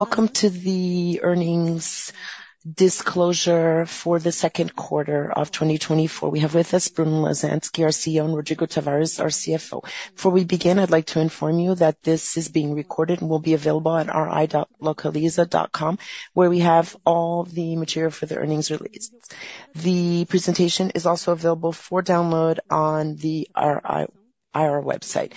Welcome to the earnings disclosure for the second quarter of 2024. We have with us Bruno Lasansky, our CEO, and Rodrigo Tavares, our CFO. Before we begin, I'd like to inform you that this is being recorded and will be available at ri.localiza.com, where we have all the material for the earnings release. The presentation is also available for download on the RI, IR website.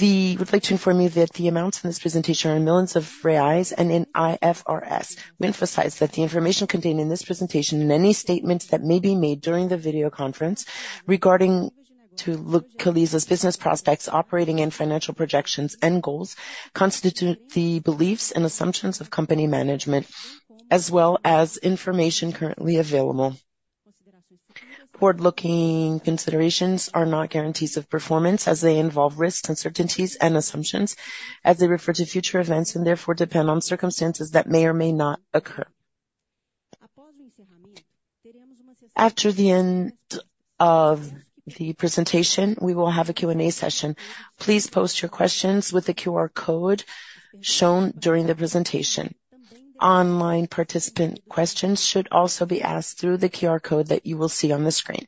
We'd like to inform you that the amounts in this presentation are in millions of BRL and in IFRS. We emphasize that the information contained in this presentation and any statements that may be made during the video conference regarding to Localiza's business prospects, operating and financial projections, end goals, constitute the beliefs and assumptions of company management, as well as information currently available. Forward-looking considerations are not guarantees of performance, as they involve risks, uncertainties, and assumptions, as they refer to future events and therefore depend on circumstances that may or may not occur. After the end of the presentation, we will have a Q&A session. Please post your questions with the QR code shown during the presentation. Online participant questions should also be asked through the QR code that you will see on the screen.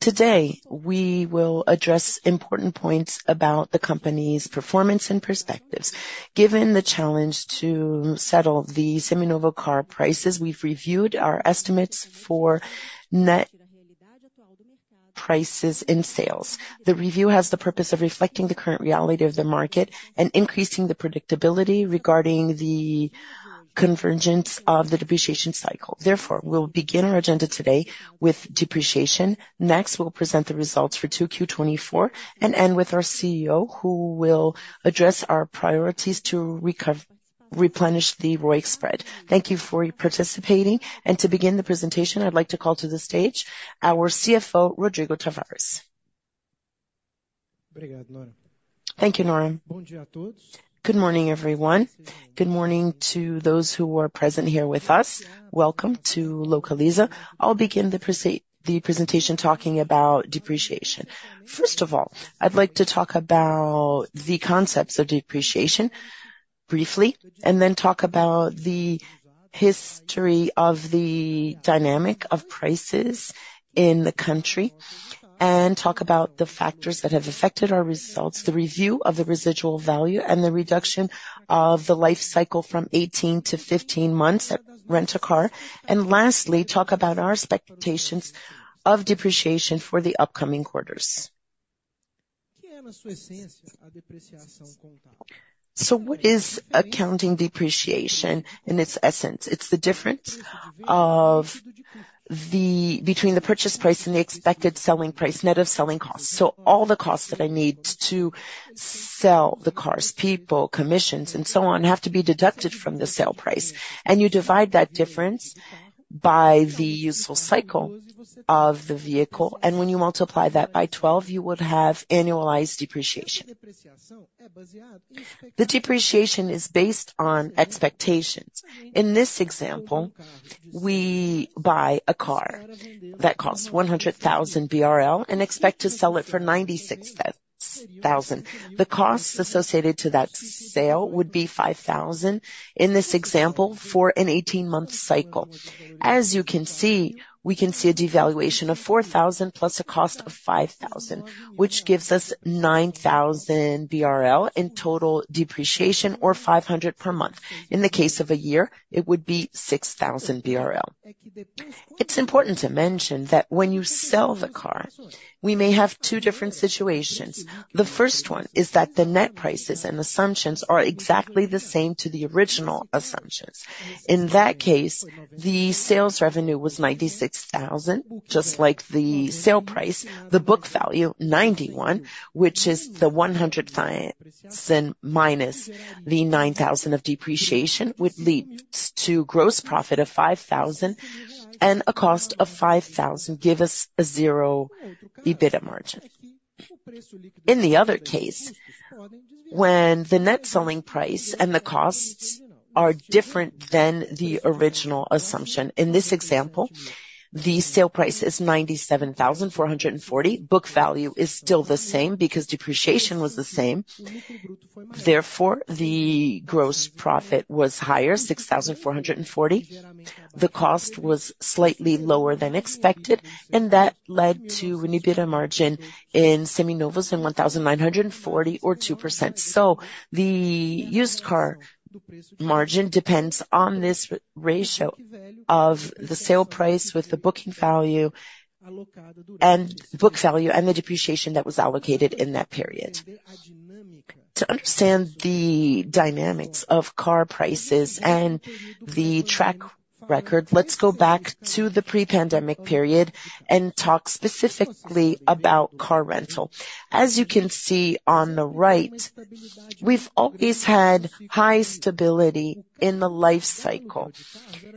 Today, we will address important points about the company's performance and perspectives. Given the challenge to settle the Seminovo car prices, we've reviewed our estimates for net prices and sales. The review has the purpose of reflecting the current reality of the market and increasing the predictability regarding the convergence of the depreciation cycle. Therefore, we'll begin our agenda today with depreciation. Next, we'll present the results for 2Q 2024, and end with our CEO, who will address our priorities to recover, replenish the ROIC spread. Thank you for participating, and to begin the presentation, I'd like to call to the stage our CFO, Rodrigo Tavares. Thank you, Nora. Good morning, everyone. Good morning to those who are present here with us. Welcome to Localiza. I'll begin the presentation talking about depreciation. First of all, I'd like to talk about the concepts of depreciation briefly, and then talk about the history of the dynamic of prices in the country, and talk about the factors that have affected our results, the review of the residual value, and the reduction of the life cycle from 18 to 15 months at Rent-a-Car. And lastly, talk about our expectations of depreciation for the upcoming quarters. So what is accounting depreciation in its essence? It's the difference between the purchase price and the expected selling price, net of selling costs. So all the costs that I need to sell the cars, people, commissions, and so on, have to be deducted from the sale price. You divide that difference by the useful cycle of the vehicle, and when you multiply that by 12, you would have annualized depreciation. The depreciation is based on expectations. In this example, we buy a car that costs 100,000 BRL and expect to sell it for 96,000 BRL. The costs associated to that sale would be 5,000 BRL, in this example, for an 18-month cycle. As you can see, we can see a devaluation of 4,000 BRL plus a cost of 5,000 BRL, which gives us 9,000 BRL in total depreciation or 500 BRL per month. In the case of a year, it would be 6,000 BRL. It's important to mention that when you sell the car, we may have two different situations. The first one is that the net prices and assumptions are exactly the same to the original assumptions. In that case, the sales revenue was 96,000 BRL, just like the sale price. The book value, 91,000 BRL, which is the 100,000 BRL minus the 9,000 BRL of depreciation, would lead to gross profit of 5,000 BRL and a cost of 5,000 BRL, give us a zero EBITDA margin. In the other case, when the net selling price and the costs are different than the original assumption, in this example, the sale price is 97,440 BRL. Book value is still the same because depreciation was the same. Therefore, the gross profit was higher, 6,440 BRL. The cost was slightly lower than expected, and that led to an EBITDA margin in Seminovos of 19.42%. So the used car margin depends on this ratio of the sale price with the book value, and the depreciation that was allocated in that period. To understand the dynamics of car prices and the track record, let's go back to the pre-pandemic period and talk specifically about car rental. As you can see on the right, we've always had high stability in the life cycle.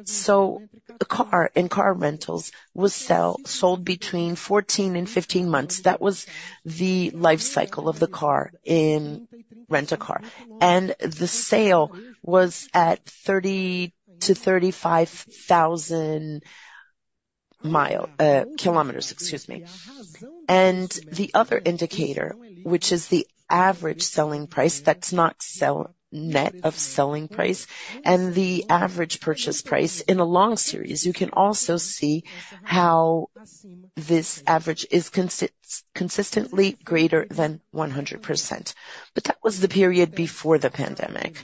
So the car in car rentals was sold between 14 and 15 months. That was the life cycle of the car in Rent-a-Car, and the sale was at 30,000-35,000 BRL, 30,000-35,000 kilometers, excuse me. The other indicator, which is the average selling price, that's the net selling price and the average purchase price. In a long series, you can also see how this average is consistently greater than 100%, but that was the period before the pandemic.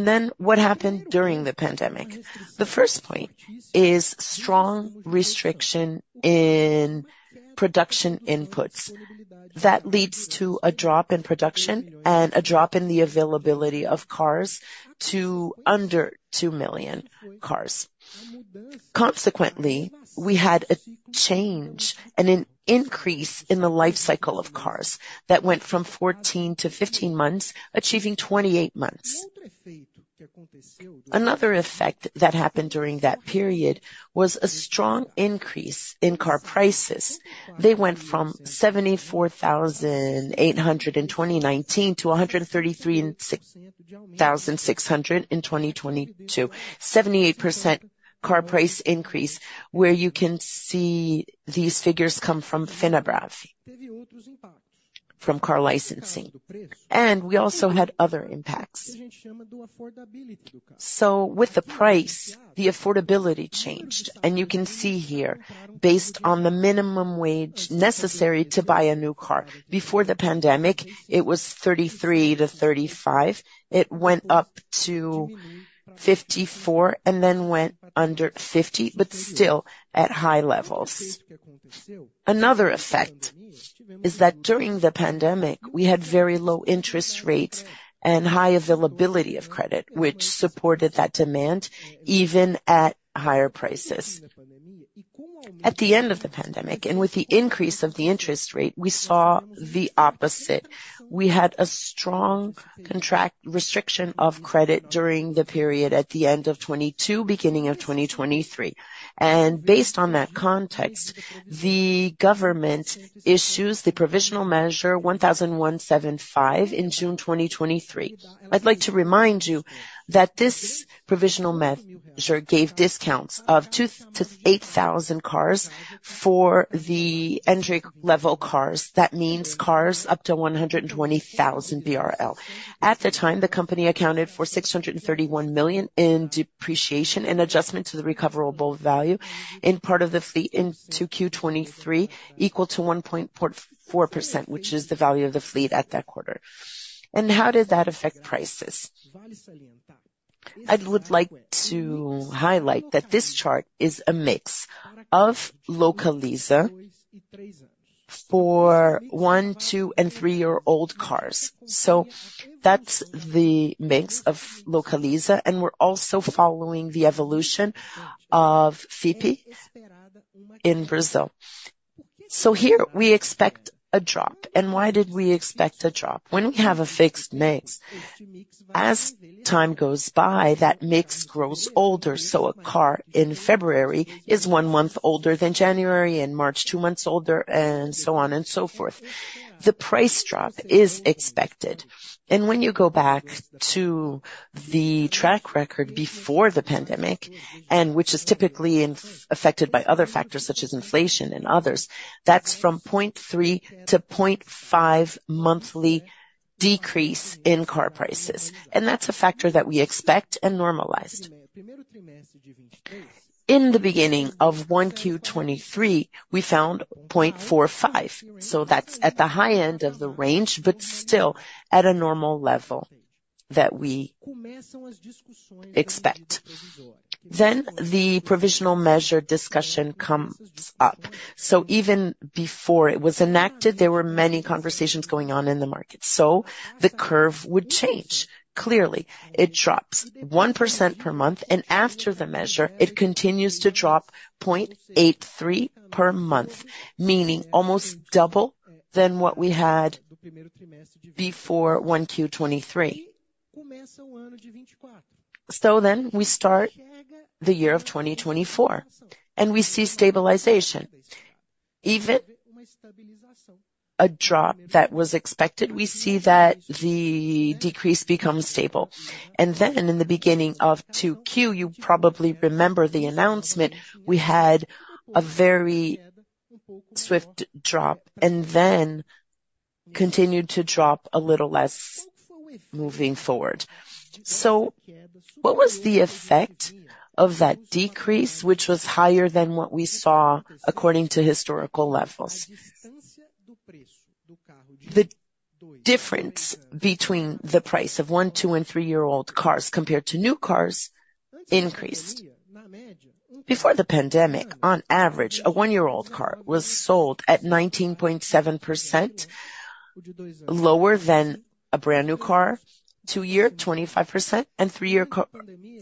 Then what happened during the pandemic? The first point is strong restriction in production inputs. That leads to a drop in production and a drop in the availability of cars to under 2 million cars. Consequently, we had a change and an increase in the life cycle of cars that went from 14 to 15 months, achieving 28 months. Another effect that happened during that period was a strong increase in car prices. They went from 74,800 in 2019 to 133,600 in 2022. 78% car price increase, where you can see these figures come from Fenabrave, from car licensing. We also had other impacts. With the price, the affordability changed, and you can see here, based on the minimum wage necessary to buy a new car. Before the pandemic, it was 33-35. It went up to 54 and then went under 50, but still at high levels. Another effect is that during the pandemic, we had very low interest rates and high availability of credit, which supported that demand even at higher prices. At the end of the pandemic, and with the increase of the interest rate, we saw the opposite. We had a strong contraction, restriction of credit during the period at the end of 2022, beginning of 2023. Based on that context, the government issues the provisional measure 1,175 in June 2023. I'd like to remind you that this provisional measure gave discounts of 2,000-8,000 cars for the entry-level cars. That means cars up to 120,000 BRL. At the time, the company accounted for 631 million in depreciation and adjustment to the recoverable value in part of the fleet in 2Q23, equal to 1.4%, which is the value of the fleet at that quarter. And how did that affect prices? I would like to highlight that this chart is a mix of Localiza for one-, two-, and three-year-old cars. So that's the mix of Localiza, and we're also following the evolution of Fipe in Brazil. So here we expect a drop. And why did we expect a drop? When we have a fixed mix, as time goes by, that mix grows older, so a car in February is one month older than January, in March, two months older, and so on and so forth. The price drop is expected, and when you go back to the track record before the pandemic, and which is typically in, affected by other factors such as inflation and others, that's from 0.3 to 0.5 monthly decrease in car prices, and that's a factor that we expect and normalized. In the beginning of 1Q23, we found 0.45, so that's at the high end of the range, but still at a normal level that we expect. Then the provisional measure discussion comes up. So even before it was enacted, there were many conversations going on in the market. So the curve would change. Clearly, it drops 1% per month, and after the measure, it continues to drop 0.83% per month, meaning almost double than what we had before 1Q23. So then we start the year of 2024, and we see stabilization. Even a drop that was expected, we see that the decrease becomes stable. And then in the beginning of 2Q, you probably remember the announcement, we had a very swift drop and then continued to drop a little less moving forward. So what was the effect of that decrease, which was higher than what we saw according to historical levels? The difference between the price of 1-, 2-, and 3-year-old cars compared to new cars increased. Before the pandemic, on average, a 1-year-old car was sold at 19.7% lower than a brand-new car, 2-year, 25% and 3-year car,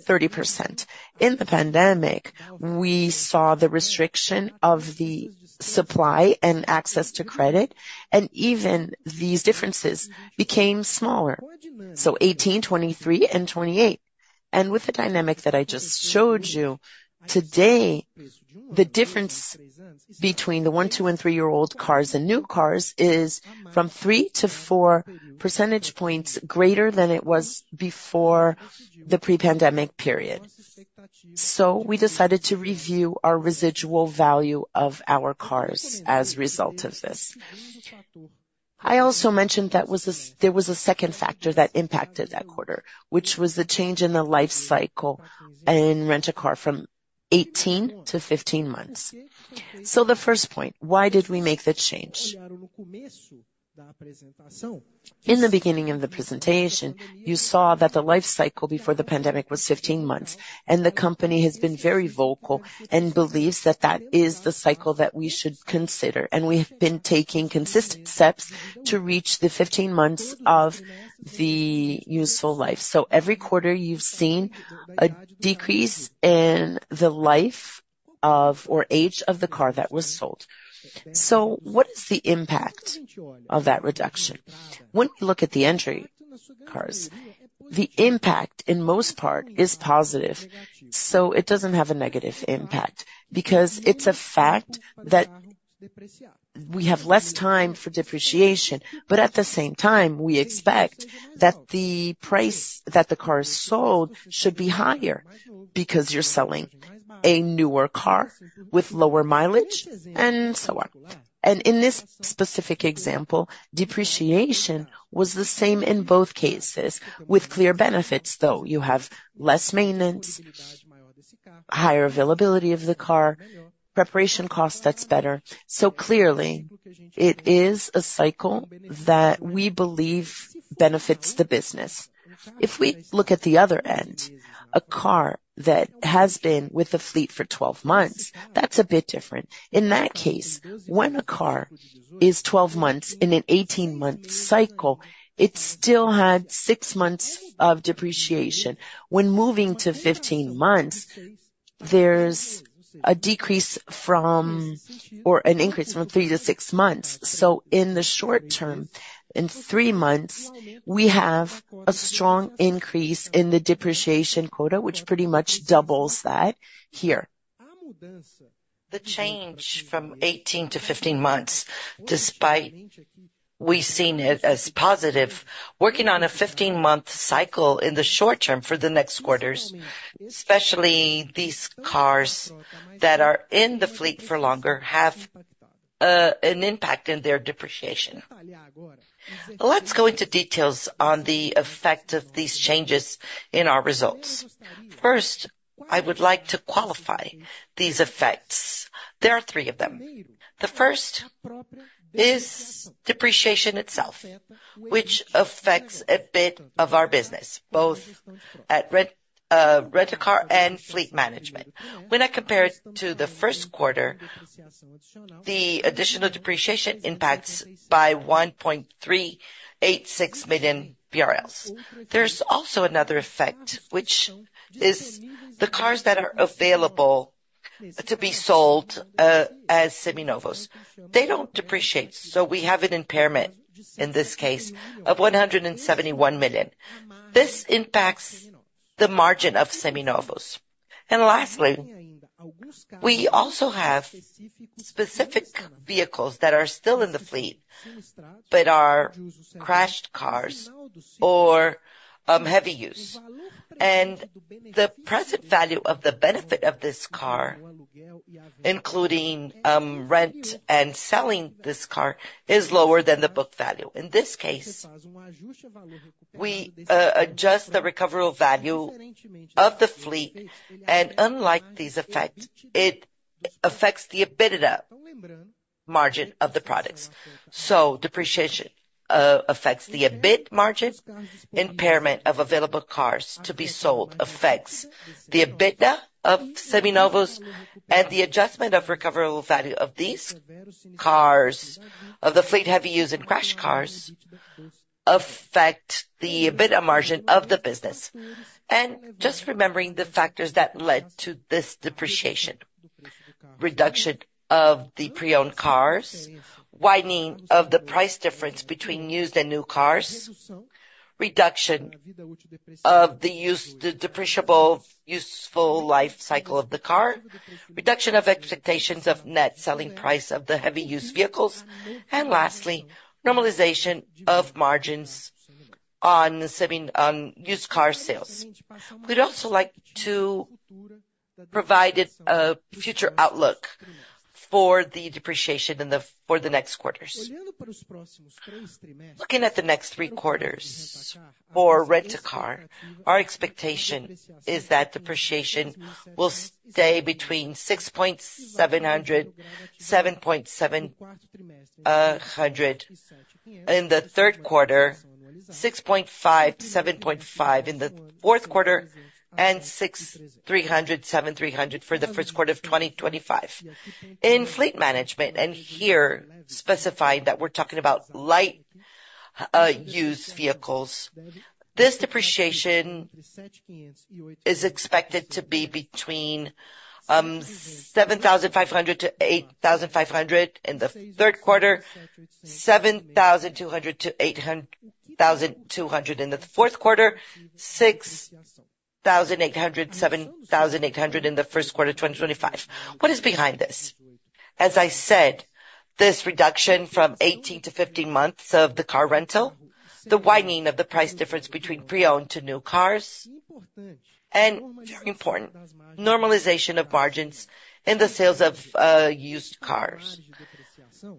30%. In the pandemic, we saw the restriction of the supply and access to credit, and even these differences became smaller, so 18, 23, and 28. And with the dynamic that I just showed you, today, the difference between the 1-, 2-, and 3-year-old cars and new cars is from 3-4 percentage points greater than it was before the pre-pandemic period. So we decided to review our residual value of our cars as a result of this.... I also mentioned that was a second factor that impacted that quarter, which was the change in the life cycle in Rent-a-Car from 18 to 15 months. So the first point, why did we make the change? In the beginning of the presentation, you saw that the life cycle before the pandemic was 15 months, and the company has been very vocal and believes that that is the cycle that we should consider. And we have been taking consistent steps to reach the 15 months of the useful life. So every quarter you've seen a decrease in the life of or age of the car that was sold. So what is the impact of that reduction? When we look at the entry cars, the impact, in most part, is positive. So it doesn't have a negative impact, because it's a fact that we have less time for depreciation, but at the same time, we expect that the price that the car is sold should be higher, because you're selling a newer car with lower mileage and so on. And in this specific example, depreciation was the same in both cases, with clear benefits, though. You have less maintenance, higher availability of the car, preparation cost that's better. So clearly, it is a cycle that we believe benefits the business. If we look at the other end, a car that has been with the fleet for 12 months, that's a bit different. In that case, when a car is 12 months in an 18-month cycle, it still had 6 months of depreciation. When moving to 15 months, there's a decrease from-- or an increase from 3 to 6 months. In the short term, in 3 months, we have a strong increase in the depreciation quota, which pretty much doubles that here. The change from 18 to 15 months, despite we've seen it as positive, working on a 15-month cycle in the short term for the next quarters, especially these cars that are in the fleet for longer, have an impact in their depreciation. Let's go into details on the effect of these changes in our results. First, I would like to qualify these effects. There are three of them. The first is depreciation itself, which affects a bit of our business, both at Rent-a-Car and Fleet Management. When I compare it to the first quarter, the additional depreciation impacts by 1.386 million BRL. There's also another effect, which is the cars that are available to be sold as Seminovos. They don't depreciate, so we have an impairment, in this case, of 171 million. This impacts the margin of Seminovos. And lastly, we also have specific vehicles that are still in the fleet, but are crashed cars or heavy use. And the present value of the benefit of this car, including rent and selling this car, is lower than the book value. In this case, we adjust the recoverable value of the fleet, and unlike these effect, it affects the EBITDA margin of the products. So depreciation affects the EBIT margin, impairment of available cars to be sold affects the EBITDA of Seminovos, and the adjustment of recoverable value of these cars, of the fleet, heavy used and crashed cars, affect the EBITDA margin of the business. Just remembering the factors that led to this depreciation: reduction of the pre-owned cars, widening of the price difference between used and new cars, reduction of the use- the depreciable useful life cycle of the car, reduction of expectations of net selling price of the heavy-used vehicles, and lastly, normalization of margins on the semi-- on used car sales. We'd also like to provide a future outlook for the depreciation in the-- for the next quarters. Looking at the next three quarters for Rent-a-Car, our expectation is that depreciation will stay between 670-770 in the third quarter, 650-750 in the fourth quarter, and 630-730 for the first quarter of 2025. In Fleet Management, and here, specifying that we're talking about light, used vehicles, this depreciation is expected to be between seven thousand five hundred to eight thousand five hundred in the third quarter, seven thousand two hundred to eight thousand two hundred in the fourth quarter, six thousand eight hundred, seven thousand eight hundred in the first quarter of 2025. What is behind this? As I said, this reduction from eighteen to fifteen months of the car rental, the widening of the price difference between pre-owned to new cars... and very important, normalization of margins in the sales of used cars.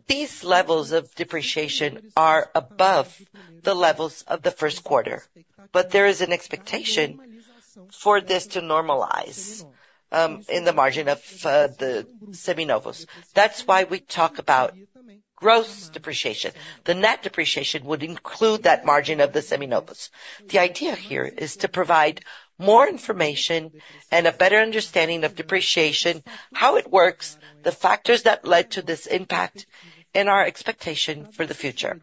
These levels of depreciation are above the levels of the first quarter, but there is an expectation for this to normalize in the margin of the Seminovos. That's why we talk about gross depreciation. The net depreciation would include that margin of the Seminovos. The idea here is to provide more information and a better understanding of depreciation, how it works, the factors that led to this impact, and our expectation for the future.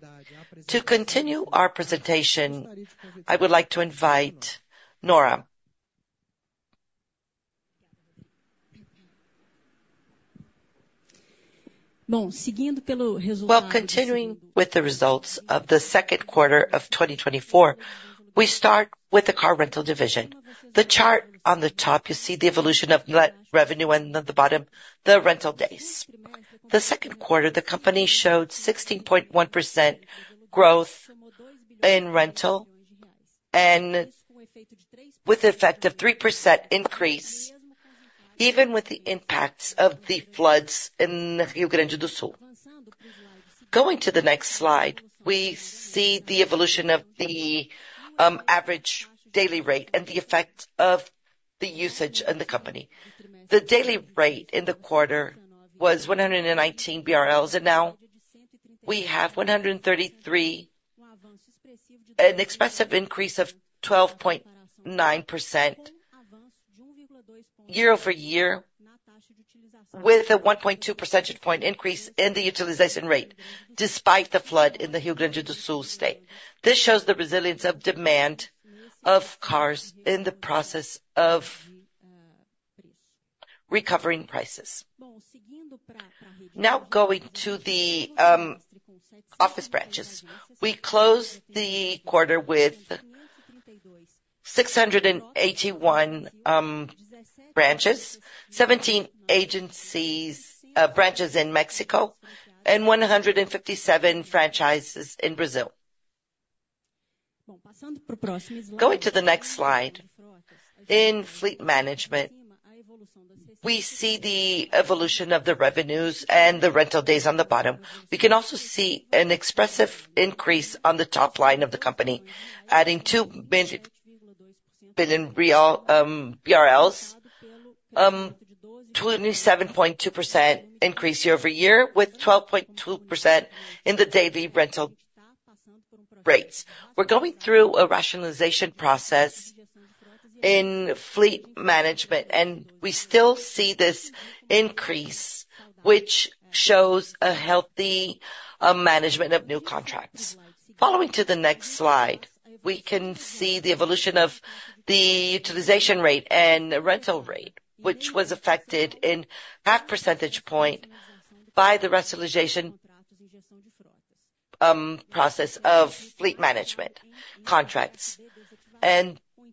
To continue our presentation, I would like to invite Nora. Well, continuing with the results of the second quarter of 2024, we start with the car rental division. The chart on the top, you see the evolution of net revenue, and at the bottom, the rental days. The second quarter, the company showed 16.1% growth in rental and with the effect of 3% increase, even with the impacts of the floods in Rio Grande do Sul. Going to the next slide, we see the evolution of the average daily rate and the effect of the usage in the company. The daily rate in the quarter was 119 BRL, and now we have 133, an expressive increase of 12.9% year-over-year, with a 1.2 percentage point increase in the utilization rate, despite the flood in the Rio Grande do Sul state. This shows the resilience of demand of cars in the process of recovering prices. Now, going to the office branches. We closed the quarter with 681 branches, 17 agencies branches in Mexico, and 157 franchises in Brazil. Going to the next slide. In Fleet Management, we see the evolution of the revenues and the rental days on the bottom. We can also see an expressive increase on the top line of the company, adding 2 billion to a new 7.2% increase year-over-year, with 12.2% in the daily rental rates. We're going through a rationalization process in Fleet Management, and we still see this increase, which shows a healthy management of new contracts. Following to the next slide, we can see the evolution of the utilization rate and the rental rate, which was affected in half percentage point by the rationalization process of Fleet Management contracts.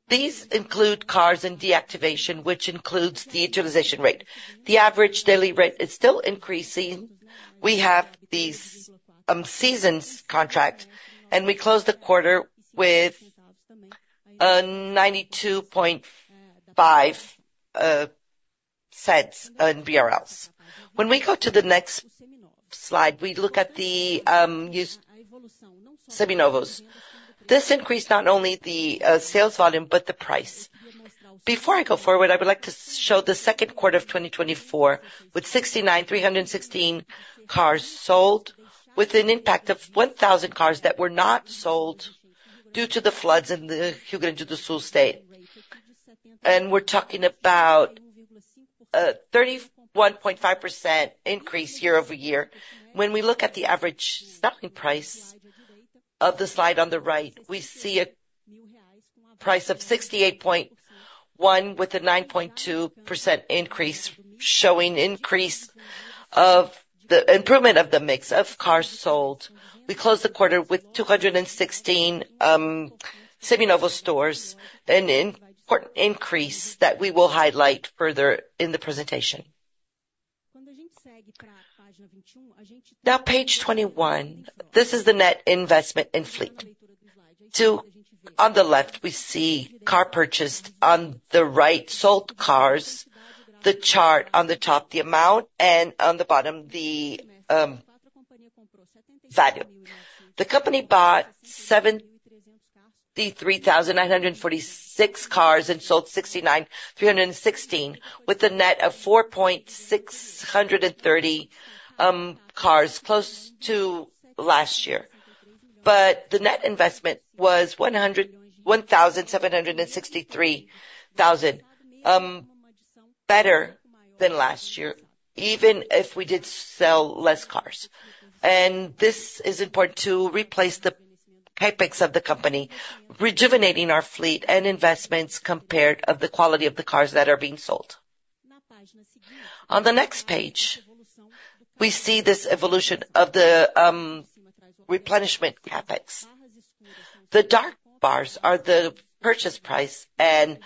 These include cars and deactivation, which includes the utilization rate. The average daily rate is still increasing. We have these seasons contract, and we closed the quarter with a 0.925. When we go to the next slide, we look at the used Seminovos. This increased not only the sales volume, but the price. Before I go forward, I would like to show the second quarter of 2024, with 69,316 cars sold, with an impact of 1,000 cars that were not sold due to the floods in the Rio Grande do Sul state. We're talking about a 31.5% increase year-over-year. When we look at the average selling price of the slide on the right, we see a price of 68.1, with a 9.2% increase, showing increase of the improvement of the mix of cars sold. We closed the quarter with 216 Seminovos stores, an important increase that we will highlight further in the presentation. Now, page 21, this is the net investment in fleet. So on the left, we see car purchased, on the right, sold cars. The chart on the top, the amount, and on the bottom, the value. The company bought 73,946 cars and sold 69,316, with a net of 4,630 cars, close to last year. But the net investment was 101,763 thousand, better than last year, even if we did sell less cars. And this is important to replace the CapEx of the company, rejuvenating our fleet and investments compared of the quality of the cars that are being sold. On the next page, we see this evolution of the replenishment CapEx. The dark bars are the purchase price, and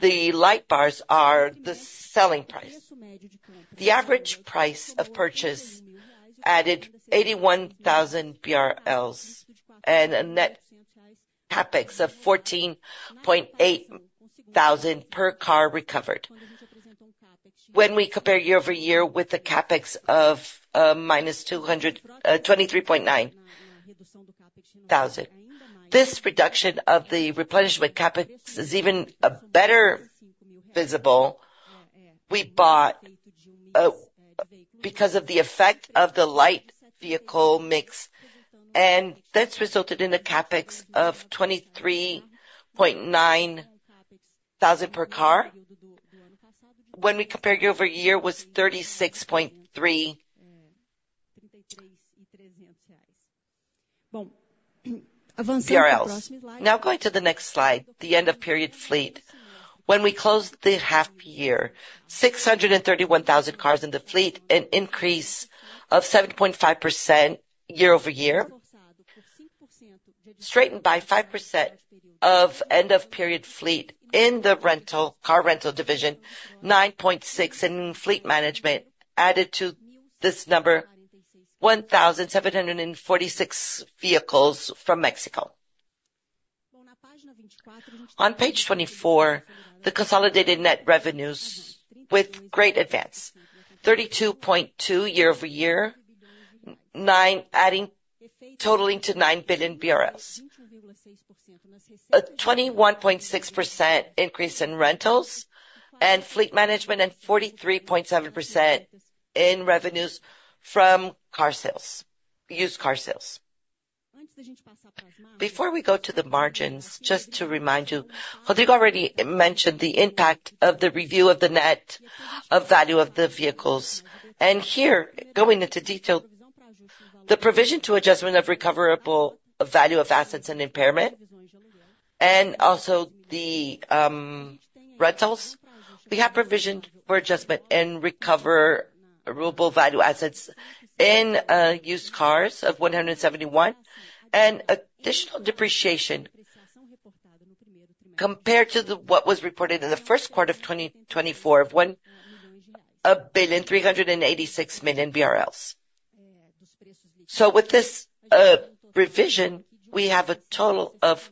the light bars are the selling price. The average price of purchase added 81,000 and a net CapEx of 14,800 per car recovered.... When we compare year-over-year with the CapEx of minus 223,900. This reduction of the replenishment CapEx is even better visible. We bought because of the effect of the light vehicle mix, and that's resulted in a CapEx of 23,900 per car. When we compare year-over-year, was 36.3. Now going to the next slide, the end of period fleet. When we closed the half year, 631,000 cars in the fleet, an increase of 7.5% year-over-year, strengthened by 5% end-of-period fleet in the rental, car rental division, 9.6% in Fleet Management, added to this number 1,746 vehicles from Mexico. On page 24, the consolidated net revenues with great advance, 32.2% year-over-year, totaling to 9 billion BRL. A 21.6% increase in rentals and Fleet Management, and 43.7% in revenues from car sales, used car sales. Before we go to the margins, just to remind you, Rodrigo already mentioned the impact of the review of the net of value of the vehicles. Here, going into detail, the provision to adjustment of recoverable value of assets and impairment, and also the rentals, we have provisioned for adjustment and recoverable value assets in used cars of 171 million, and additional depreciation compared to what was reported in the first quarter of 2024 of 1,386 million BRL. So with this revision, we have a total of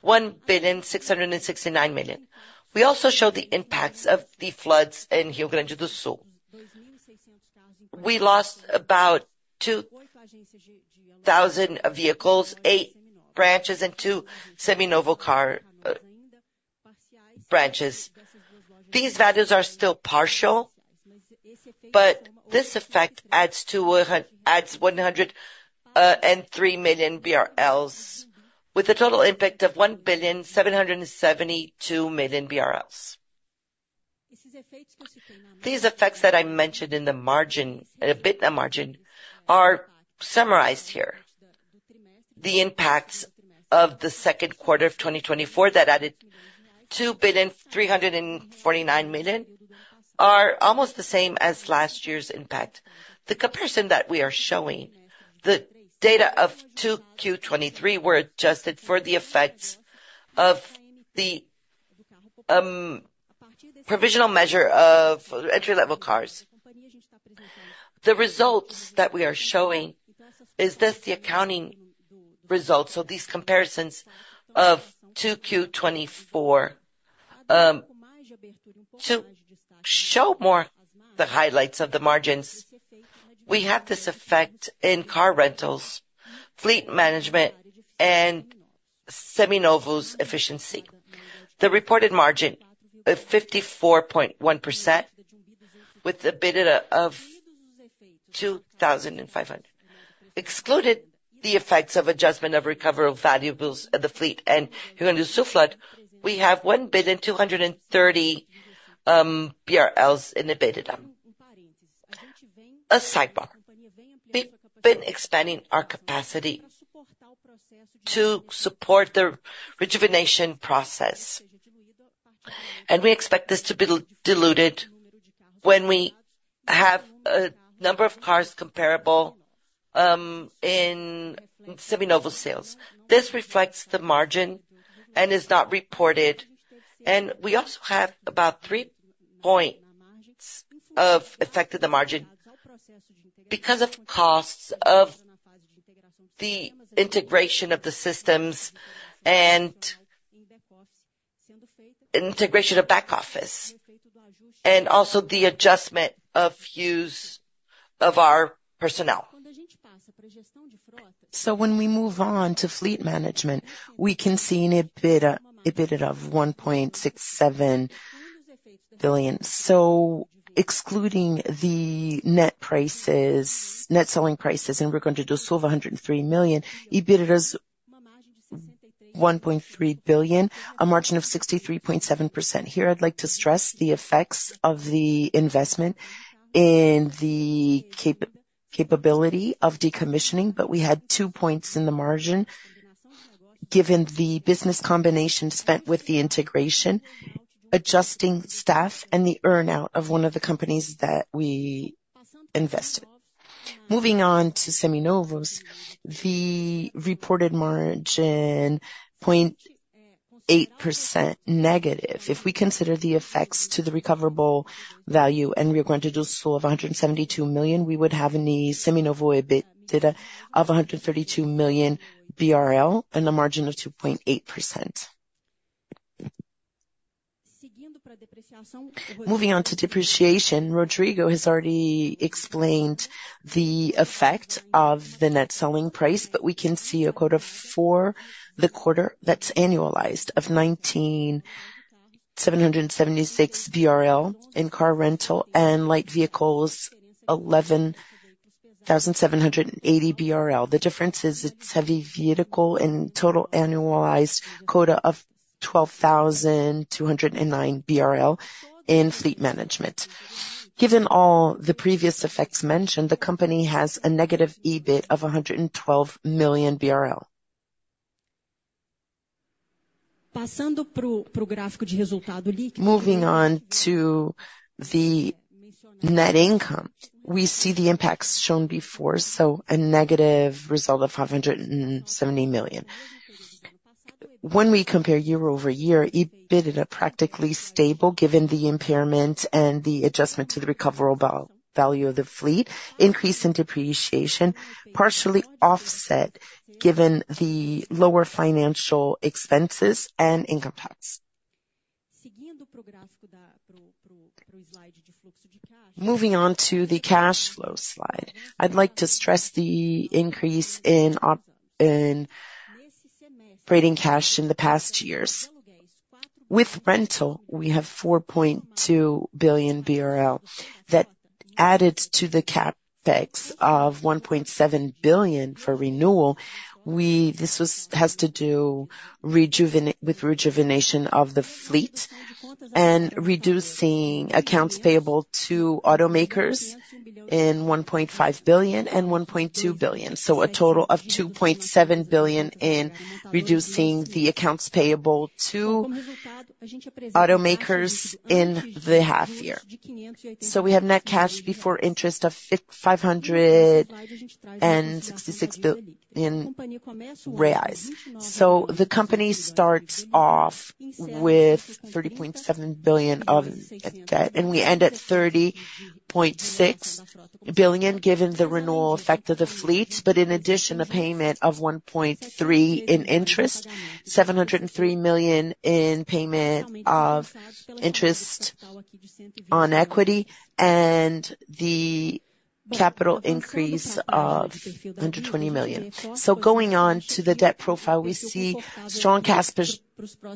1,669 million. We also show the impacts of the floods in Rio Grande do Sul. We lost about 2,000 vehicles, 8 branches and 2 Seminovos car branches. These values are still partial, but this effect adds 103 million BRL, with a total impact of 1,772 million BRL. These effects that I mentioned in the margin, EBITDA margin, are summarized here. The impacts of the second quarter of 2024 that added 2.349 billion are almost the same as last year's impact. The comparison that we are showing, the data of 2Q 2023 were adjusted for the effects of the provisional measure of entry-level cars. The results that we are showing is this, the accounting results of these comparisons of 2Q 2024. To show more the highlights of the margins, we have this effect in car rentals, Fleet Management, and Seminovos' efficiency. The reported margin of 54.1%, with EBITDA of 2,500. Excluded the effects of adjustment of recoverable value of the fleet and Rio Grande do Sul flood, we have BRL 1.23 billion in EBITDA. a sidebar, we've been expanding our capacity to support the rejuvenation process, and we expect this to be diluted when we have a number of cars comparable in Seminovos sales. This reflects the margin and is not reported, and we also have about three points of effect to the margin because of costs of the integration of the systems and integration of back office, and also the adjustment of use of our personnel. So when we move on to Fleet Management, we can see an EBITDA of 1.67 billion. So excluding the net prices, net selling prices in Rio Grande do Sul of 103 million, EBITDA is 1.3 billion, a margin of 63.7%. Here, I'd like to stress the effects of the investment in the capacity of decommissioning, but we had 2 points in the margin given the business combination expenses with the integration, adjusting staff and the earn-out of one of the companies that we invested. Moving on to Seminovos, the reported margin -0.8%. If we consider the effects to the recoverable value in Rio Grande do Sul of 172 million, we would have in the Seminovos EBITDA of 132 million BRL and a margin of 2.8%. ...Moving on to depreciation, Rodrigo has already explained the effect of the net selling price, but we can see a quota for the quarter that's annualized of 1,976 BRL in car rental and light vehicles, 11,780 BRL. The difference is it's heavy vehicle and total annualized quota of 12,209 BRL in Fleet Management. Given all the previous effects mentioned, the company has a negative EBIT of BRL 112 million. Moving on to the net income, we see the impacts shown before, so a negative result of 570 million. When we compare year-over-year, EBIT are practically stable, given the impairment and the adjustment to the recoverable value of the fleet. Increase in depreciation, partially offset, given the lower financial expenses and income tax. Moving on to the cash flow slide, I'd like to stress the increase in operating cash in the past years. With rental, we have 4.2 billion BRL, that added to the CapEx of 1.7 billion for renewal, this has to do with rejuvenation of the fleet and reducing accounts payable to automakers in 1.5 billion and 1.2 billion. So a total of 2.7 billion in reducing the accounts payable to automakers in the half year. So we have net cash before interest of 566 million reais. So the company starts off with 30.7 billion of debt, and we end at 30.6 billion, given the renewal effect of the fleets, but in addition, a payment of 1.3 billion in interest, 703 million in payment of interest on equity, and the capital increase of 120 million. So going on to the debt profile, we see strong cash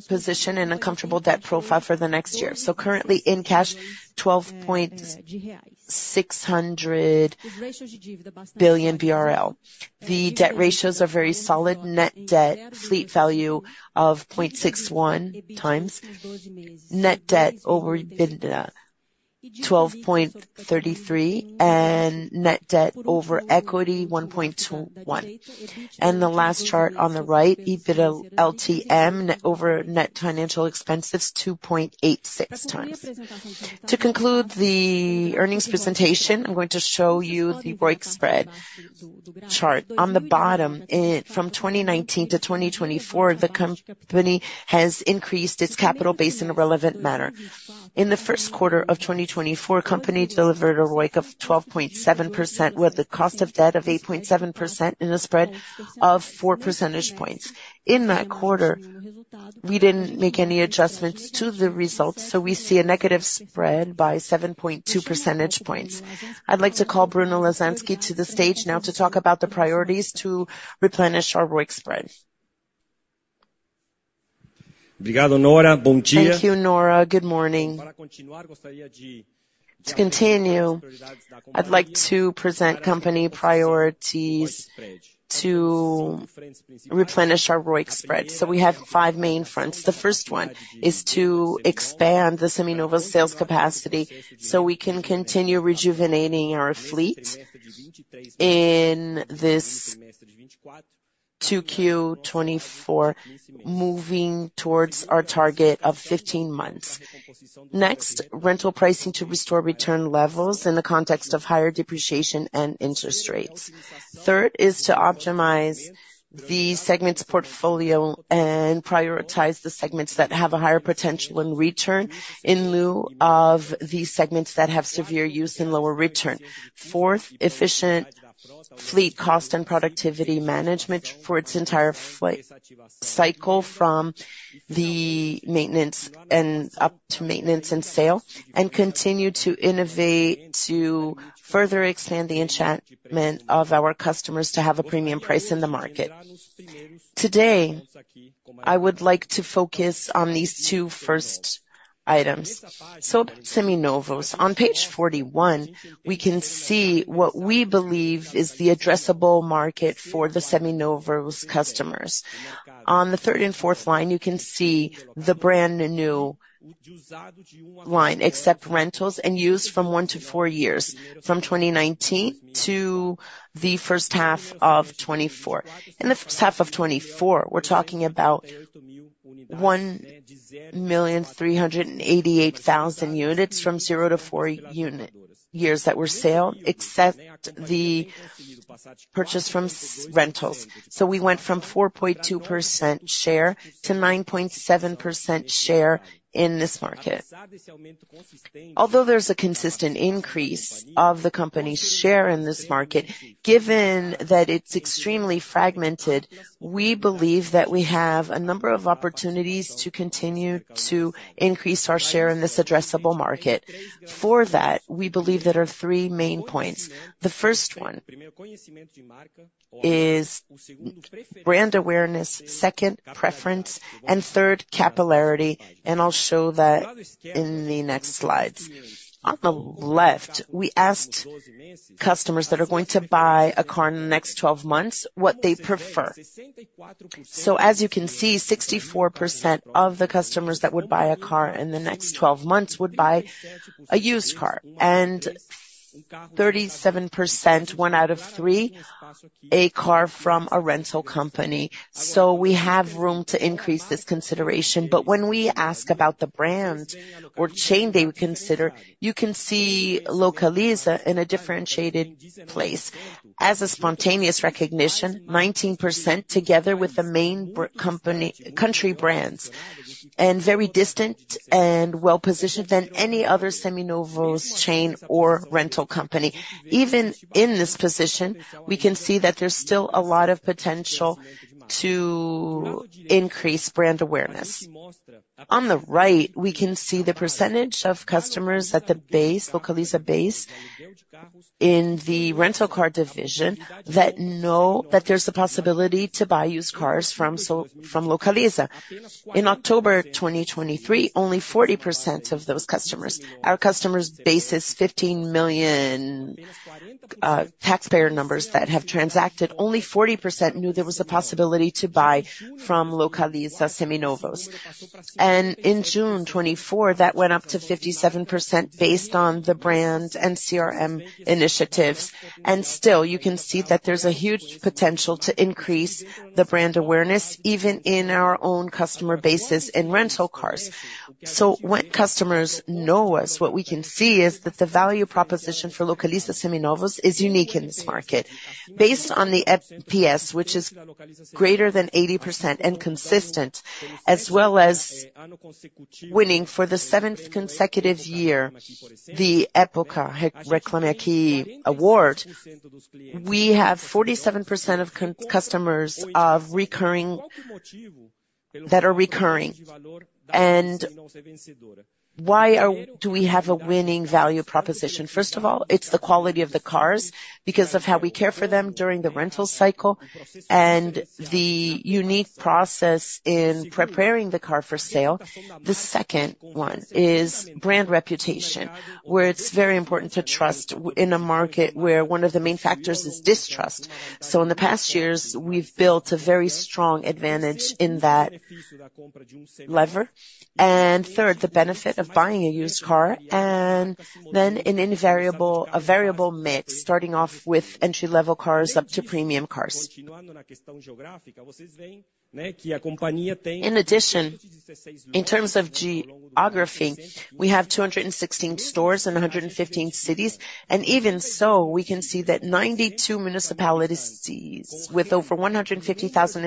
position and a comfortable debt profile for the next year. So currently in cash, 12.6 billion BRL. The debt ratios are very solid. Net debt, fleet value of 0.61x. Net debt over EBITDA, 12.33, and net debt over equity, 1.21. And the last chart on the right, EBITDA LTM over net financial expenses, 2.86x. To conclude the earnings presentation, I'm going to show you the ROIC spread chart. On the bottom, from 2019 to 2024, the company has increased its capital base in a relevant manner. In the first quarter of 2024, company delivered a ROIC of 12.7%, with a cost of debt of 8.7% and a spread of 4 percentage points. In that quarter, we didn't make any adjustments to the results, so we see a negative spread by 7.2 percentage points. I'd like to call Bruno Lasansky to the stage now to talk about the priorities to replenish our ROIC spread. Thank you, Nora. Good morning. To continue, I'd like to present company priorities to replenish our ROIC spread. So we have five main fronts. The first one is to expand the Seminovos sales capacity, so we can continue rejuvenating our fleet in this 2Q 2024, moving towards our target of fifteen months. Next, rental pricing to restore return levels in the context of higher depreciation and interest rates. Third is to optimize the segments portfolio and prioritize the segments that have a higher potential in return, in lieu of the segments that have severe use and lower return. Fourth, efficient fleet cost and productivity management for its entire fleet cycle from the maintenance and up to maintenance and sale, and continue to innovate to further expand the engagement of our customers to have a premium price in the market. Today, I would like to focus on these two first items. So Seminovos. On page 41, we can see what we believe is the addressable market for the Seminovos customers. On the third and fourth line, you can see the brand new line, ex-rentals and used from one to four years, from 2019 to the first half of 2024. In the first half of 2024, we're talking about 1,388,000 units from zero to four unit years that were sold, except the purchases from short rentals. So we went from 4.2% share to 9.7% share in this market. Although there's a consistent increase of the company's share in this market, given that it's extremely fragmented, we believe that we have a number of opportunities to continue to increase our share in this addressable market. For that, we believe there are three main points. The first one is brand awareness, second, preference, and third, capillarity, and I'll show that in the next slides. On the left, we asked customers that are going to buy a car in the next 12 months, what they prefer. So as you can see, 64% of the customers that would buy a car in the next 12 months would buy a used car, and 37%, one out of three, a car from a rental company. So we have room to increase this consideration. But when we ask about the brand or chain they would consider, you can see Localiza in a differentiated place. As a spontaneous recognition, 19%, together with the main brand company country brands, and very distant and well-positioned than any other Seminovos chain or rental company. Even in this position, we can see that there's still a lot of potential to increase brand awareness. On the right, we can see the percentage of customers at the base, Localiza base, in the rental car division, that know that there's a possibility to buy used cars from Localiza. In October 2023, only 40% of those customers... Our customer base is 15 million taxpayer numbers that have transacted. Only 40% knew there was a possibility to buy from Localiza Seminovos. In June 2024, that went up to 57%, based on the brand and CRM initiatives. Still, you can see that there's a huge potential to increase the brand awareness, even in our own customer bases in rental cars. When customers know us, what we can see is that the value proposition for Localiza Seminovos is unique in this market. Based on the NPS, which is greater than 80% and consistent, as well as winning for the seventh consecutive year, the Época Reclame AQUI award, we have 47% of customers that are recurring. And why do we have a winning value proposition? First of all, it's the quality of the cars, because of how we care for them during the rental cycle, and the unique process in preparing the car for sale. The second one is brand reputation, where it's very important to trust in a market where one of the main factors is distrust. So in the past years, we've built a very strong advantage in that lever. And third, the benefit of buying a used car, and then a variable mix, starting off with entry-level cars up to premium cars. In addition, in terms of geography, we have 216 stores in 115 cities, and even so, we can see that 92 municipalities with over 150,000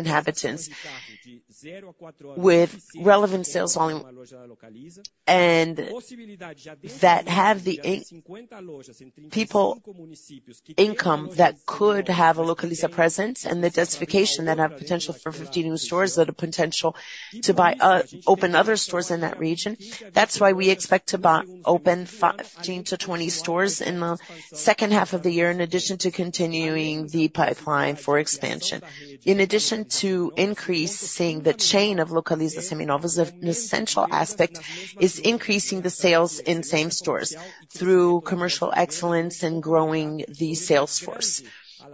inhabitants, with relevant sales only, and that have the per capita income that could have a Localiza presence and the densification that have potential for 15 new stores, that have potential to open other stores in that region. That's why we expect to open 15-20 stores in the second half of the year, in addition to continuing the pipeline for expansion. In addition to increasing the chain of Localiza Seminovos, an essential aspect is increasing the sales in same stores through commercial excellence and growing the sales force.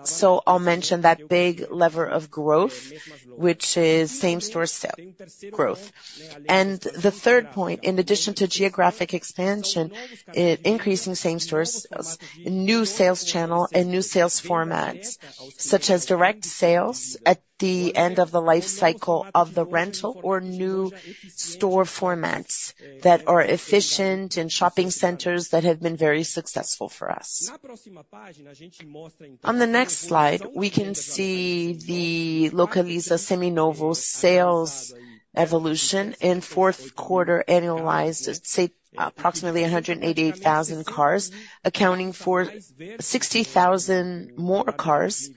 So I'll mention that big lever of growth, which is same store sales growth. The third point, in addition to geographic expansion, increasing same stores, new sales channel and new sales formats, such as direct sales at the end of the life cycle of the rental or new store formats that are efficient in shopping centers that have been very successful for us. On the next slide, we can see the Localiza Seminovos sales evolution in fourth quarter, annualized at, say, approximately 188,000 cars, accounting for 60,000 more cars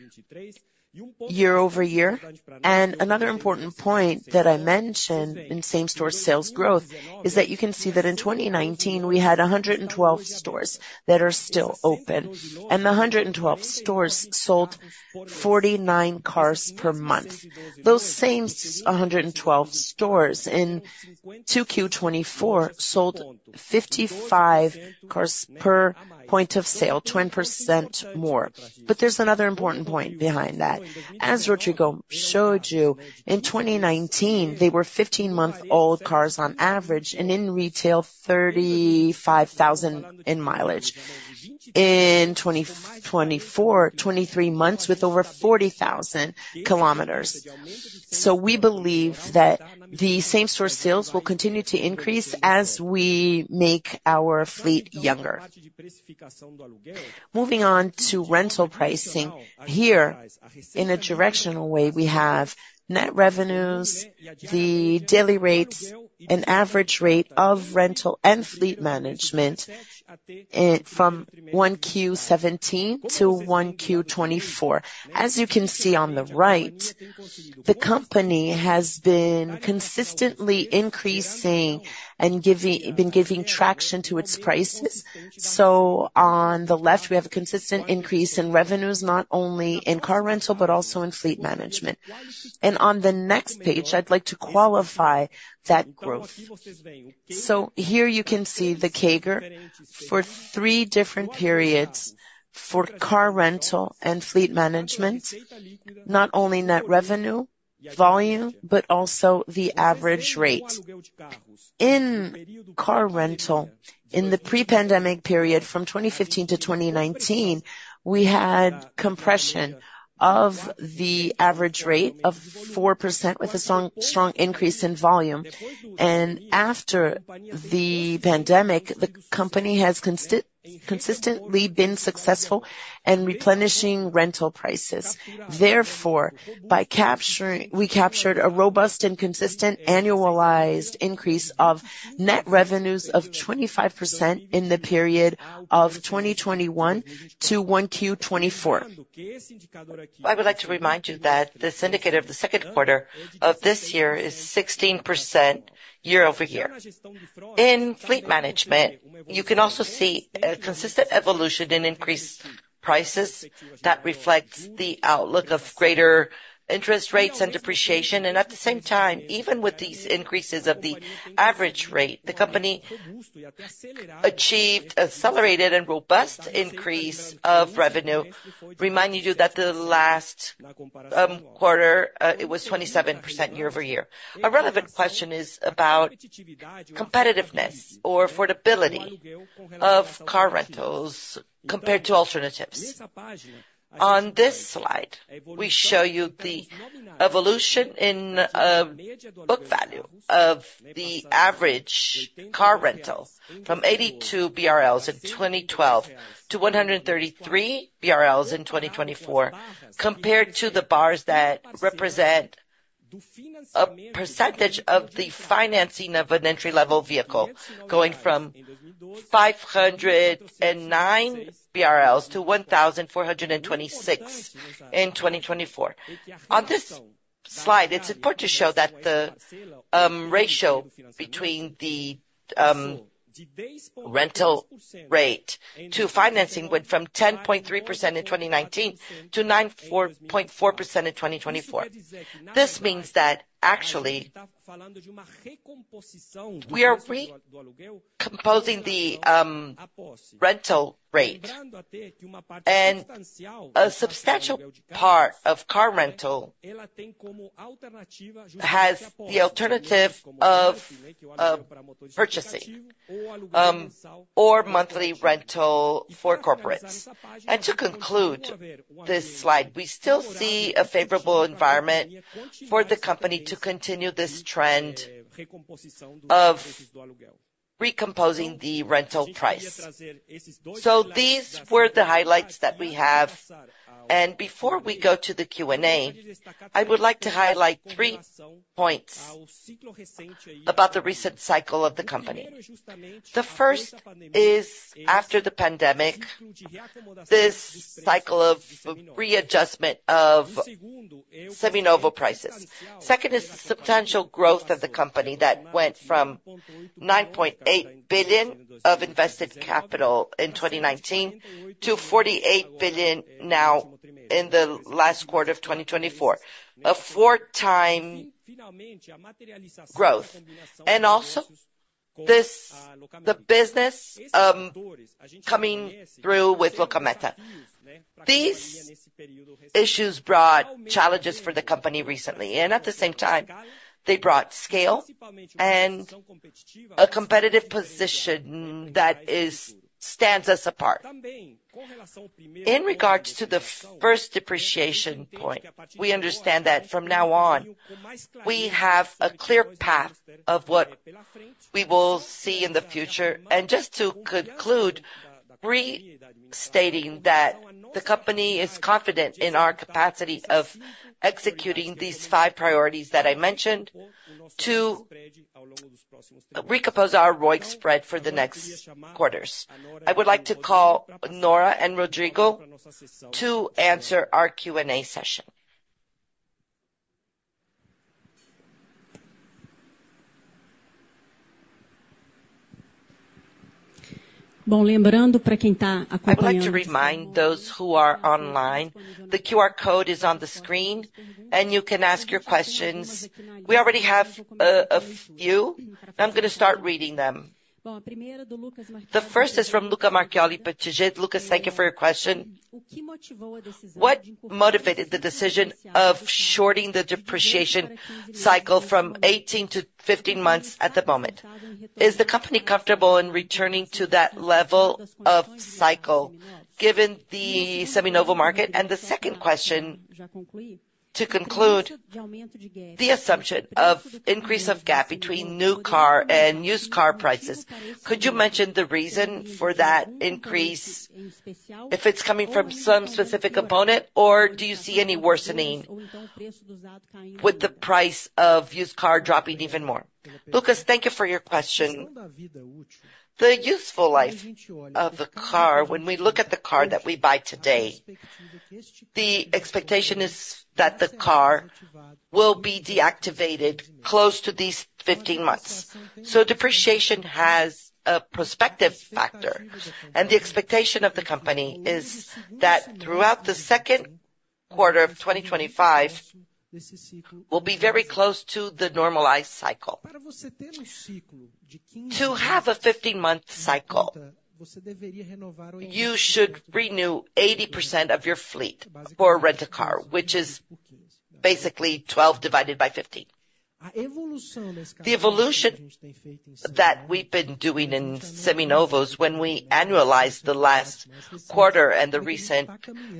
year-over-year. And another important point that I mentioned in same store sales growth is that you can see that in 2019, we had 112 stores that are still open, and the 112 stores sold 49 cars per month. Those same 112 stores in 2Q-2024 sold 55 cars per point of sale, 20% more. But there's another important point behind that. As Rodrigo showed you, in 2019, they were 15-month-old cars on average, and in retail, 35,000 in mileage. In 24, 23 months with over 40,000 kilometers. So we believe that the same store sales will continue to increase as we make our fleet younger. Moving on to rental pricing, here, in a directional way, we have net revenues, the daily rates, and average rate of rental and fleet management from 1Q17 to 1Q24. As you can see on the right, the company has been consistently increasing and been giving traction to its prices. So on the left, we have a consistent increase in revenues, not only in car rental, but also in fleet management. And on the next page, I'd like to qualify that growth. So here you can see the CAGR for 3 different periods for car rental and fleet management, not only net revenue, volume, but also the average rate. In car rental, in the pre-pandemic period from 2015 to 2019, we had compression of the average rate of 4% with a strong, strong increase in volume. And after the pandemic, the company has consistently been successful in replenishing rental prices. Therefore, we captured a robust and consistent annualized increase of net revenues of 25% in the period of 2021 to 1Q 2024. I would like to remind you that this indicator of the second quarter of this year is 16% year-over-year. In Fleet Management, you can also see a consistent evolution in increased prices that reflects the outlook of greater interest rates and depreciation. And at the same time, even with these increases of the average rate, the company achieved accelerated and robust increase of revenue, reminding you that the last quarter it was 27% year-over-year. A relevant question is about competitiveness or affordability of car rentals compared to alternatives. On this slide, we show you the evolution in book value of the average car rental from 82 BRL in 2012 to 133 BRL in 2024, compared to the bars that represent a percentage of the financing of an entry-level vehicle, going from 509 BRL to 1,426 in 2024. On this slide, it's important to show that the ratio between the rental rate to financing went from 10.3% in 2019 to 9.4% in 2024. This means that actually, we are recomposing the rental rate, and a substantial part of car rental has the alternative of purchasing or monthly rental for corporates. To conclude this slide, we still see a favorable environment for the company to continue this trend of recomposing the rental price. So these were the highlights that we have, and before we go to the Q&A, I would like to highlight three points about the recent cycle of the company. The first is, after the pandemic, this cycle of readjustment of seminovo prices. Second is the substantial growth of the company that went from 9.8 billion of invested capital in 2019 to 48 billion now in the last quarter of 2024, a 4x growth. And also, this the business coming through with Locamerica. These issues brought challenges for the company recently, and at the same time, they brought scale and a competitive position that stands us apart. In regards to the first depreciation point, we understand that from now on, we have a clear path of what we will see in the future. Just to conclude, restating that the company is confident in our capacity of executing these five priorities that I mentioned to recompose our ROIC spread for the next quarters. I would like to call Nora and Rodrigo to answer our Q&A session. I'd like to remind those who are online, the QR code is on the screen, and you can ask your questions. We already have a few, and I'm gonna start reading them. The first is from Luca Marchioli, Nau Securities. Luca, thank you for your question. What motivated the decision of shorting the depreciation cycle from 18 to 15 months at the moment? Is the company comfortable in returning to that level of cycle, given the seminovo market? And the second question, to conclude, the assumption of increase of gap between new car and used car prices, could you mention the reason for that increase, if it's coming from some specific component, or do you see any worsening with the price of used car dropping even more? Lucas, thank you for your question. The useful life of the car, when we look at the car that we buy today, the expectation is that the car will be deactivated close to these 15 months. So depreciation has a prospective factor, and the expectation of the company is that throughout the second quarter of 2025, will be very close to the normalized cycle. To have a 15-month cycle, you should renew 80% of your fleet for rent-a-car, which is basically 12 divided by 15. The evolution that we've been doing in Seminovos, when we annualize the last quarter and the recent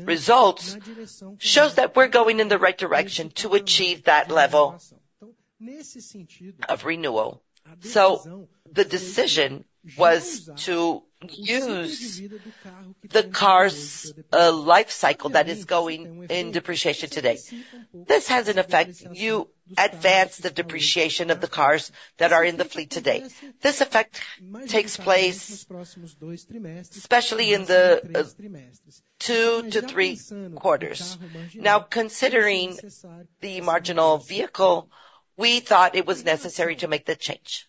results, shows that we're going in the right direction to achieve that level of renewal. So the decision was to use the car's life cycle that is going in depreciation today. This has an effect. You advance the depreciation of the cars that are in the fleet today. This effect takes place especially in the two to three quarters. Now, considering the marginal vehicle, we thought it was necessary to make the change.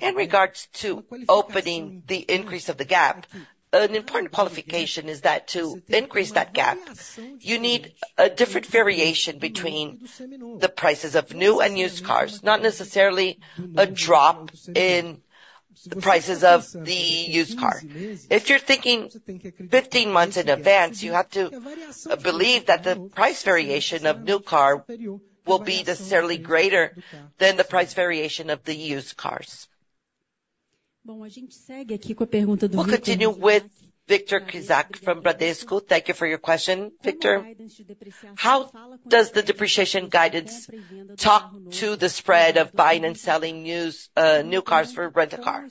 In regards to opening the increase of the gap, an important qualification is that to increase that gap, you need a different variation between the prices of new and used cars, not necessarily a drop in the prices of the used car. If you're thinking 15 months in advance, you have to believe that the price variation of new car will be necessarily greater than the price variation of the used cars. We'll continue with Victor Crisafi from Bradesco. Thank you for your question, Victor. How does the depreciation guidance talk to the spread of buying and selling used, new cars for rent-a-car?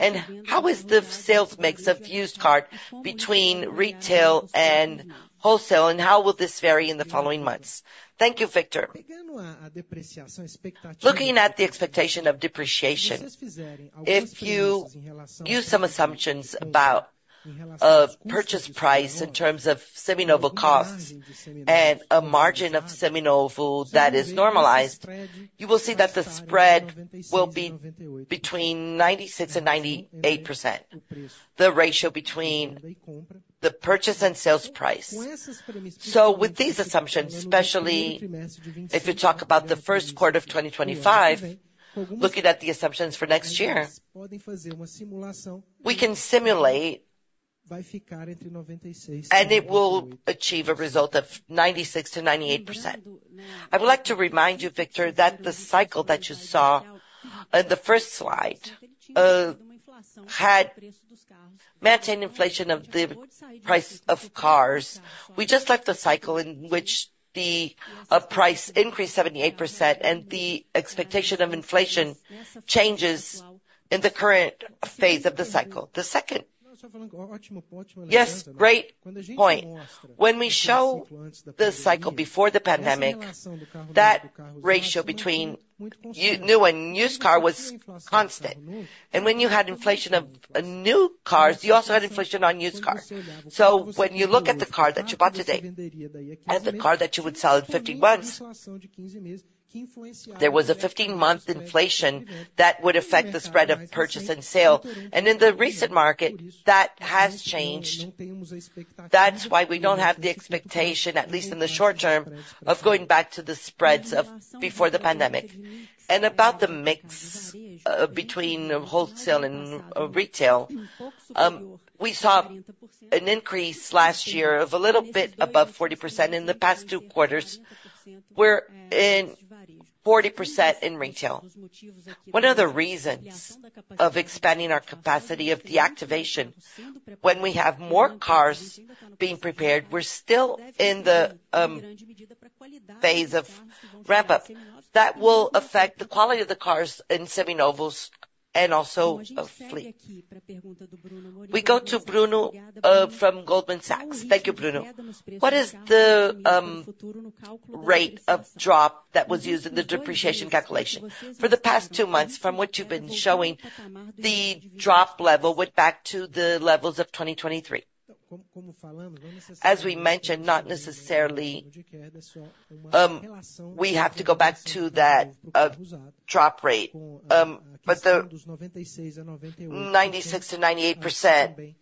And how is the sales mix of used car between retail and wholesale, and how will this vary in the following months? Thank you, Victor. Looking at the expectation of depreciation, if you use some assumptions about a purchase price in terms of Seminovo cost and a margin of Seminovo that is normalized, you will see that the spread will be between 96% and 98%, the ratio between the purchase and sales price. So with these assumptions, especially if you talk about the first quarter of 2025, looking at the assumptions for next year, we can simulate and it will achieve a result of 96%-98%. I would like to remind you, Victor, that the cycle that you saw in the first slide had maintained inflation of the price of cars. We just left the cycle in which the price increased 78%, and the expectation of inflation changes in the current phase of the cycle. The second - Yes, great point. When we show the cycle before the pandemic, that ratio between new and used car was constant, and when you had inflation of new cars, you also had inflation on used cars. So when you look at the car that you bought today, and the car that you would sell in 15 months, there was a 15-month inflation that would affect the spread of purchase and sale. And in the recent market, that has changed. That's why we don't have the expectation, at least in the short term, of going back to the spreads of before the pandemic. And about the mix between wholesale and retail, we saw an increase last year of a little bit above 40%. In the past 2 quarters, we're in 40% in retail. One of the reasons of expanding our capacity of deactivation, when we have more cars being prepared, we're still in the phase of ramp-up. That will affect the quality of the cars in Seminovos and also our fleet. We go to Bruno from Goldman Sachs. Thank you, Bruno. What is the rate of drop that was used in the depreciation calculation? For the past two months, from what you've been showing, the drop level went back to the levels of 2023. As we mentioned, not necessarily we have to go back to that drop rate. But the 96%-98%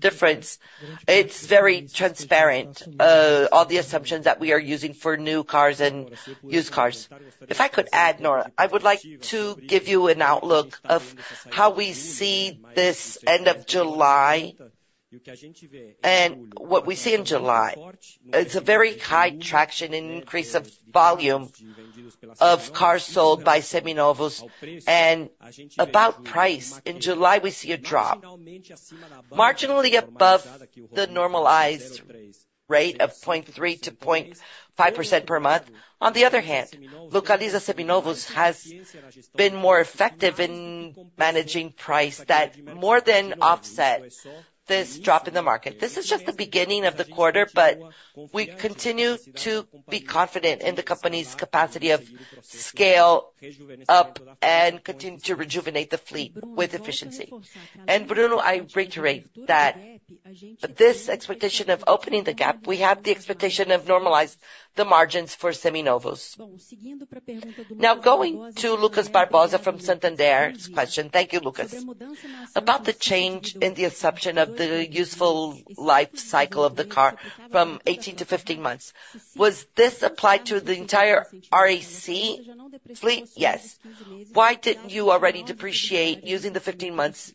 difference, it's very transparent all the assumptions that we are using for new cars and used cars. If I could add, Nora, I would like to give you an outlook of how we see this end of July. ...And what we see in July, it's a very high traction and increase of volume of cars sold by Seminovos. And about price, in July, we see a drop, marginally above the normalized rate of 0.3%-0.5% per month. On the other hand, Localiza Seminovos has been more effective in managing price that more than offset this drop in the market. This is just the beginning of the quarter, but we continue to be confident in the company's capacity of scale up and continue to rejuvenate the fleet with efficiency. And Bruno, I reiterate that this expectation of opening the gap, we have the expectation of normalize the margins for Seminovos. Now, going to Lucas Barbosa from Santander's question. Thank you, Lucas. About the change in the assumption of the useful life cycle of the car from 18 to 15 months, was this applied to the entire RAC fleet? Yes. Why didn't you already depreciate using the 15 months,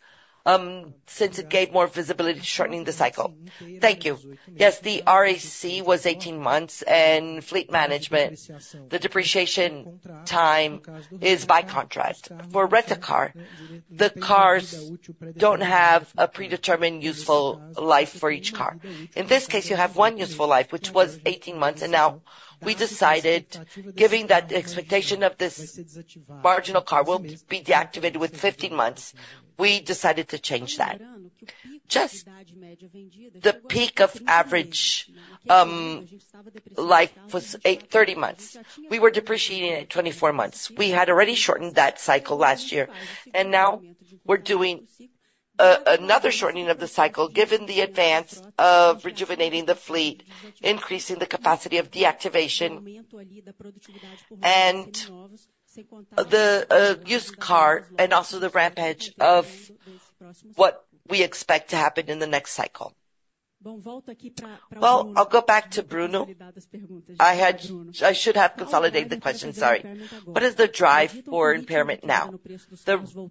since it gave more visibility to shortening the cycle? Thank you. Yes, the RAC was 18 months, and Fleet Management, the depreciation time is by contrast. For Rent-a-Car, the cars don't have a predetermined useful life for each car. In this case, you have one useful life, which was 18 months, and now we decided, giving that expectation of this marginal car will be deactivated with 15 months, we decided to change that. Just the peak of average life was 80 months. We were depreciating it at 24 months. We had already shortened that cycle last year, and now we're doing another shortening of the cycle, given the advance of rejuvenating the fleet, increasing the capacity of deactivation and the used car, and also the ramp-up of what we expect to happen in the next cycle. Well, I'll go back to Bruno. I had—I should have consolidated the question, sorry. What is the drive for impairment now? The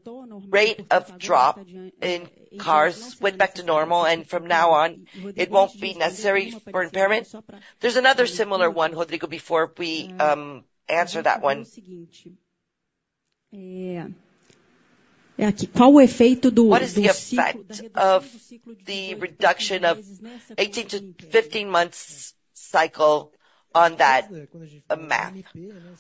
rate of drop in cars went back to normal, and from now on, it won't be necessary for impairment. There's another similar one, Rodrigo, before we answer that one. What is the effect of the reduction of 18 to 15 months cycle on that math?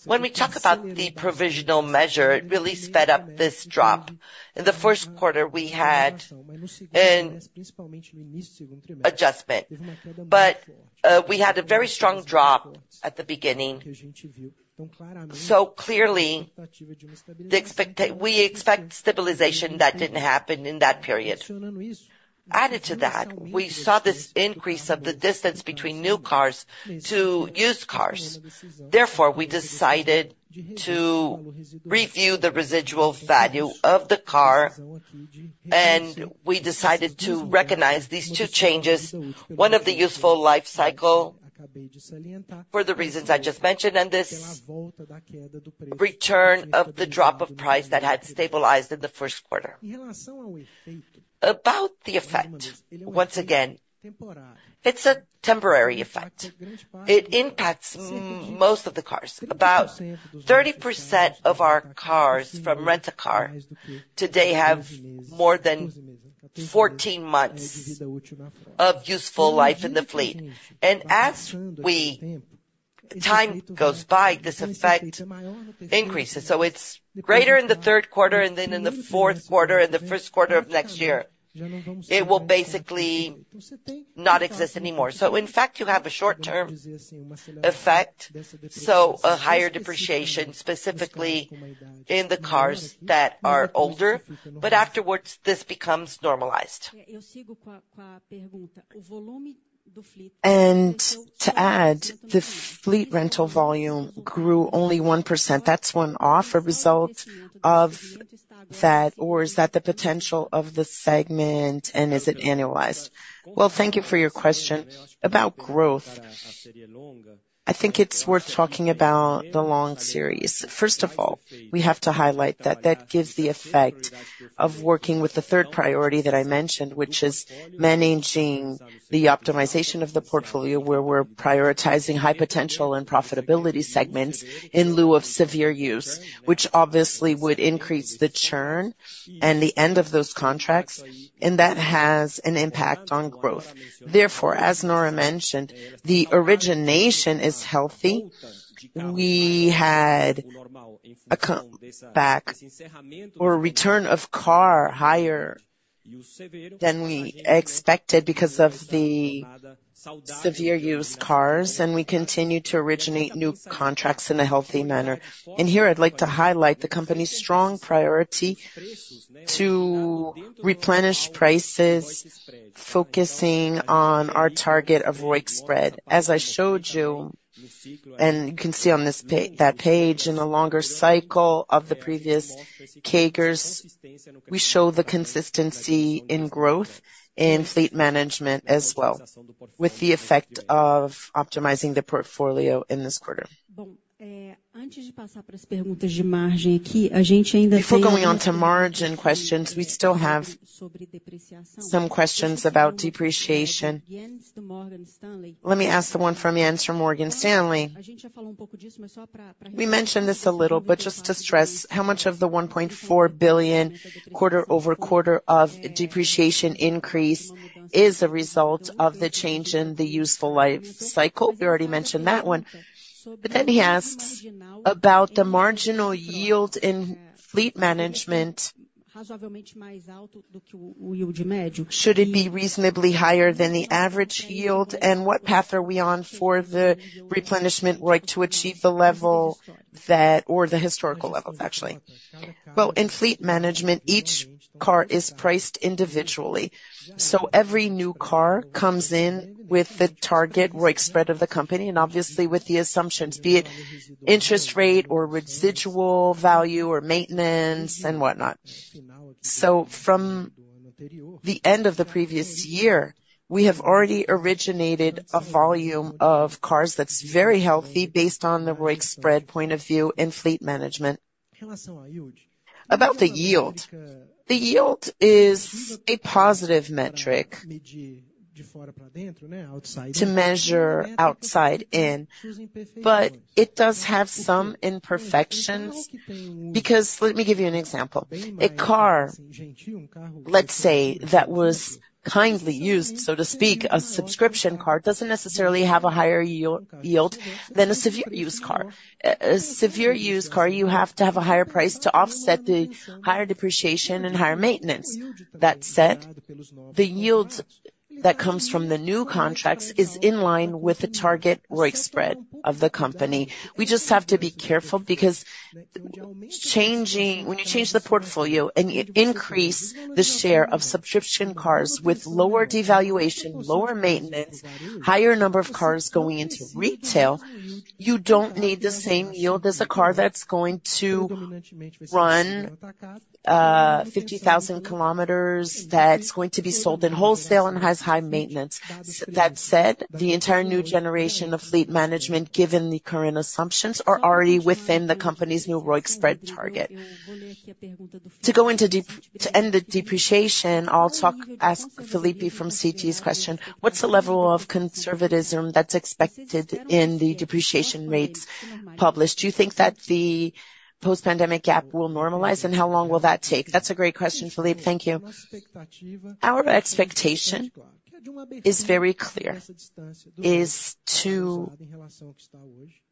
When we talk about the provisional measure, it really sped up this drop. In the first quarter, we had an adjustment, but we had a very strong drop at the beginning. So clearly, we expect stabilization that didn't happen in that period. Added to that, we saw this increase of the distance between new cars to used cars. Therefore, we decided to review the residual value of the car, and we decided to recognize these two changes, one of the useful life cycle, for the reasons I just mentioned, and this return of the drop of price that had stabilized in the first quarter. About the effect, once again, it's a temporary effect. It impacts most of the cars. About 30% of our cars from Rent-a-Car today have more than 14 months of useful life in the fleet. And as time goes by, this effect increases. So it's greater in the third quarter, and then in the fourth quarter, and the first quarter of next year, it will basically not exist anymore. So in fact, you have a short-term effect, so a higher depreciation, specifically in the cars that are older, but afterwards, this becomes normalized. To add, the fleet rental volume grew only 1%. That's one-off a result of that, or is that the potential of the segment, and is it annualized? Well, thank you for your question. About growth, I think it's worth talking about the long term. First of all, we have to highlight that that gives the effect of working with the third priority that I mentioned, which is managing the optimization of the portfolio, where we're prioritizing high potential and profitability segments in lieu of severely used, which obviously would increase the churn and the end of those contracts, and that has an impact on growth. Therefore, as Nora mentioned, the origination is healthy. We had a comeback or return of cars higher than we expected because of the severely used cars, and we continue to originate new contracts in a healthy manner. Here, I'd like to highlight the company's strong priority to reprice, focusing on our target of ROIC spread. As I showed you, and you can see on that page, in the longer cycle of the previous CAGRs, we show the consistency in growth in Fleet Management as well, with the effect of optimizing the portfolio in this quarter. ...Before going on to margin questions, we still have some questions about depreciation. Let me ask the one from Jens from Morgan Stanley. We mentioned this a little, but just to stress, how much of the 1.4 billion quarter-over-quarter of depreciation increase is a result of the change in the useful life cycle? We already mentioned that one, but then he asks about the marginal yield in Fleet Management. Should it be reasonably higher than the average yield? And what path are we on for the replenishment, right, to achieve the level that-- or the historical levels, actually? Well, in Fleet Management, each car is priced individually, so every new car comes in with the target ROIC spread of the company and obviously with the assumptions, be it interest rate or residual value or maintenance and whatnot. So from the end of the previous year, we have already originated a volume of cars that's very healthy based on the ROIC spread point of view in Fleet Management. About the yield, the yield is a positive metric to measure outside in, but it does have some imperfections, because let me give you an example. A car, let's say, that was kindly used, so to speak, a subscription car, doesn't necessarily have a higher yield than a severe used car. A severe used car, you have to have a higher price to offset the higher depreciation and higher maintenance. That said, the yields that comes from the new contracts is in line with the target ROIC spread of the company. We just have to be careful because changing... When you change the portfolio and you increase the share of subscription cars with lower devaluation, lower maintenance, higher number of cars going into retail, you don't need the same yield as a car that's going to run 50,000 kilometers, that's going to be sold in wholesale and has high maintenance. That said, the entire new generation ofFleet Management, given the current assumptions, are already within the company's new ROIC spread target. To go into depreciation—to end the depreciation, I'll take Filipe from Citi's question: What's the level of conservatism that's expected in the depreciation rates published? Do you think that the post-pandemic gap will normalize, and how long will that take? That's a great question, Filipe. Thank you. Our expectation is very clear, is to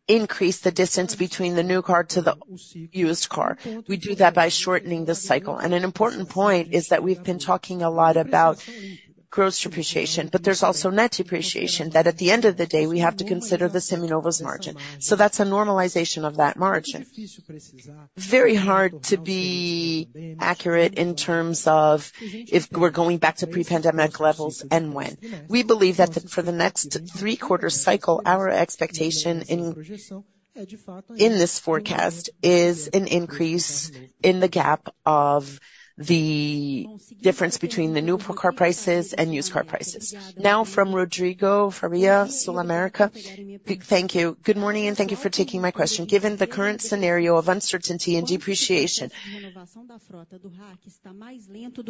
increase the distance between the new car to the used car. We do that by shortening the cycle. An important point is that we've been talking a lot about gross depreciation, but there's also net depreciation, that at the end of the day, we have to consider the Seminovos margin. So that's a normalization of that margin. Very hard to be accurate in terms of if we're going back to pre-pandemic levels and when. We believe that for the next three-quarter cycle, our expectation in this forecast is an increase in the gap of the difference between the new car prices and used car prices. Now from Rodrigo Faria SulAmérica. Thank you. Good morning, and thank you for taking my question. Given the current scenario of uncertainty and depreciation,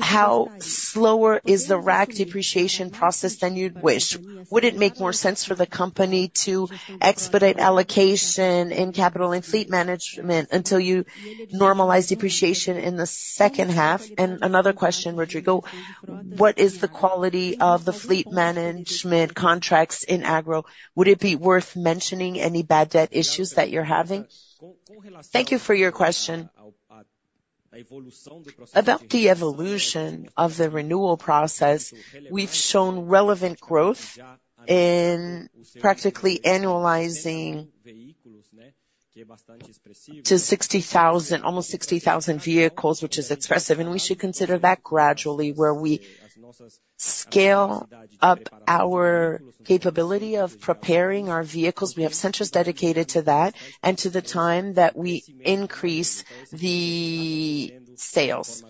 how slower is the RAC depreciation process than you'd wish? Would it make more sense for the company to expedite allocation in capital and Fleet Management until you normalize depreciation in the second half? Another question, Rodrigo, what is the quality of the Fleet Management contracts in Agro? Would it be worth mentioning any bad debt issues that you're having? Thank you for your question. About the evolution of the renewal process, we've shown relevant growth in practically annualizing to 60,000, almost 60,000 vehicles, which is expressive, and we should consider that gradually, where we scale up our capability of preparing our vehicles. We have centers dedicated to that and to the time that we increase the sales.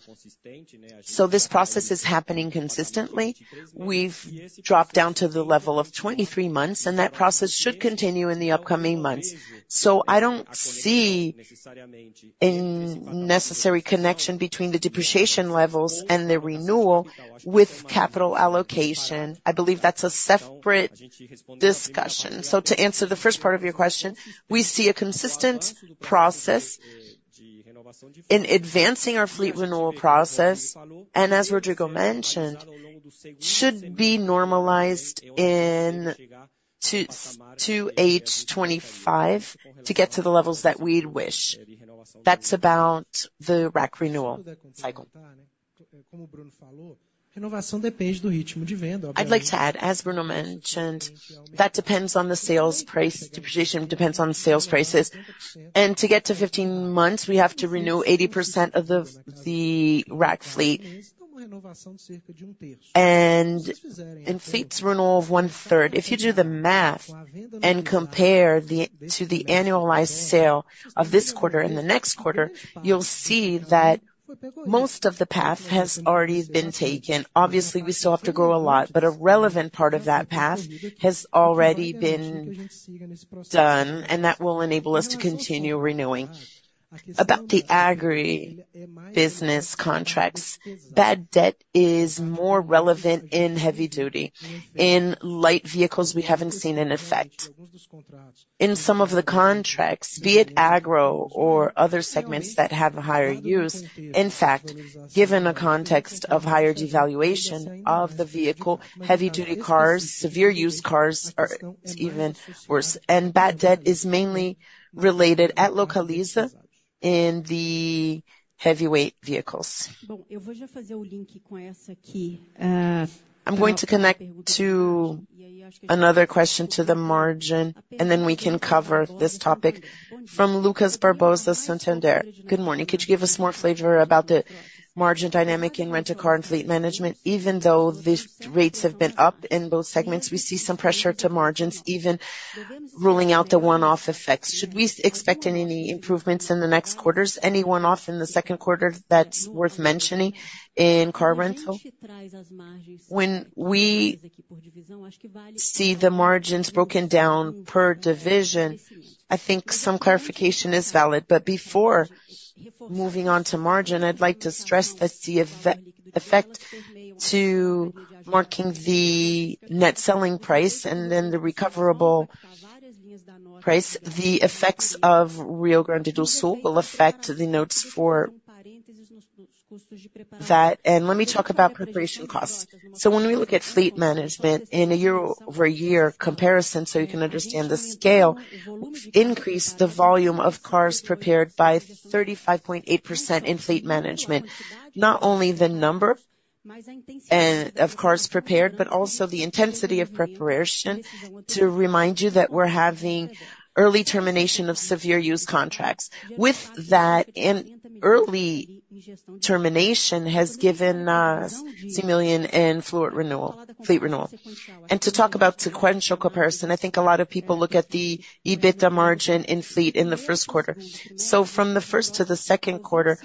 So this process is happening consistently. We've dropped down to the level of 23 months, and that process should continue in the upcoming months. So I don't see a necessary connection between the depreciation levels and the renewal with capital allocation. I believe that's a separate discussion. So to answer the first part of your question, we see a consistent process in advancing our fleet renewal process, and as Rodrigo mentioned, should be normalized in 2H 2025 to get to the levels that we'd wish. That's about the RAC renewal cycle. I'd like to add, as Bruno mentioned, that depends on the sales price. Depreciation depends on the sales prices. And to get to 15 months, we have to renew 80% of the, the RAC fleet and, and fleets renew of one-third. If you do the math and compare the, to the annualized sale of this quarter and the next quarter, you'll see that most of the path has already been taken. Obviously, we still have to grow a lot, but a relevant part of that path has already been done, and that will enable us to continue renewing. About the agri business contracts, bad debt is more relevant in heavy duty. In light vehicles, we haven't seen an effect. In some of the contracts, be it agro or other segments that have a higher use, in fact, given a context of higher devaluation of the vehicle, heavy-duty cars, severe-use cars are even worse, and bad debt is mainly related at Localiza in the heavyweight vehicles. I'm going to connect to another question to the margin, and then we can cover this topic. From Lucas Barbosa, Santander: Good morning. Could you give us more flavor about the margin dynamic in rental car and Fleet Management? Even though these rates have been up in both segments, we see some pressure to margins, even ruling out the one-off effects. Should we expect any, any improvements in the next quarters, any one-off in the second quarter that's worth mentioning in car rental? When we see the margins broken down per division, I think some clarification is valid, but before moving on to margin, I'd like to stress that the effect of marking the net selling price and then the recoverable price, the effects of Rio Grande do Sul will affect the notes for that. Let me talk about preparation costs. So when we look at Fleet Managemen in a year-over-year comparison, so you can understand the scale, we've increased the volume of cars prepared by 35.8% in Fleet Management. Not only the number of cars prepared, but also the intensity of preparation, to remind you that we're having early termination of severe use contracts. With that, early termination has given us similar fleet renewal. And to talk about sequential comparison, I think a lot of people look at the EBITDA margin in fleet in the first quarter. So from the first to the second quarter,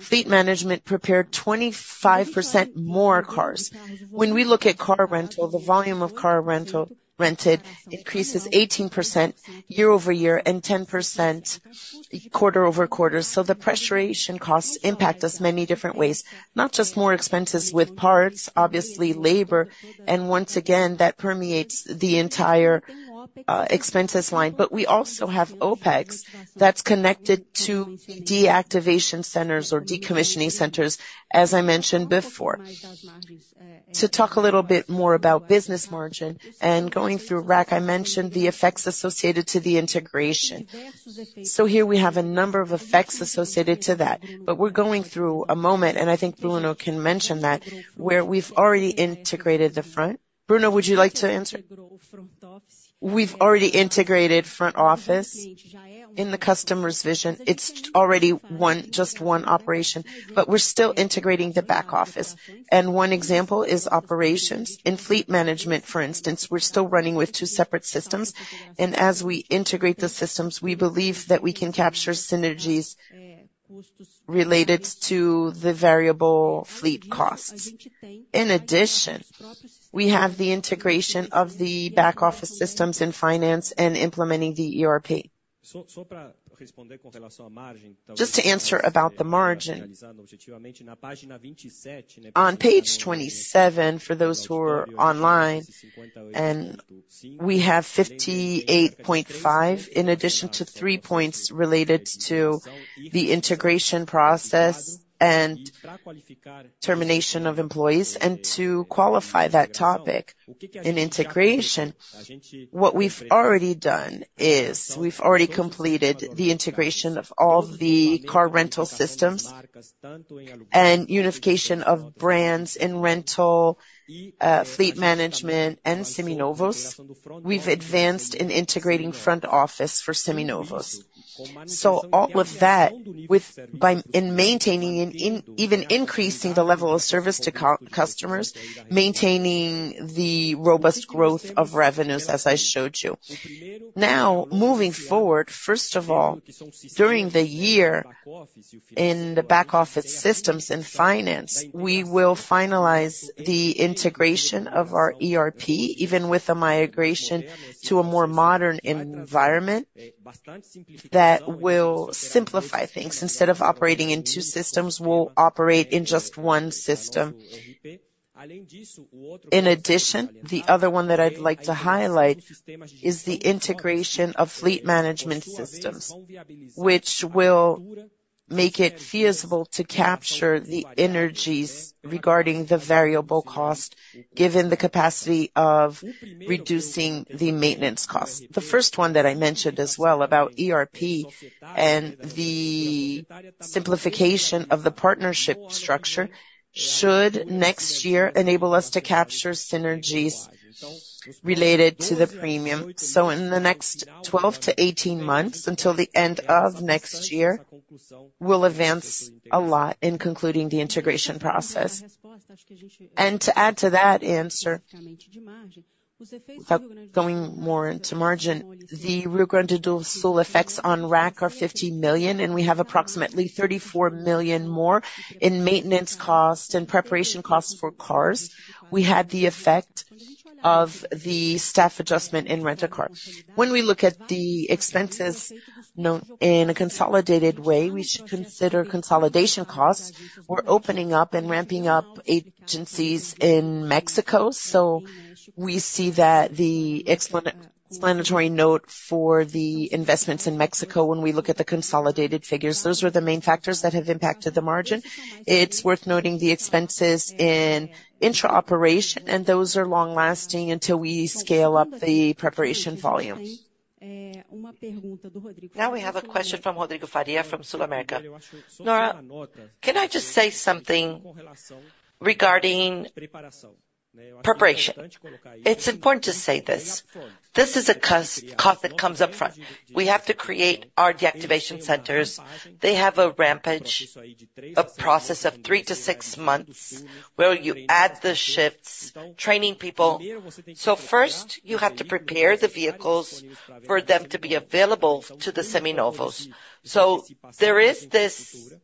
Fleet Management prepared 25% more cars. When we look at car rental, the volume of car rental rented increases 18% year-over-year and 10% quarter-over-quarter. So the pressurization costs impact us many different ways, not just more expenses with parts, obviously, labor, and once again, that permeates the entire, expenses line. But we also have OpEx that's connected to deactivation centers or decommissioning centers, as I mentioned before. To talk a little bit more about business margin and going through RAC, I mentioned the effects associated to the integration. So here we have a number of effects associated to that, but we're going through a moment, and I think Bruno can mention that, where we've already integrated the front. Bruno, would you like to answer? We've already integrated front office. In the customer's vision, it's already one, just one operation, but we're still integrating the back office, and one example is operations. In Fleet Management, for instance, we're still running with two separate systems, and as we integrate the systems, we believe that we can capture synergies related to the variable fleet costs. In addition, we have the integration of the back office systems in finance and implementing the ERP. Just to answer about the margin, on page 27, for those who are online, and we have 58.5, in addition to 3 points related to the integration process and termination of employees. To qualify that topic in integration, what we've already done is we've already completed the integration of all the car rental systems and unification of brands in rental, Fleet Management and Seminovos. We've advanced in integrating front office for Seminovos. So all of that, with, by maintaining and even increasing the level of service to customers, maintaining the robust growth of revenues, as I showed you. Now, moving forward, first of all, during the year in the back office systems in finance, we will finalize the integration of our ERP, even with a migration to a more modern environment that will simplify things. Instead of operating in two systems, we'll operate in just one system. In addition, the other one that I'd like to highlight is the integration of Fleet Management systems, which will make it feasible to capture the energies regarding the variable cost, given the capacity of reducing the maintenance costs. The first one that I mentioned as well, about ERP and the simplification of the partnership structure, should next year enable us to capture synergies related to the premium. So in the next 12-18 months, until the end of next year, we'll advance a lot in concluding the integration process. And to add to that answer-... Without going more into margin, the Rio Grande do Sul effects on RAC are 50 million, and we have approximately 34 million more in maintenance costs and preparation costs for cars. We had the effect of the staff adjustment in Rent-a-Car. When we look at the expenses, note in a consolidated way, we should consider consolidation costs. We're opening up and ramping up agencies in Mexico, so we see that the explanatory note for the investments in Mexico, when we look at the consolidated figures, those were the main factors that have impacted the margin. It's worth noting the expenses in intra-operation, and those are long-lasting until we scale up the preparation volumes. Now we have a question from Rodrigo Faria from SulAmérica. Nora, can I just say something regarding preparation? It's important to say this. This is a cost that comes up front. We have to create our deactivation centers. They have a ramp-up, a process of three to six months, where you add the shifts, training people. So first, you have to prepare the vehicles for them to be available to the Seminovos. So there is this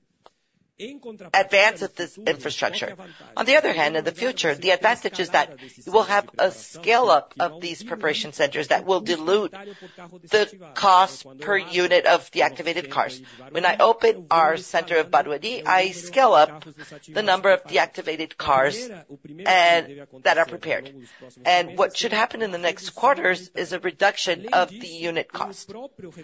advance of this infrastructure. On the other hand, in the future, the advantage is that we'll have a scale-up of these preparation centers that will dilute the cost per unit of deactivated cars. When I open our center of Barueri, I scale up the number of deactivated cars and that are prepared. And what should happen in the next quarters is a reduction of the unit cost,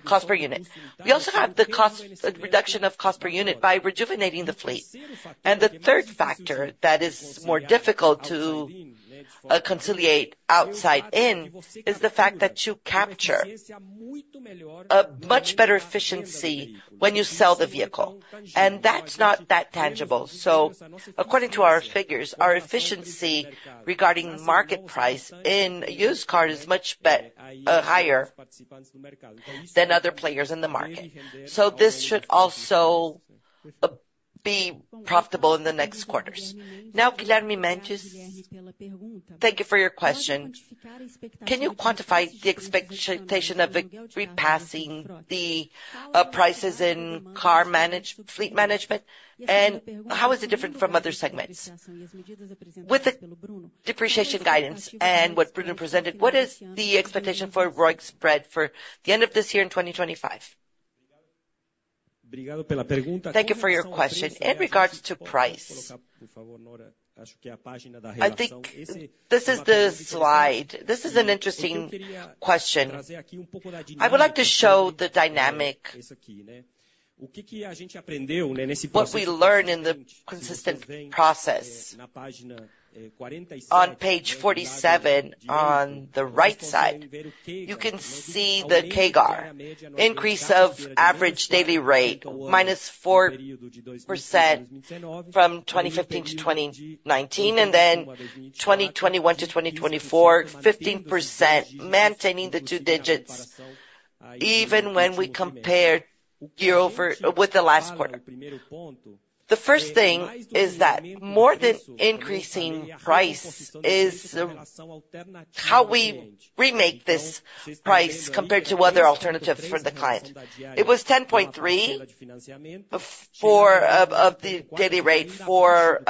cost per unit. We also have the cost, reduction of cost per unit by rejuvenating the fleet. The third factor that is more difficult to conciliate outside in is the fact that you capture a much better efficiency when you sell the vehicle, and that's not that tangible. So according to our figures, our efficiency regarding market price in a used car is much higher than other players in the market. So this should also be profitable in the next quarters. Now, Guilherme Mendes, thank you for your question. Can you quantify the expectation of it surpassing the prices in Fleet Management? And how is it different from other segments? With the depreciation guidance and what Bruno presented, what is the expectation for ROIC spread for the end of this year in 2025? Thank you for your question. In regards to price, I think this is the slide. This is an interesting question. I would like to show the dynamic, what we learned in the consistent process. On page 47, on the right side, you can see the CAGR. Increase of average daily rate, minus 4% from 2015 to 2019, and then 2021 to 2024, 15%, maintaining the two digits even when we compare year over year with the last quarter. The first thing is that more than increasing price is how we remake this price compared to other alternatives for the client. It was 10.3 of the daily rate for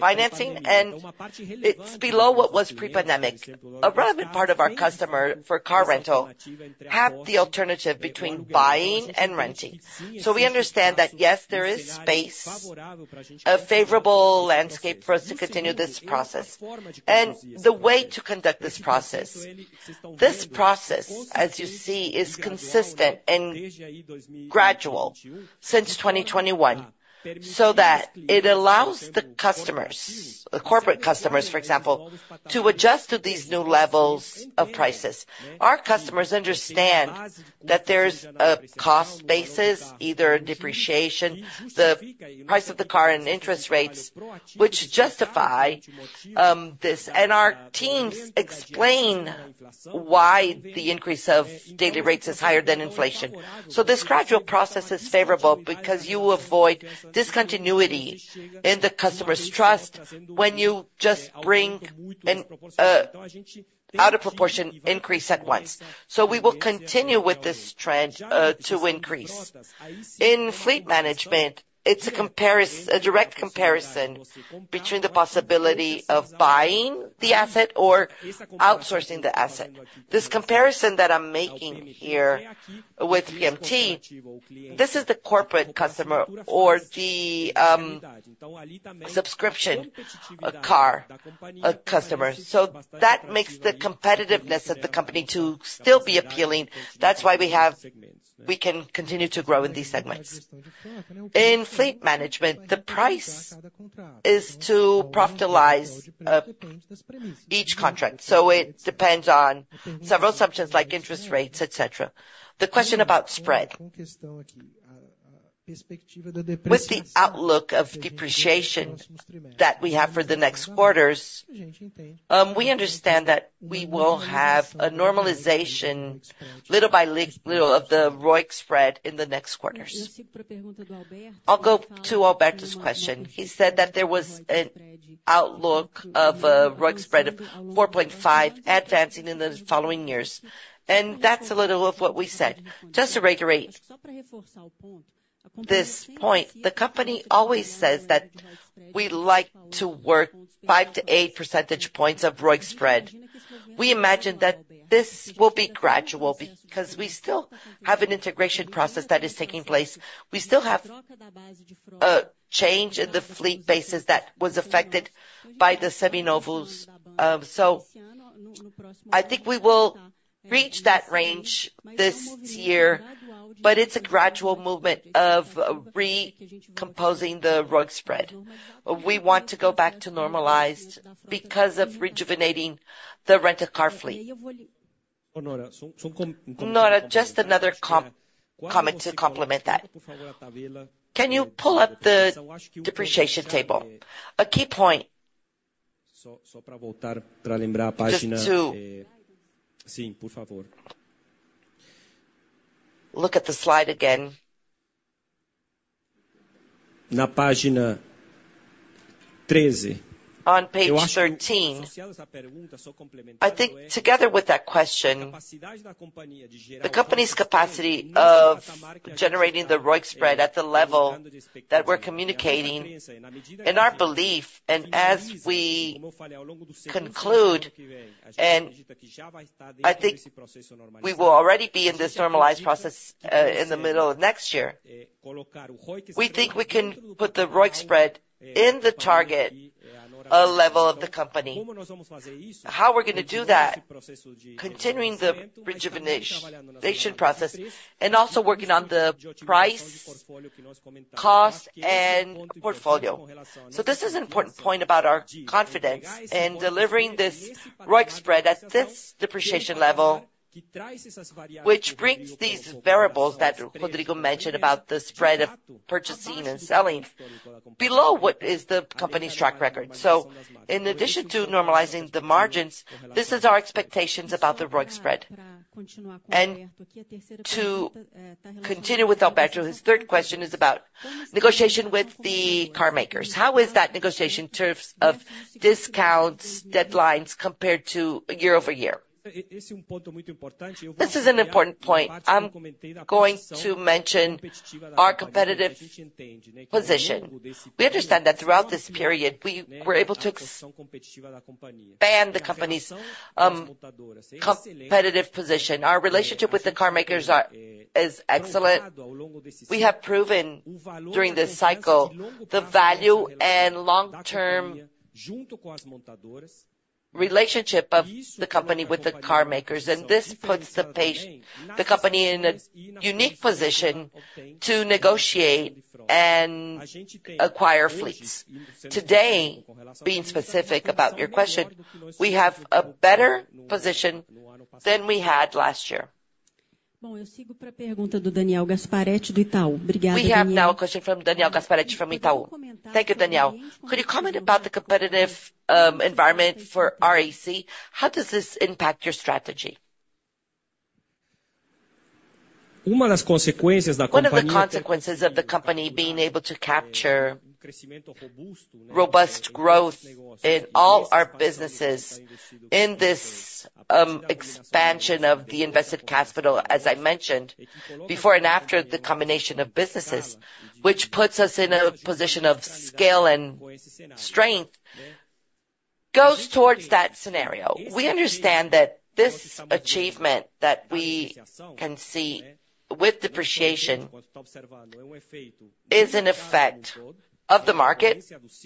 financing, and it's below what was pre-pandemic. A relevant part of our customer for car rental have the alternative between buying and renting. So we understand that, yes, there is space, a favorable landscape for us to continue this process. The way to conduct this process, this process, as you see, is consistent and gradual since 2021, so that it allows the customers, the corporate customers, for example, to adjust to these new levels of prices. Our customers understand that there's a cost basis, either depreciation, the price of the car and interest rates, which justify this. And our teams explain why the increase of daily rates is higher than inflation. So this gradual process is favorable because you avoid discontinuity in the customer's trust when you just bring an out of proportion increase at once. So we will continue with this trend to increase. In Fleet Management, it's a comparison, a direct comparison between the possibility of buying the asset or outsourcing the asset. This comparison that I'm making here with Fleet Management, this is the corporate customer or the subscription, a car, a customer. So that makes the competitiveness of the company to still be appealing. That's why we have we can continue to grow in these segments. In Fleet Management, the price is to profitize each contract, so it depends on several assumptions, like interest rates, et cetera. The question about spread. With the outlook of depreciation that we have for the next quarters, we understand that we will have a normalization little by little of the ROIC spread in the next quarters. I'll go to Alberto's question. He said that there was outlook of a ROIC spread of 4.5 advancing in the following years. And that's a little of what we said. Just to reiterate this point, the company always says that we like to work 5-8 percentage points of ROIC spread. We imagine that this will be gradual, because we still have an integration process that is taking place. We still have change in the fleet bases that was affected by the seminovos. So I think we will reach that range this year, but it's a gradual movement of recomposing the ROIC spread. We want to go back to normalized because of rejuvenating the rent-a-car fleet. Nora, just another comment to complement that. Can you pull up the depreciation table? A key point—just to ... look at the slide again. On page 13, I think together with that question, the company's capacity of generating the ROIC spread at the level that we're communicating, in our belief, and as we conclude, and I think we will already be in this normalized process, in the middle of next year. We think we can put the ROIC spread in the target, level of the company. How we're gonna do that? Continuing the rejuvenation process and also working on the price, cost, and portfolio. So this is an important point about our confidence in delivering this ROIC spread at this depreciation level, which brings these variables that Rodrigo mentioned about the spread of purchasing and selling below what is the company's track record. So in addition to normalizing the margins, this is our expectations about the ROIC spread. To continue with Alberto, his third question is about negotiation with the car makers. How is that negotiation in terms of discounts, deadlines, compared to year over year? This is an important point. I'm going to mention our competitive position. We understand that throughout this period, we were able to expand the company's competitive position. Our relationship with the car makers is excellent. We have proven during this cycle, the value and long-term relationship of the company with the car makers, and this puts the company in a unique position to negotiate and acquire fleets. Today, being specific about your question, we have a better position than we had last year. We have now a question from Daniel Gasparete, from Itaú. Thank you, Daniel. Could you comment about the competitive environment for RAC? How does this impact your strategy? One of the consequences of the company being able to capture robust growth in all our businesses, in this expansion of the invested capital, as I mentioned, before and after the combination of businesses, which puts us in a position of scale and strength, goes towards that scenario. We understand that this achievement that we can see with depreciation is an effect of the market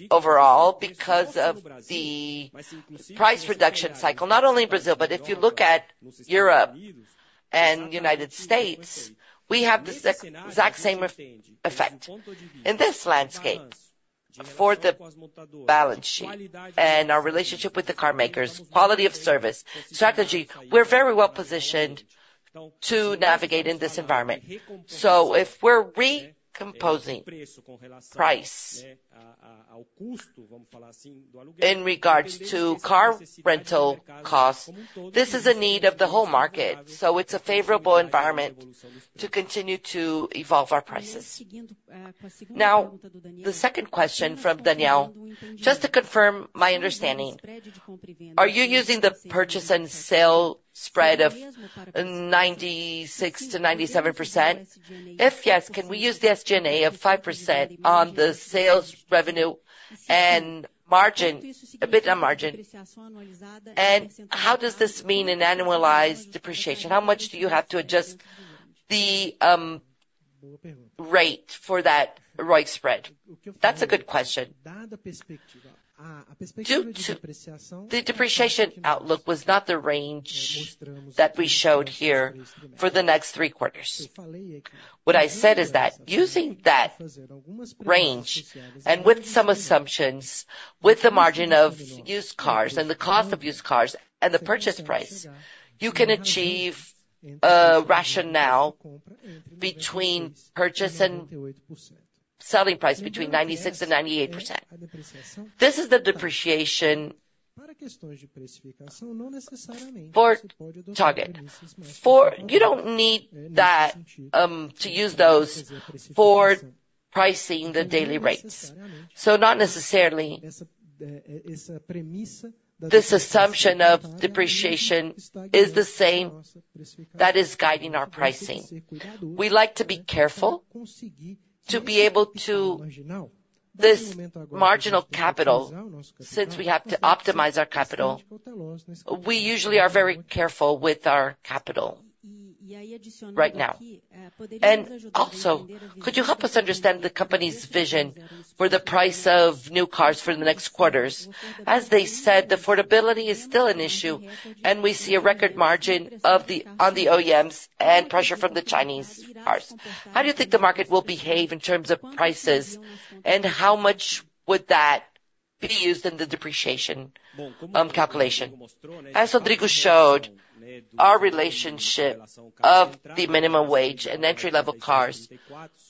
overall, because of the price reduction cycle. Not only in Brazil, but if you look at Europe and United States, we have the exact same effect. In this landscape for the balance sheet and our relationship with the car makers, quality of service, strategy, we're very well positioned to navigate in this environment. So if we're recomposing price in regards to car rental costs, this is a need of the whole market, so it's a favorable environment to continue to evolve our prices. Now, the second question from Daniel, just to confirm my understanding, are you using the purchase and sale spread of 96%-97%? If yes, can we use the SG&A of 5% on the sales revenue and margin, EBITDA margin? And how does this mean in annualized depreciation? How much do you have to adjust the rate for that ROIC spread? That's a good question. Due to the depreciation outlook was not the range that we showed here for the next three quarters. What I said is that, using that range and with some assumptions, with the margin of used cars and the cost of used cars and the purchase price, you can achieve a rationale between purchase and selling price between 96%-98%. This is the depreciation for target. For, you don't need that to use those for pricing the daily rates. So not necessarily, this assumption of depreciation is the same that is guiding our pricing. We like to be careful to be able to-- this marginal capital, since we have to optimize our capital, we usually are very careful with our capital right now. And also, could you help us understand the company's vision for the price of new cars for the next quarters? As they said, affordability is still an issue, and we see a record margin of the-- on the OEMs and pressure from the Chinese cars. How do you think the market will behave in terms of prices, and how much would that be used in the depreciation, calculation? As Rodrigo showed, our relationship of the minimum wage and entry-level cars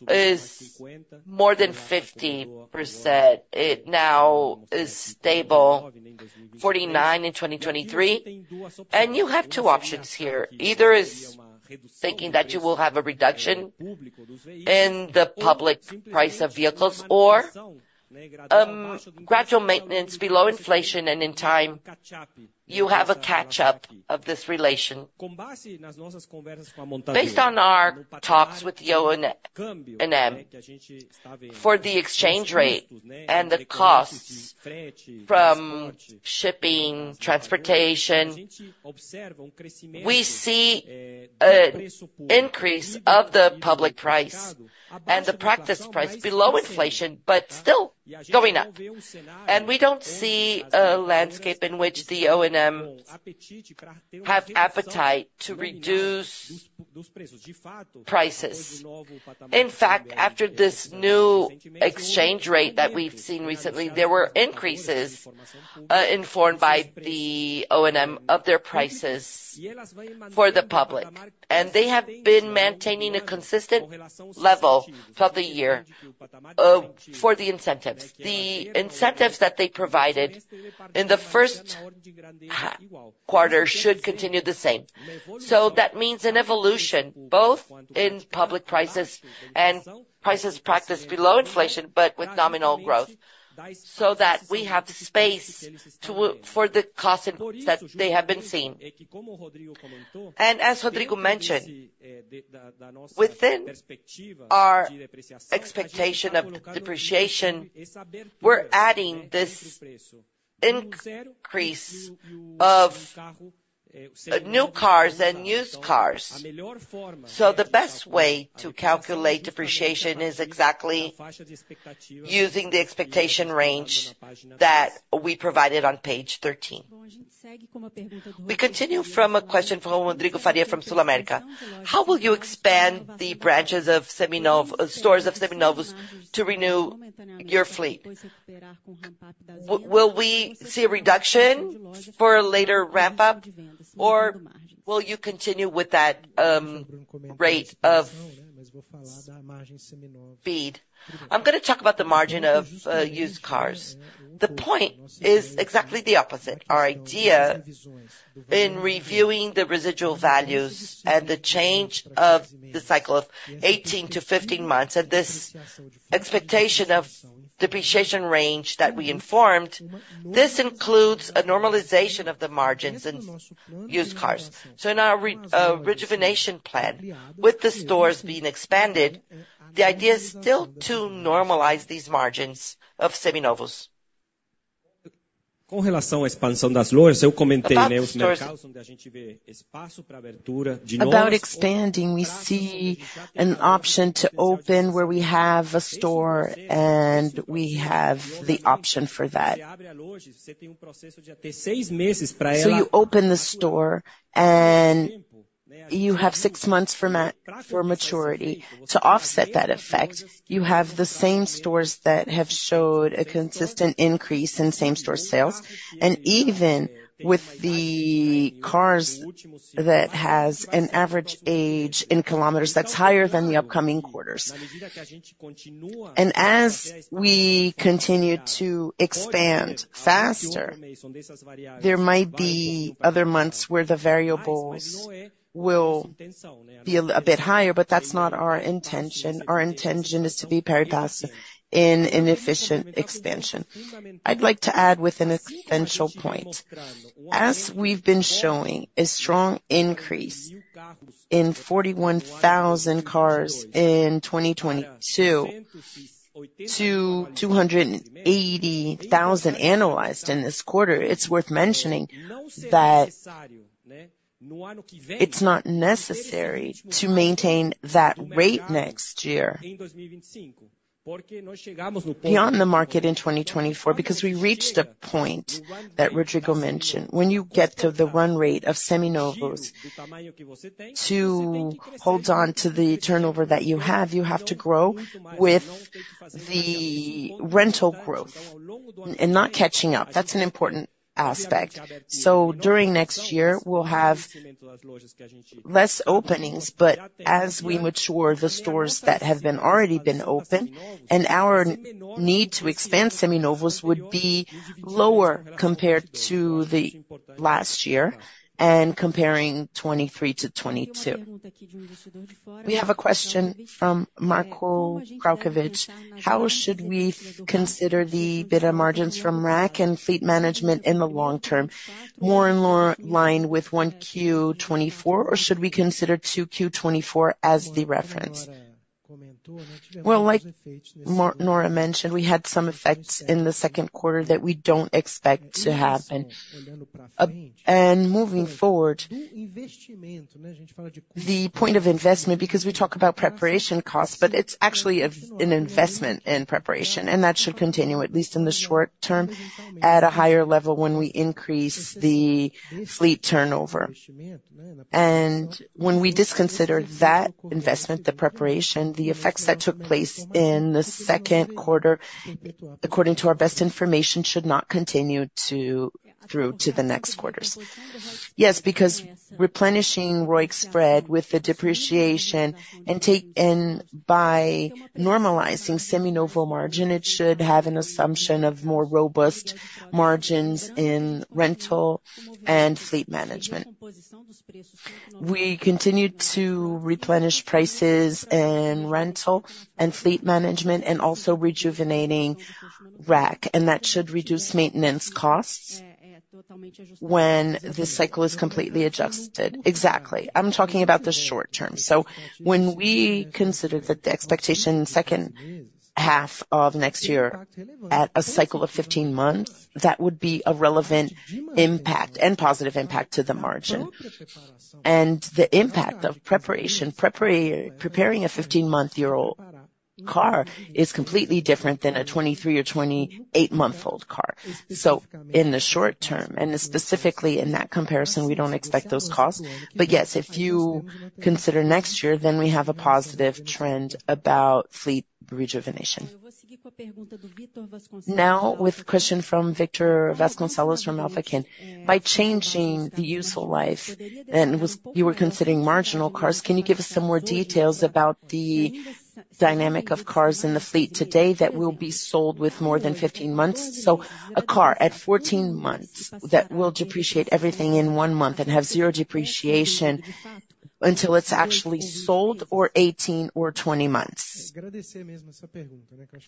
is more than 50%. It now is stable, 49 in 2023, and you have two options here. Either is thinking that you will have a reduction in the public price of vehicles, or gradual maintenance below inflation, and in time, you have a catch-up of this relation. Based on our talks with the OEMs, for the exchange rate and the costs from shipping, transportation, we see an increase of the public price and the practice price below inflation, but still going up. And we don't see a landscape in which the OEMs have appetite to reduce prices. In fact, after this new exchange rate that we've seen recently, there were increases informed by the OEMs of their prices for the public, and they have been maintaining a consistent level throughout the year for the incentives. The incentives that they provided in the first quarter should continue the same. So that means an evolution, both in public prices and prices practiced below inflation, but with nominal growth, so that we have the space to, for the cost that they have been seeing. And as Rodrigo mentioned, within our expectation of the depreciation, we're adding this increase of new cars and used cars. So the best way to calculate depreciation is exactly using the expectation range that we provided on page 13. We continue from a question from Rodrigo Faria from SulAmérica. How will you expand the branches of Seminovos stores of Seminovos to renew your fleet? Will we see a reduction for a later ramp-up, or will you continue with that rate of speed? I'm gonna talk about the margin of used cars. The point is exactly the opposite. Our idea in reviewing the residual values and the change of the cycle of 18 to 15 months, and this expectation of depreciation range that we informed, this includes a normalization of the margins in used cars. So in our rejuvenation plan, with the stores being expanded, the idea is still to normalize these margins of Seminovos. About expanding, we see an option to open where we have a store, and we have the option for that. So you open the store, and you have six months for maturity. To offset that effect, you have the same stores that have showed a consistent increase in same-store sales, and even with the cars that has an average age in kilometers, that's higher than the upcoming quarters. As we continue to expand faster, there might be other months where the variables will be a bit higher, but that's not our intention. Our intention is to be progressive in an efficient expansion. I'd like to add with an essential point. As we've been showing, a strong increase in 41,000 cars in 2022 to 280,000 analyzed in this quarter, it's worth mentioning that it's not necessary to maintain that rate next year beyond the market in 2024, because we reached a point that Rodrigo mentioned. When you get to the run rate of Seminovos, to hold on to the turnover that you have, you have to grow with the rental growth and not catching up. That's an important aspect. So during next year, we'll have less openings, but as we mature, the stores that have already been open, and our need to expand Seminovos would be lower compared to the last year and comparing 2023 to 2022. We have a question from Marco Krawczuk ,How should we consider the EBITDA margins from RAC and Fleet Management in the long term? More and more in line with 1Q-2024, or should we consider 2Q-2024 as the reference? ...Well, like Nora mentioned, we had some effects in the second quarter that we don't expect to happen. And moving forward, the point of investment, because we talk about preparation costs, but it's actually an investment in preparation, and that should continue, at least in the short term, at a higher level when we increase the fleet turnover. And when we disconsider that investment, the preparation, the effects that took place in the second quarter, according to our best information, should not continue through to the next quarters. Yes, because replenishing ROIC spread with the depreciation and by normalizing Seminovo margin, it should have an assumption of more robust margins in rental and Fleet Management. We continue to replenish prices in rental and Fleet Management, and also rejuvenating RAC, and that should reduce maintenance costs when the cycle is completely adjusted. Exactly. I'm talking about the short term. So when we consider that the expectation second half of next year at a cycle of 15 months, that would be a relevant impact and positive impact to the margin. And the impact of preparation, preparing a 15-month-old car is completely different than a 23- or 28-month-old car. So in the short term, and specifically in that comparison, we don't expect those costs. But yes, if you consider next year, then we have a positive trend about fleet rejuvenation. Now with a question from Victor Vasconcelos from AKin. By changing the useful life, and it was you were considering marginal cars, can you give us some more details about the dynamic of cars in the fleet today that will be sold with more than 15 months? So a car at 14 months, that will depreciate everything in one month and have zero depreciation until it's actually sold, or 18 or 20 months.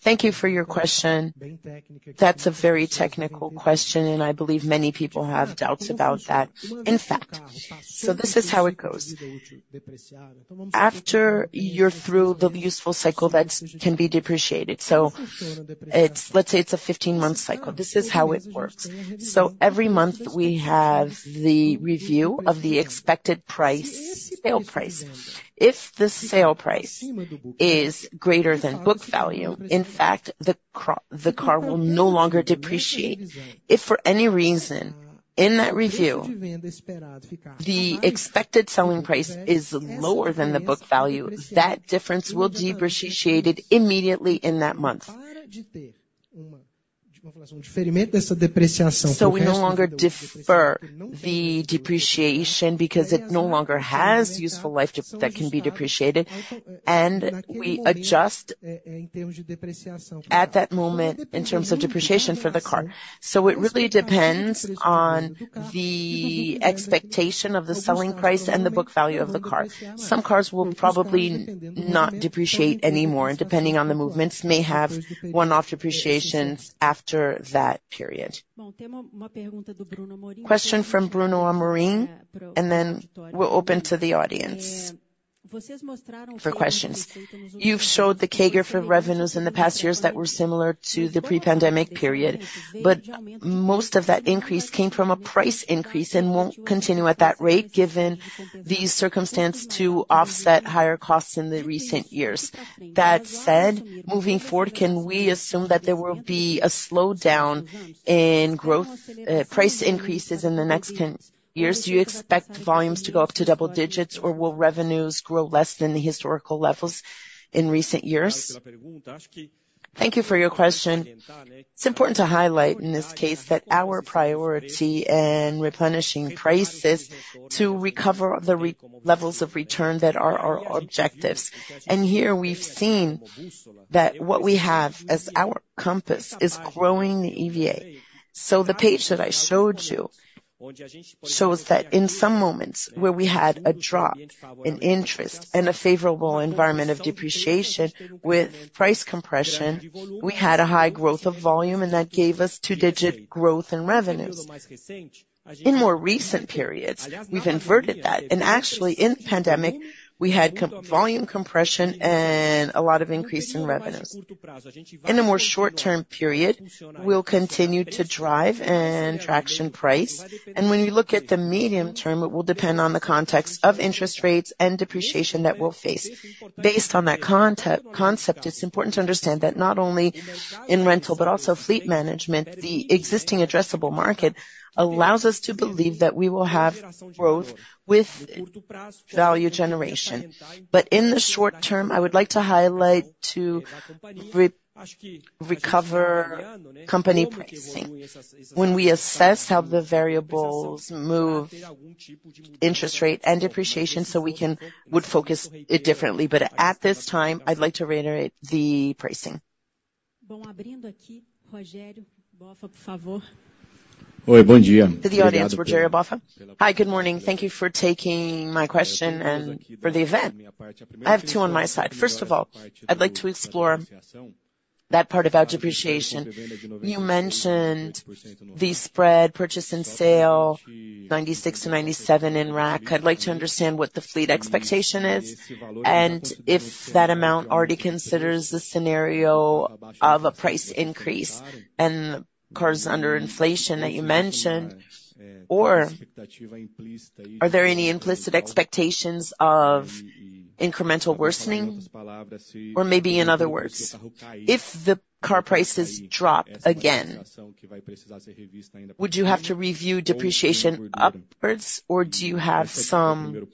Thank you for your question. That's a very technical question, and I believe many people have doubts about that, in fact. So this is how it goes. After you're through the useful cycle, that can be depreciated. So it's, let's say it's a 15-month cycle. This is how it works: so every month, we have the review of the expected price, sale price. If the sale price is greater than book value, in fact, the car, the car will no longer depreciate. If for any reason, in that review, the expected selling price is lower than the book value, that difference will depreciated immediately in that month. So we no longer defer the depreciation, because it no longer has useful life that can be depreciated, and we adjust at that moment in terms of depreciation for the car. So it really depends on the expectation of the selling price and the book value of the car. Some cars will probably not depreciate anymore, and depending on the movements, may have one-off depreciation after that period. Question from Bruno Amorim, and then we're open to the audience for questions. You've showed the CAGR for revenues in the past years that were similar to the pre-pandemic period, but most of that increase came from a price increase and won't continue at that rate, given the circumstance to offset higher costs in the recent years. That said, moving forward, can we assume that there will be a slowdown in growth, price increases in the next 10 years? Do you expect volumes to go up to double digits, or will revenues grow less than the historical levels in recent years? Thank you for your question. It's important to highlight, in this case, that our priority in replenishing prices to recover the real levels of return that are our objectives. And here, we've seen that what we have as our compass is growing the EVA. So the page that I showed you shows that in some moments where we had a drop in interest and a favorable environment of depreciation with price compression, we had a high growth of volume, and that gave us two-digit growth in revenues. In more recent periods, we've inverted that, and actually, in the pandemic, we had volume compression and a lot of increase in revenues. In a more short-term period, we'll continue to drive and traction price, and when you look at the medium term, it will depend on the context of interest rates and depreciation that we'll face. Based on that concept, it's important to understand that not only in rental, but also Fleet Management, the existing addressable market allows us to believe that we will have growth with value generation. But in the short term, I would like to highlight to recover company pricing. When we assess how the variables move, interest rate and depreciation, so we would focus it differently. But at this time, I'd like to reiterate the pricing. To the audience, Rogério BofA. Hi, good morning. Thank you for taking my question and for the event. I have two on my side. First of all, I'd like to explore that part of our depreciation. You mentioned the spread purchase and sale, 96-97% in RAC. I'd like to understand what the fleet expectation is, and if that amount already considers the scenario of a price increase and cars under inflation that you mentioned? Or are there any implicit expectations of incremental worsening? Or maybe in other words, if the car prices drop again, would you have to review depreciation upwards, or do you have some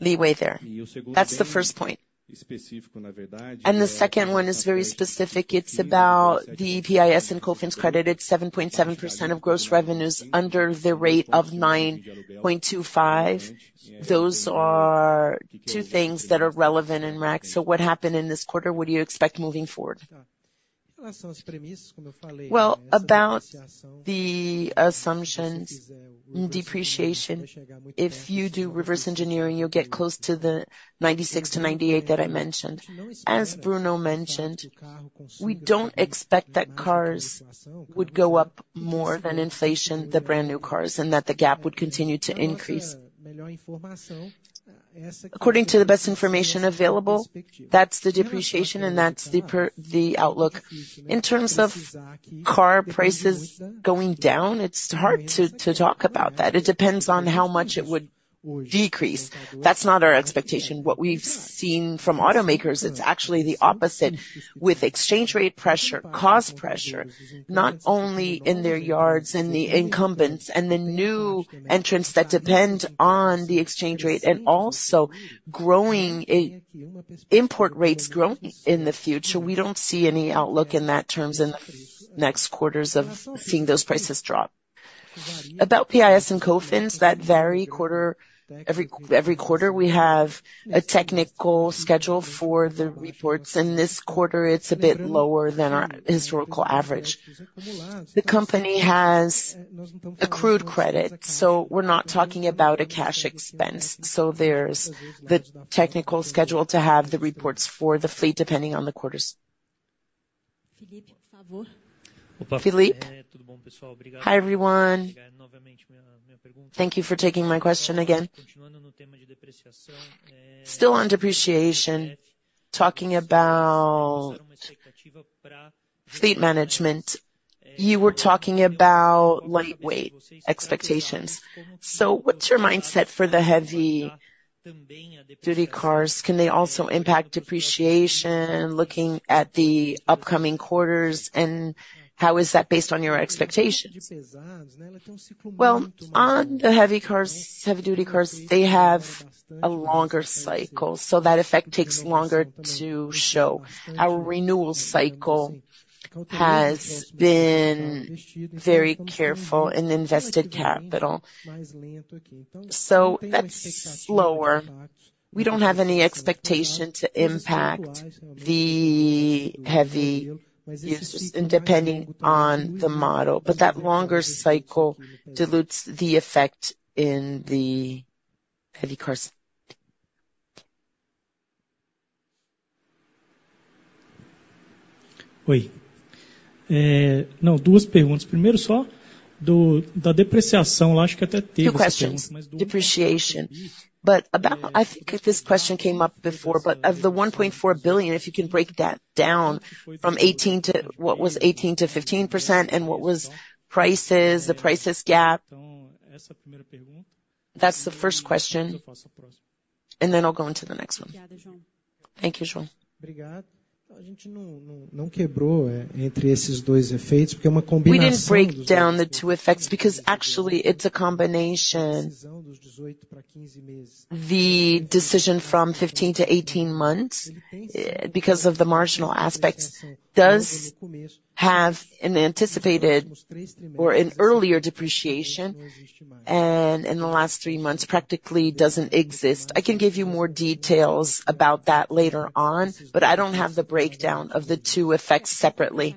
leeway there? That's the first point. And the second one is very specific. It's about the PIS and COFINS credited 7.7% of gross revenues under the rate of 9.25%. Those are two things that are relevant in RAC. So what happened in this quarter? What do you expect moving forward? Well, about the assumptions in depreciation, if you do reverse engineering, you'll get close to the 96-98% that I mentioned. As Bruno mentioned, we don't expect that cars would go up more than inflation, the brand new cars, and that the gap would continue to increase. According to the best information available, that's the depreciation and that's the outlook. In terms of car prices going down, it's hard to talk about that. It depends on how much it would decrease. That's not our expectation. What we've seen from automakers, it's actually the opposite, with exchange rate pressure, cost pressure, not only in their yards and the incumbents and the new entrants that depend on the exchange rate, and also import rates growing in the future, we don't see any outlook in that terms in the next quarters of seeing those prices drop. About PIS and COFINS, that vary quarter. Every quarter, we have a technical schedule for the reports, and this quarter, it's a bit lower than our historical average. The company has accrued credit, so we're not talking about a cash expense. So there's the technical schedule to have the reports for the fleet, depending on the quarters. Philippe? Hi, everyone. Thank you for taking my question again. Still on depreciation, talking about Fleet Management, you were talking about lightweight expectations. So what's your mindset for the heavy-duty cars? Can they also impact depreciation, looking at the upcoming quarters, and how is that based on your expectations? Well, on the heavy cars, heavy-duty cars, they have a longer cycle, so that effect takes longer to show. Our renewal cycle has been very careful in invested capital, so that's slower. We don't have any expectation to impact the heavy users, and depending on the model. But that longer cycle dilutes the effect in the heavy cars. Two questions, depreciation. But about, I think this question came up before, but of the 1.4 billion, if you can break that down from 18 to, what was 18 to 15%, and what was prices, the prices gap? That's the first question, and then I'll go on to the next one. Thank you, João. We didn't break down the two effects because actually it's a combination. The decision from 15 to 18 months, because of the marginal aspect, does have an anticipated or an earlier depreciation, and in the last 3 months, practically doesn't exist. I can give you more details about that later on, but I don't have the breakdown of the two effects separately.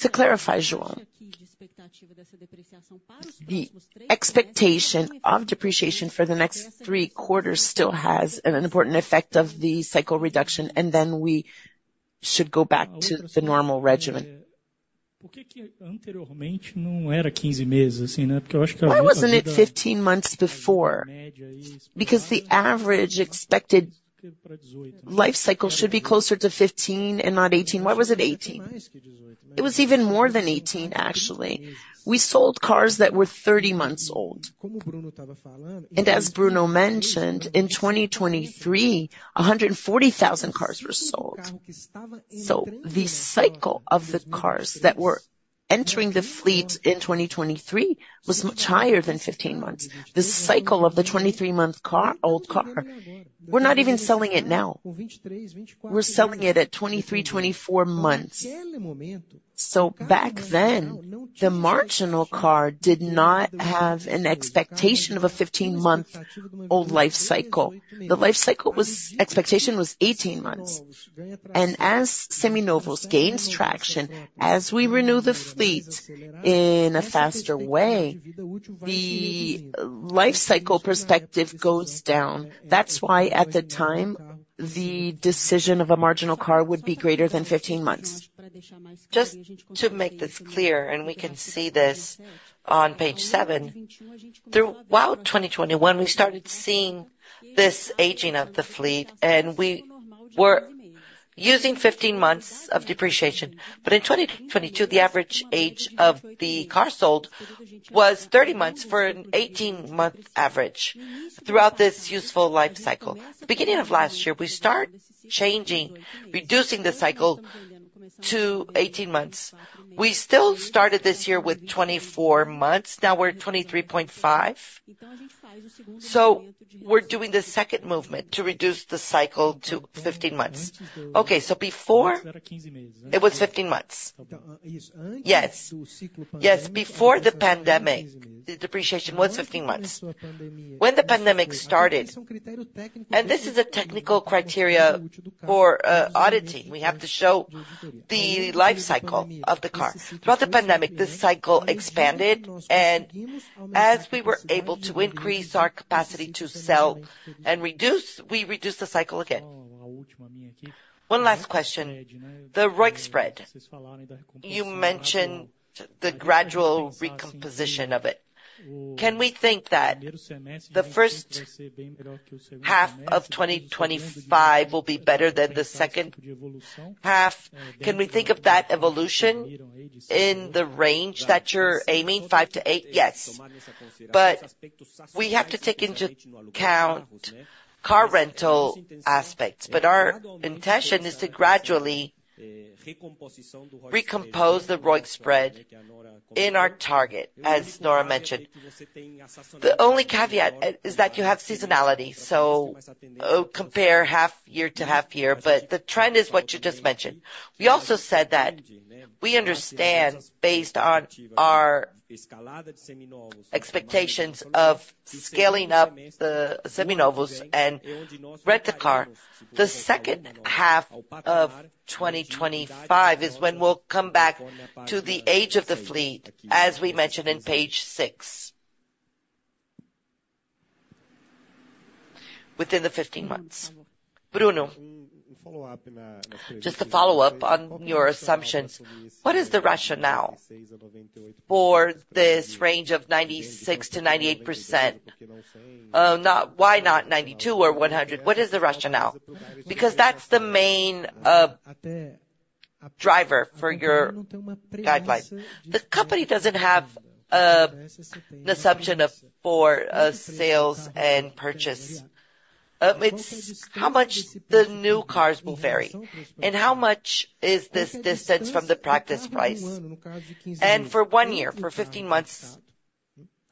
To clarify, João, the expectation of depreciation for the next 3 quarters still has an important effect of the cycle reduction, and then we should go back to the normal regimen. Why wasn't it 15 months before? Because the average expected life cycle should be closer to 15 and not 18. Why was it 18? It was even more than 18, actually. We sold cars that were 30 months old. And as Bruno mentioned, in 2023, 140,000 cars were sold. So the cycle of the cars that were entering the fleet in 2023 was much higher than 15 months. The cycle of the 23-month car, old car, we're not even selling it now. We're selling it at 23, 24 months. So back then, the marginal car did not have an expectation of a 15-month-old life cycle. The life cycle was... Expectation was 18 months. As Seminovos gains traction, as we renew the fleet in a faster way, the life cycle perspective goes down. That's why, at the time-... the decision of a marginal car would be greater than 15 months. Just to make this clear, and we can see this on page 7. Throughout 2021, we started seeing this aging of the fleet, and we were using 15 months of depreciation. But in 2022, the average age of the car sold was 30 months for an 18-month average throughout this useful life cycle. Beginning of last year, we start changing, reducing the cycle to 18 months. We still started this year with 24 months, now we're at 23.5. So we're doing the second movement to reduce the cycle to 15 months. Okay, so before it was 15 months? Yes. Yes, before the pandemic, the depreciation was 15 months. When the pandemic started, and this is a technical criteria for auditing, we have to show the life cycle of the car. Throughout the pandemic, this cycle expanded, and as we were able to increase our capacity to sell and reduce, we reduced the cycle again. One last question. The ROIC spread. You mentioned the gradual recomposition of it. Can we think that the first half of 2025 will be better than the second half? Can we think of that evolution in the range that you're aiming, 5-8? Yes, but we have to take into account car rental aspects. But our intention is to gradually recompose the ROIC spread in our target, as Nora mentioned. The only caveat is that you have seasonality, so compare half year to half year, but the trend is what you just mentioned. We also said that we understand, based on our expectations of scaling up the Seminovos and Rent-a-Car, the second half of 2025 is when we'll come back to the age of the fleet, as we mentioned on page 6. Within the 15 months. Bruno, just a follow-up on your assumption. What is the rationale for this range of 96%-98%? Why not 92 or 100? What is the rationale? Because that's the main driver for your guideline. The company doesn't have an assumption for sales and purchase. It's how much the new cars will vary, and how much is this distance from the list price. And for one year, for 15 months,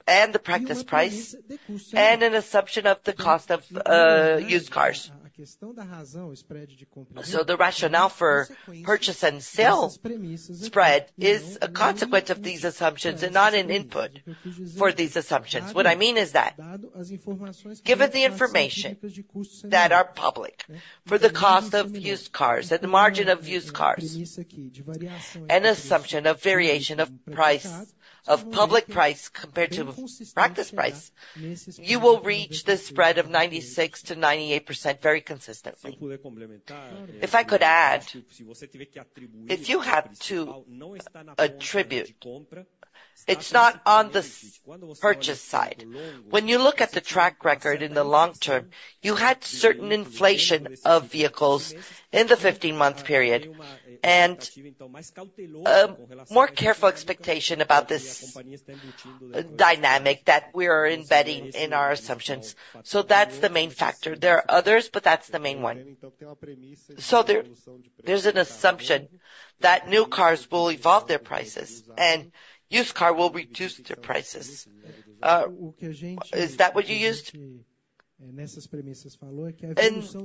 and the list price, and an assumption of the cost of used cars. So the rationale for purchase and sale spread is a consequence of these assumptions, and not an input for these assumptions. What I mean is that, given the information that are public for the cost of used cars and the margin of used cars, and assumption of variation of price, of public price compared to practice price, you will reach the spread of 96%-98% very consistently. If I could add, if you had to attribute, it's not on the purchase side. When you look at the track record in the long term, you had certain inflation of vehicles in the 15-month period, and more careful expectation about this dynamic that we are embedding in our assumptions. So that's the main factor. There are others, but that's the main one. So there, there's an assumption that new cars will evolve their prices and used car will reduce their prices. Is that what you used? And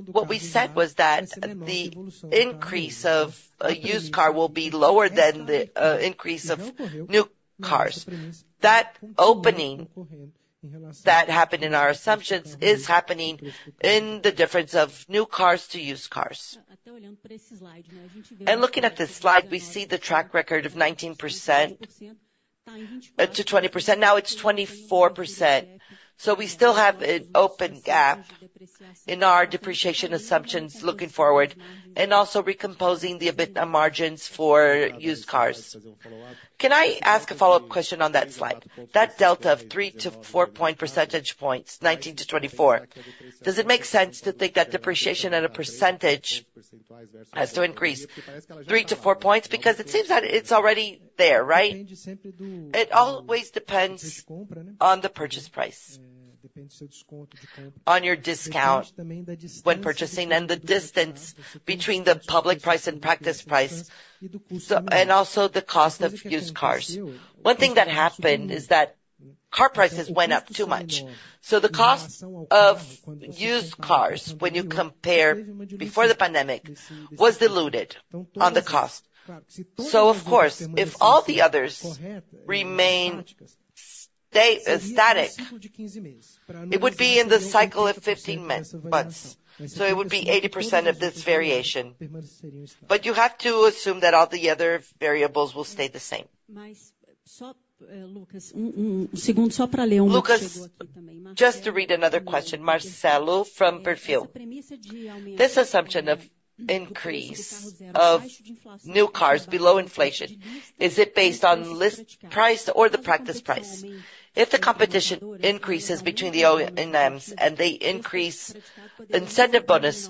what we said was that the increase of a used car will be lower than the increase of new cars. That opening that happened in our assumptions is happening in the difference of new cars to used cars. And looking at this slide, we see the track record of 19%-20%. Now, it's 24%. So we still have an open gap in our depreciation assumptions looking forward, and also recomposing the EBITDA margins for used cars. Can I ask a follow-up question on that slide? That delta of 3- to 4-point percentage points, 19-24. Does it make sense to think that depreciation at a percentage has to increase 3-4 points? Because it seems that it's already there, right? It always depends on the purchase price, on your discount when purchasing, and the distance between the public price and practice price, so, and also the cost of used cars. One thing that happened is that car prices went up too much. So the cost of used cars, when you compare before the pandemic, was diluted on the cost. So of course, if all the others remained static, it would be in the cycle of 15 months. So it would be 80% of this variation. But you have to assume that all the other variables will stay the same... Só, Lucas, um segundo só pra ler uma que chegou aqui também. Lucas, just to read another question, Marcelo from Perfin. This assumption of increase of new cars below inflation, is it based on list price or the practice price? If the competition increases between the OEMs and they increase incentive bonus,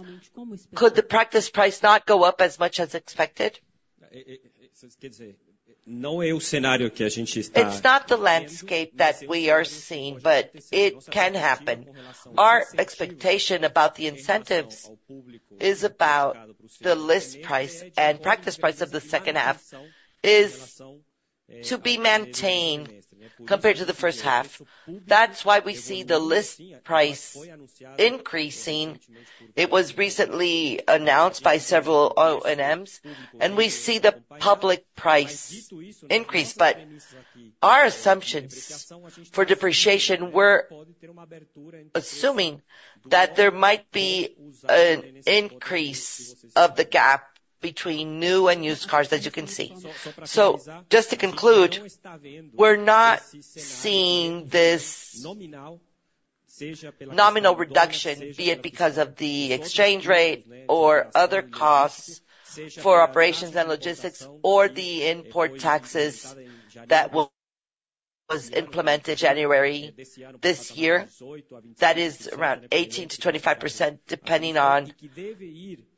could the practice price not go up as much as expected? It's not the landscape that we are seeing, but it can happen. Our expectation about the incentives is about the list price and practice price of the second half is to be maintained compared to the first half. That's why we see the list price increasing. It was recently announced by several OEMs, and we see the public price increase. But our assumptions for depreciation, we're assuming that there might be an increase of the gap between new and used cars, as you can see. So just to conclude, we're not seeing this nominal reduction, be it because of the exchange rate or other costs for operations and logistics, or the import taxes that was implemented January this year. That is around 18%-25%, depending on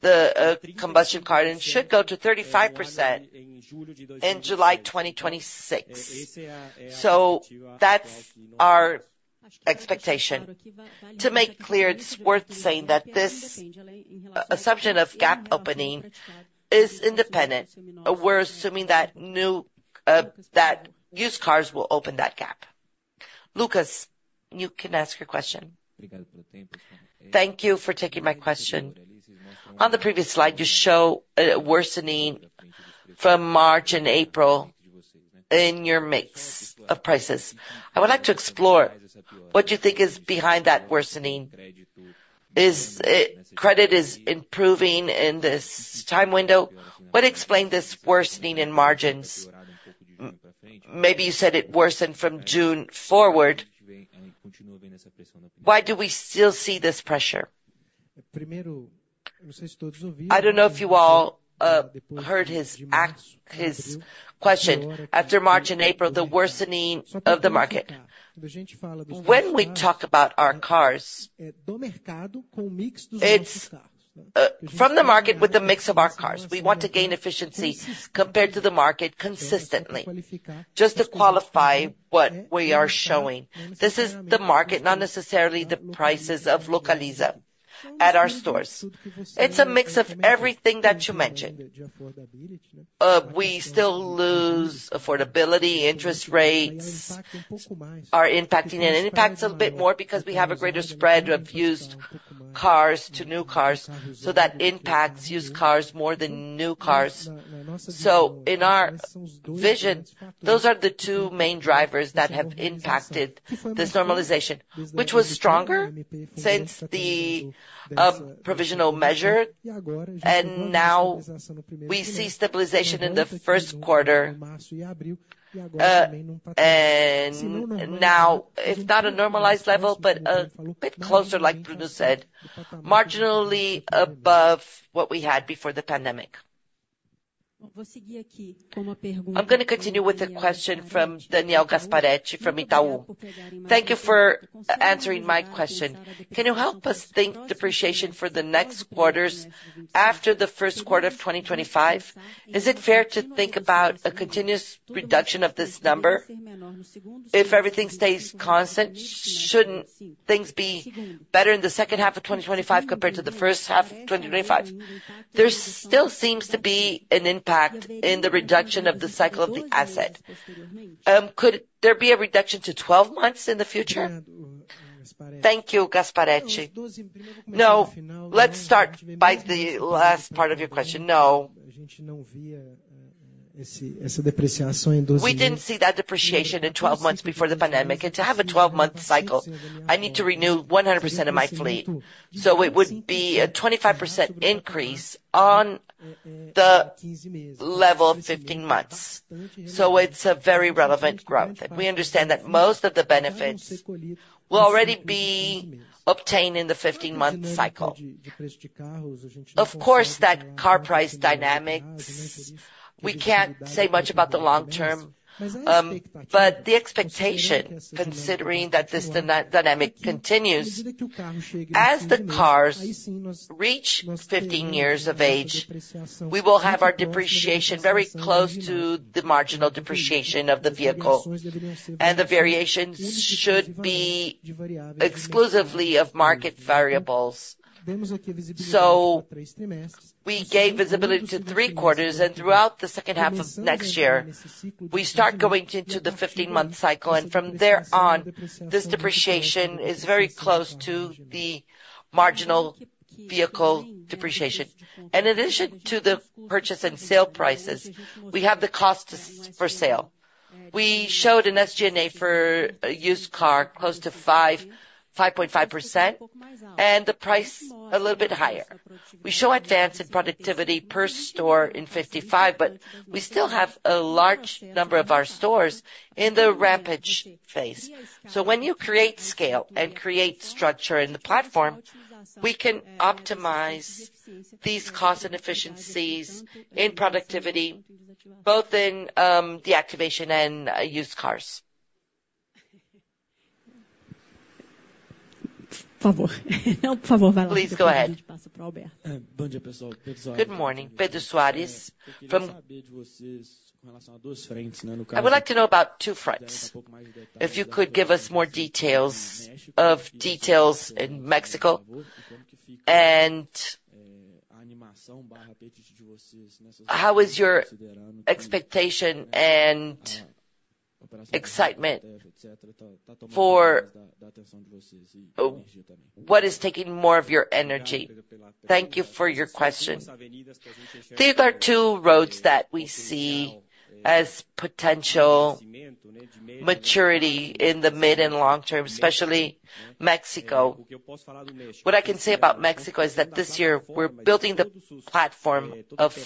the combustion car, and should go to 35% in July 2026. So that's our expectation. To make clear, it's worth saying that this assumption of gap opening is independent. We're assuming that new, that used cars will open that gap. Lucas, you can ask your question. Thank you for taking my question. On the previous slide, you show a worsening from March and April in your mix of prices. I would like to explore what you think is behind that worsening. Is credit is improving in this time window? What explained this worsening in margins? Maybe you said it worsened from June forward. Why do we still see this pressure? I don't know if you all heard his question. After March and April, the worsening of the market. When we talk about our cars, it's from the market with the mix of our cars. We want to gain efficiency compared to the market consistently. Just to qualify what we are showing, this is the market, not necessarily the prices of Localiza at our stores. It's a mix of everything that you mentioned. We still lose affordability, interest rates are impacting, and it impacts a bit more because we have a greater spread of used cars to new cars, so that impacts used cars more than new cars. So in our vision, those are the two main drivers that have impacted this normalization, which was stronger since the provisional measure, and now we see stabilization in the first quarter. Now it's not a normalized level, but a bit closer, like Bruno said, marginally above what we had before the pandemic. I'm gonna continue with a question from Daniel Gasparetti, from Itaú. Thank you for answering my question. Can you help us think depreciation for the next quarters after the first quarter of 2025? Is it fair to think about a continuous reduction of this number? If everything stays constant, shouldn't things be better in the second half of 2025 compared to the first half of 2025? There still seems to be an impact in the reduction of the cycle of the asset. Could there be a reduction to 12 months in the future? Thank you, Gasparetti. No, let's start by the last part of your question. No. We didn't see that depreciation in 12 months before the pandemic. And to have a 12-month cycle, I need to renew 100% of my fleet, so it would be a 25% increase on the level of 15 months. So it's a very relevant growth, and we understand that most of the benefits will already be obtained in the 15-month cycle. Of course, that car price dynamics, we can't say much about the long term, but the expectation, considering that this dynamic continues, as the cars reach 15 years of age, we will have our depreciation very close to the marginal depreciation of the vehicle, and the variations should be exclusively of market variables. So we gave visibility to three quarters, and throughout the second half of next year, we start going into the 15-month cycle, and from there on, this depreciation is very close to the marginal vehicle depreciation. In addition to the purchase and sale prices, we have the cost to sell for sale. We showed an SG&A for a used car close to 5.5% and the price a little bit higher. We show advance in productivity per store in 55, but we still have a large number of our stores in the ramp-up phase. So when you create scale and create structure in the platform, we can optimize these costs and efficiencies in productivity, both in deactivation and used cars. Please go ahead. Good morning, Pedro Soares from- I would like to know about two fronts. If you could give us more details of details in Mexico and how is your expectation and excitement for what is taking more of your energy? Thank you for your question. These are two roads that we see as potential maturity in the mid and long term, especially Mexico. What I can say about Mexico is that this year we're building the platform of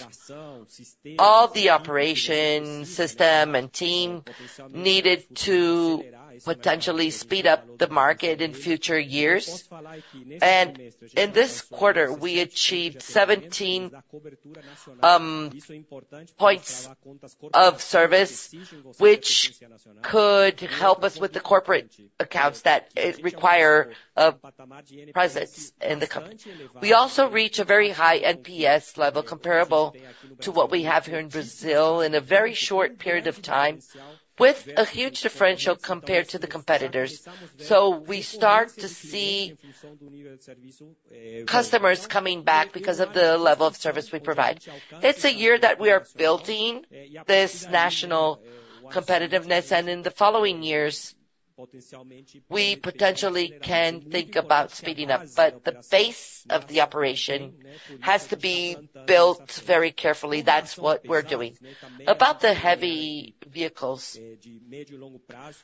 all the operation, system, and team needed to potentially speed up the market in future years. And in this quarter, we achieved 17 points of service, which could help us with the corporate accounts that it require a presence in the company. We also reach a very high NPS level, comparable to what we have here in Brazil, in a very short period of time, with a huge differential compared to the competitors. So we start to see customers coming back because of the level of service we provide. It's a year that we are building this national competitiveness, and in the following years, we potentially can think about speeding up, but the base of the operation has to be built very carefully. That's what we're doing. About the heavy vehicles,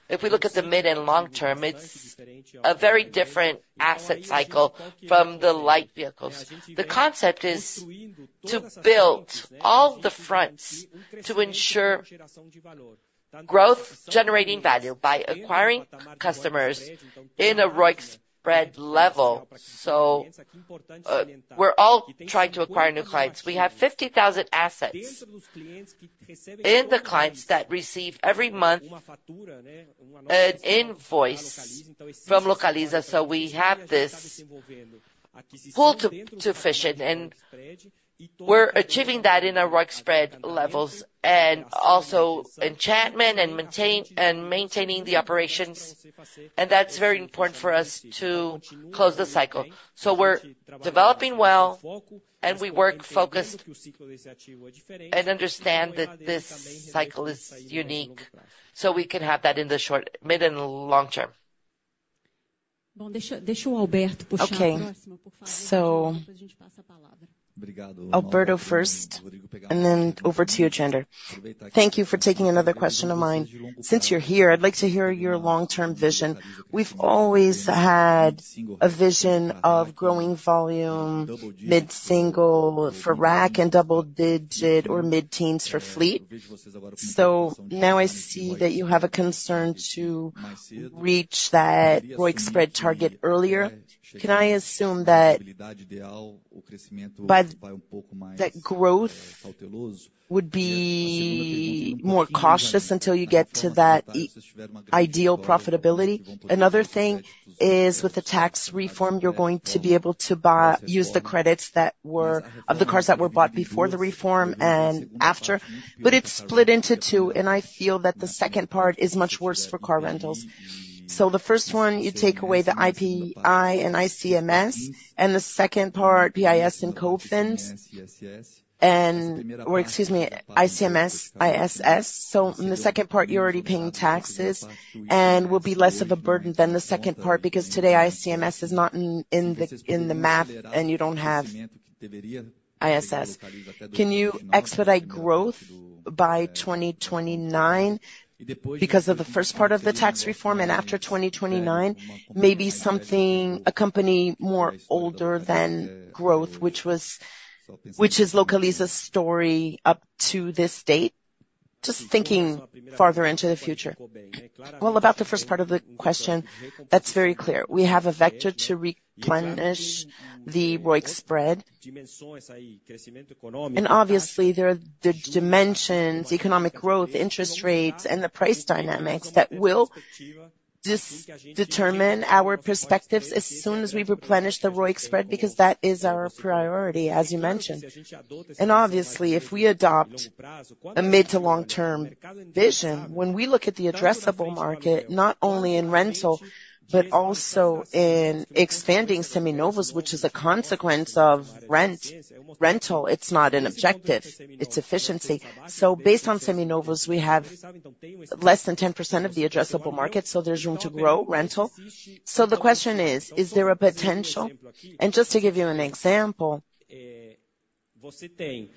if we look at the mid and long term, it's a very different asset cycle from the light vehicles. The concept is to build all the fronts to ensure growth, generating value by acquiring customers in a ROIC spread level. So, we're all trying to acquire new clients. We have 50,000 assets in the clients that receive every month an invoice from Localiza, so we have this pull to efficient, and we're achieving that in our ROIC spread levels and also enhancement and maintaining the operations, and that's very important for us to close the cycle. So we're developing well, and we work focused, and understand that this cycle is unique, so we can have that in the short, mid, and long term. Okay, so Alberto first, and then over to you, Jander. Thank you for taking another question of mine. Since you're here, I'd like to hear your long-term vision. We've always had a vision of growing volume, mid-single for rack and double digit or mid-teens for fleet. So now I see that you have a concern to reach that ROIC spread target earlier. Can I assume that by that growth would be more cautious until you get to that ideal profitability? Another thing is, with the tax reform, you're going to be able to buy-- use the credits that were-- of the cars that were bought before the reform and after, but it's split into two, and I feel that the second part is much worse for car rentals. So the first one, you take away the IPI and ICMS, and the second part, PIS and COFINS, and... Or excuse me, ICMS, ISS. So in the second part, you're already paying taxes and will be less of a burden than the second part, because today, ICMS is not in the math, and you don't have ISS. Can you expedite growth by 2029 because of the first part of the tax reform and after 2029, maybe something, a company more older than growth, which is Localiza's story up to this date? Just thinking farther into the future. Well, about the first part of the question, that's very clear. We have a vector to replenish the ROIC spread. And obviously, there are the dimensions, economic growth, interest rates, and the price dynamics that will determine our perspectives as soon as we replenish the ROIC spread, because that is our priority, as you mentioned. And obviously, if we adopt a mid- to long-term vision, when we look at the addressable market, not only in rental, but also in expanding seminovos, which is a consequence of rent, rental, it's not an objective, it's efficiency. So based on seminovos, we have less than 10% of the addressable market, so there's room to grow rental. So the question is: Is there a potential? And just to give you an example, we see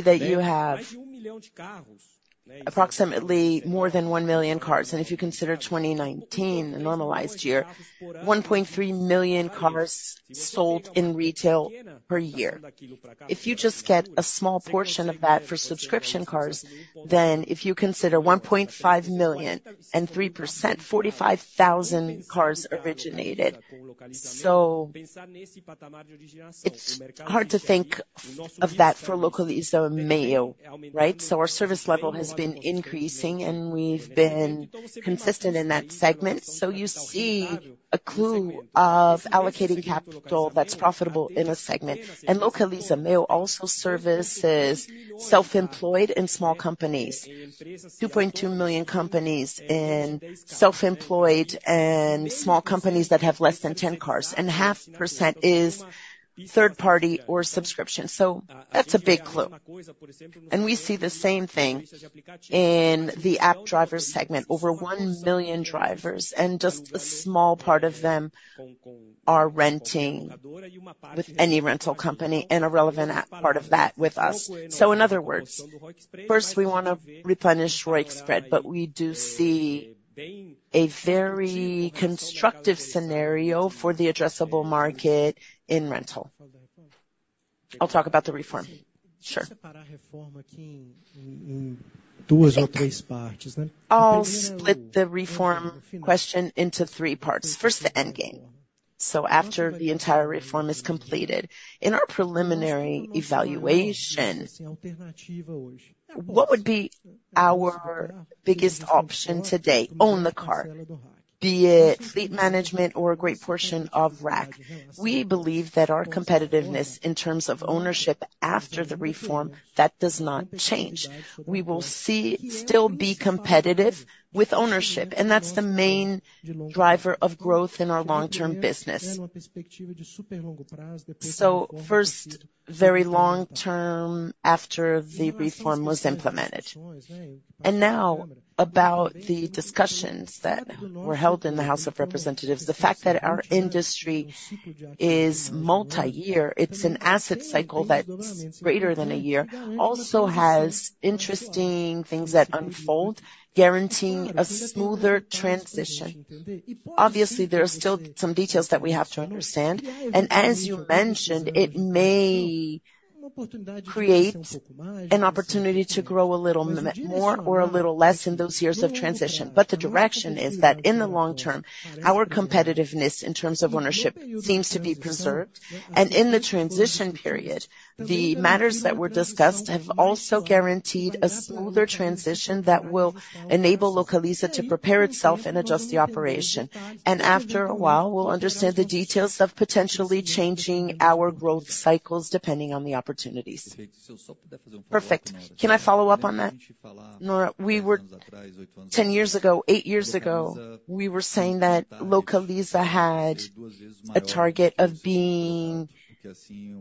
that you have-... approximately more than 1 million cars. If you consider 2019, a normalized year, 1.3 million cars sold in retail per year. If you just get a small portion of that for subscription cars, then if you consider 1.5 million and 3%, 45,000 cars originated. So it's hard to think of that for Localiza Meoo, right? So our service level has been increasing, and we've been consistent in that segment. So you see a clue of allocating capital that's profitable in a segment. And Localiza Meoo also services self-employed and small companies. 2.2 million companies in self-employed and small companies that have less than 10 cars, and 0.5% is third party or subscription. So that's a big clue. And we see the same thing in the app driver segment. Over 1 million drivers, and just a small part of them are renting with any rental company, and a relevant app part of that with us. In other words, first, we wanna replenish our spread, but we do see a very constructive scenario for the addressable market in rental. I'll talk about the reform. Sure. I'll split the reform question into three parts. First, the end game. After the entire reform is completed, in our preliminary evaluation, what would be our biggest option today? Own the car, be it Fleet Management or a great portion of RAC. We believe that our competitiveness in terms of ownership after the reform, that does not change. We will see, still be competitive with ownership, and that's the main driver of growth in our long-term business. First, very long term after the reform was implemented. And now about the discussions that were held in the House of Representatives, the fact that our industry is multi-year, it's an asset cycle that's greater than a year, also has interesting things that unfold, guaranteeing a smoother transition. Obviously, there are still some details that we have to understand, and as you mentioned, it may create an opportunity to grow a little more or a little less in those years of transition. But the direction is that in the long term, our competitiveness in terms of ownership seems to be preserved, and in the transition period, the matters that were discussed have also guaranteed a smoother transition that will enable Localiza to prepare itself and adjust the operation. And after a while, we'll understand the details of potentially changing our growth cycles, depending on the opportunities. Perfect. Can I follow up on that? Nora, we were—10 years ago, 8 years ago, we were saying that Localiza had a target of being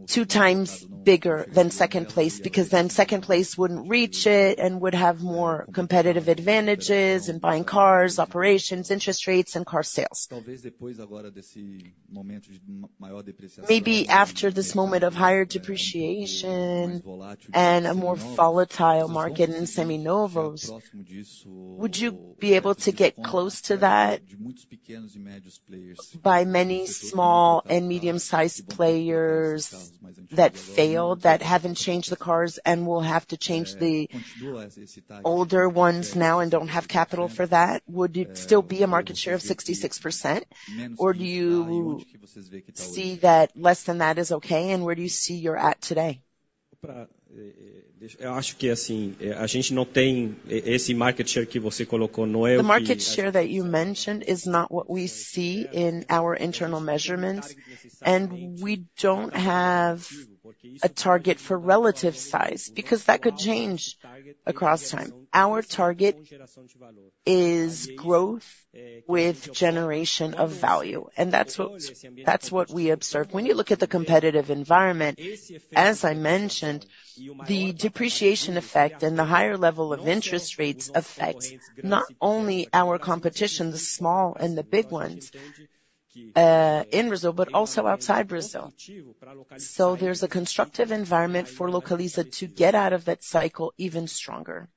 2 times bigger than second place, because then second place wouldn't reach it and would have more competitive advantages in buying cars, operations, interest rates, and car sales. Maybe after this moment of higher depreciation and a more volatile market in seminovos, would you be able to get close to that by many small and medium-sized players that failed, that haven't changed the cars and will have to change the older ones now and don't have capital for that? Would you still be a market share of 66%, or do you see that less than that is okay, and where do you see you're at today? The market share that you mentioned is not what we see in our internal measurements, and we don't have a target for relative size, because that could change across time. Our target is growth with generation of value, and that's what, that's what we observe. When you look at the competitive environment, as I mentioned, the depreciation effect and the higher level of interest rates affects not only our competition, the small and the big ones, in Brazil, but also outside Brazil. So there's a constructive environment for Localiza to get out of that cycle even stronger.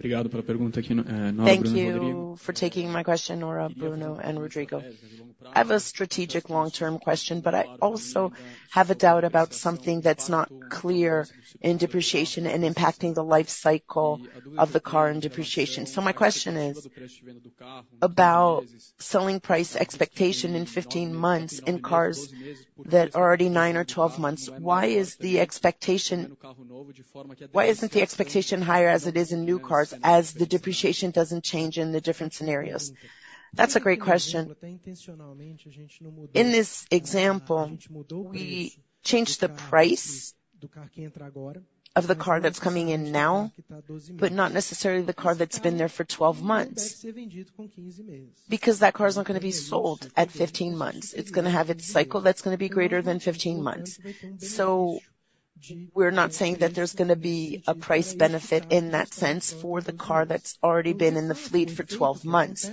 Thank you for taking my question, Nora, Bruno, and Rodrigo. I have a strategic long-term question, but I also have a doubt about something that's not clear in depreciation and impacting the life cycle of the car and depreciation. So my question is, about selling price expectation in 15 months in cars that are already 9 or 12 months, why is the expectation-- why isn't the expectation higher as it is in new cars, as the depreciation doesn't change in the different scenarios? That's a great question. In this example, we changed the price of the car that's coming in now, but not necessarily the car that's been there for 12 months, because that car is not gonna be sold at 15 months. It's gonna have its cycle that's gonna be greater than 15 months. So-... we're not saying that there's gonna be a price benefit in that sense for the car that's already been in the fleet for 12 months.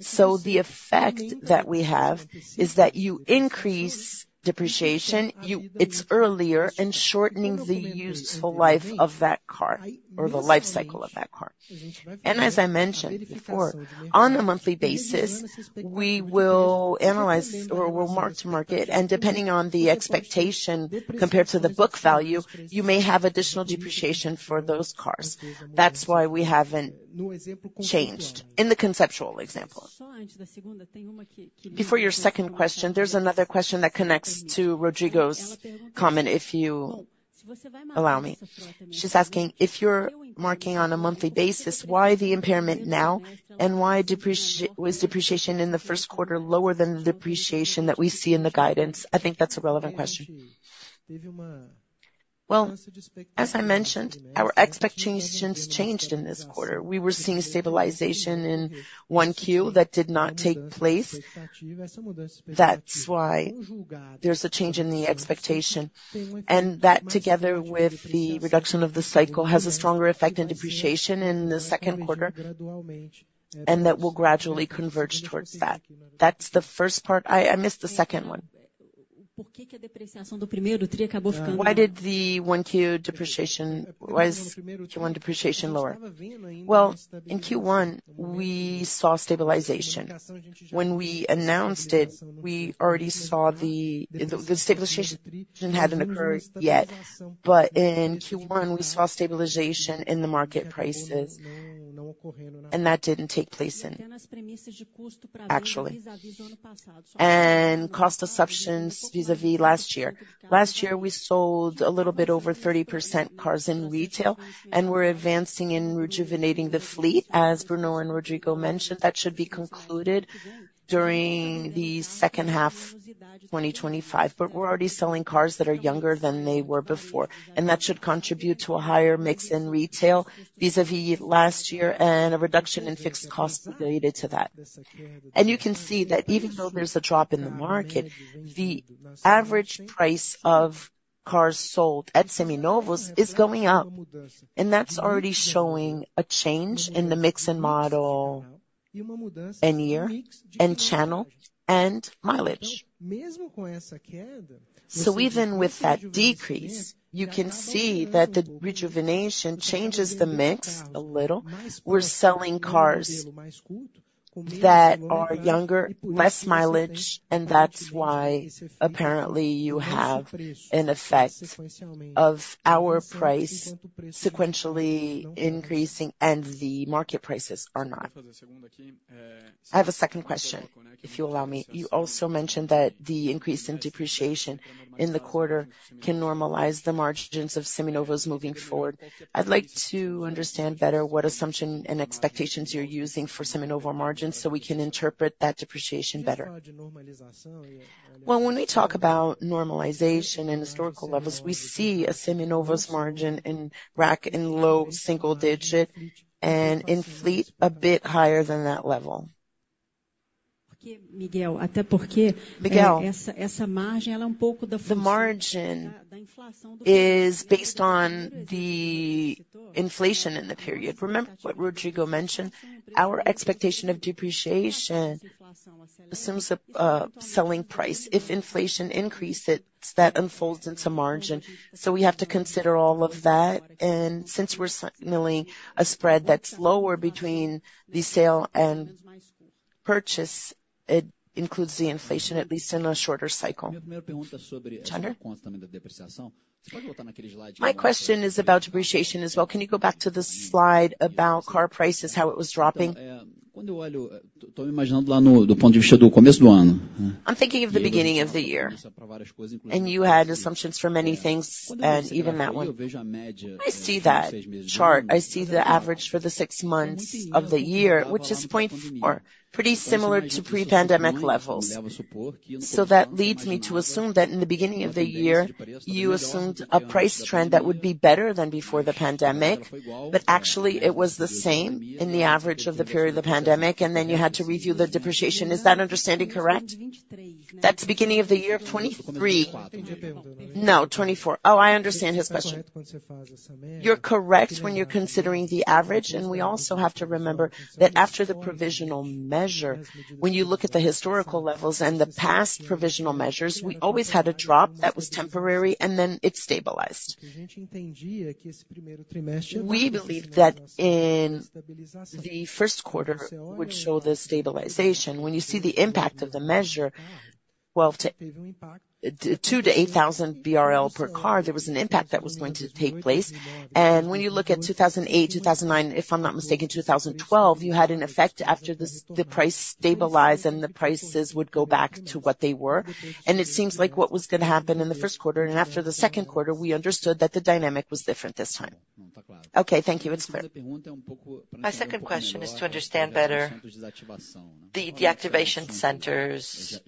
So the effect that we have is that you increase depreciation, it's earlier and shortening the useful life of that car or the life cycle of that car. And as I mentioned before, on a monthly basis, we will analyze or we'll mark to market, and depending on the expectation, compared to the book value, you may have additional depreciation for those cars. That's why we haven't changed in the conceptual example. Before your second question, there's another question that connects to Rodrigo's comment, if you allow me. She's asking: if you're marking on a monthly basis, why the impairment now? And why was depreciation in the first quarter lower than the depreciation that we see in the guidance? I think that's a relevant question. Well, as I mentioned, our expectations changed in this quarter. We were seeing stabilization in 1Q that did not take place. That's why there's a change in the expectation, and that, together with the reduction of the cycle, has a stronger effect in depreciation in the second quarter, and that will gradually converge towards that. That's the first part. I, I missed the second one. Why did the Q1 depreciation—why is Q1 depreciation lower? Well, in Q1, we saw stabilization. When we announced it, we already saw the... The, the stabilization hadn't occurred yet, but in Q1, we saw stabilization in the market prices, and that didn't take place, actually. And cost assumptions vis-à-vis last year. Last year, we sold a little bit over 30% cars in retail, and we're advancing in rejuvenating the fleet, as Bruno and Rodrigo mentioned. That should be concluded during the second half of 2025, but we're already selling cars that are younger than they were before, and that should contribute to a higher mix in retail vis-à-vis last year and a reduction in fixed costs related to that. You can see that even though there's a drop in the market, the average price of cars sold at Seminovos is going up, and that's already showing a change in the mix and model and year and channel and mileage. So even with that decrease, you can see that the rejuvenation changes the mix a little. We're selling cars that are younger, less mileage, and that's why apparently you have an effect of our price sequentially increasing and the market prices are not. I have a second question, if you allow me. You also mentioned that the increase in depreciation in the quarter can normalize the margins of Seminovos moving forward. I'd like to understand better what assumption and expectations you're using for Seminovos margins, so we can interpret that depreciation better. Well, when we talk about normalization in historical levels, we see a Seminovos margin in RAC in low single digit and in fleet a bit higher than that level. Miguel, the margin is based on the inflation in the period. Remember what Rodrigo mentioned, our expectation of depreciation assumes a selling price. If inflation increased, it, that unfolds into margin. So we have to consider all of that, and since we're signaling a spread that's lower between the sale and purchase, it includes the inflation, at least in a shorter cycle. Chandler? My question is about depreciation as well. Can you go back to the slide about car prices, how it was dropping? I'm thinking of the beginning of the year, and you had assumptions for many things, and even that one. I see that chart. I see the average for the six months of the year, which is 0.4 or pretty similar to pre-pandemic levels. So that leads me to assume that in the beginning of the year, you assumed a price trend that would be better than before the pandemic, but actually it was the same in the average of the period of the pandemic, and then you had to review the depreciation. Is that understanding correct? That's the beginning of the year 2023. No, twenty-four. Oh, I understand his question. You're correct when you're considering the average, and we also have to remember that after the provisional measure, when you look at the historical levels and the past provisional measures, we always had a drop that was temporary, and then it stabilized. We believe that in the first quarter, which show the stabilization, when you see the impact of the measure, well, two to eight thousand BRL per car, there was an impact that was going to take place. And when you look at 2008, 2009, if I'm not mistaken, 2012, you had an effect after the price stabilized and the prices would go back to what they were. It seems like what was gonna happen in the first quarter, and after the second quarter, we understood that the dynamic was different this time. Okay, thank you. It's clear. My second question is to understand better the deactivation centers.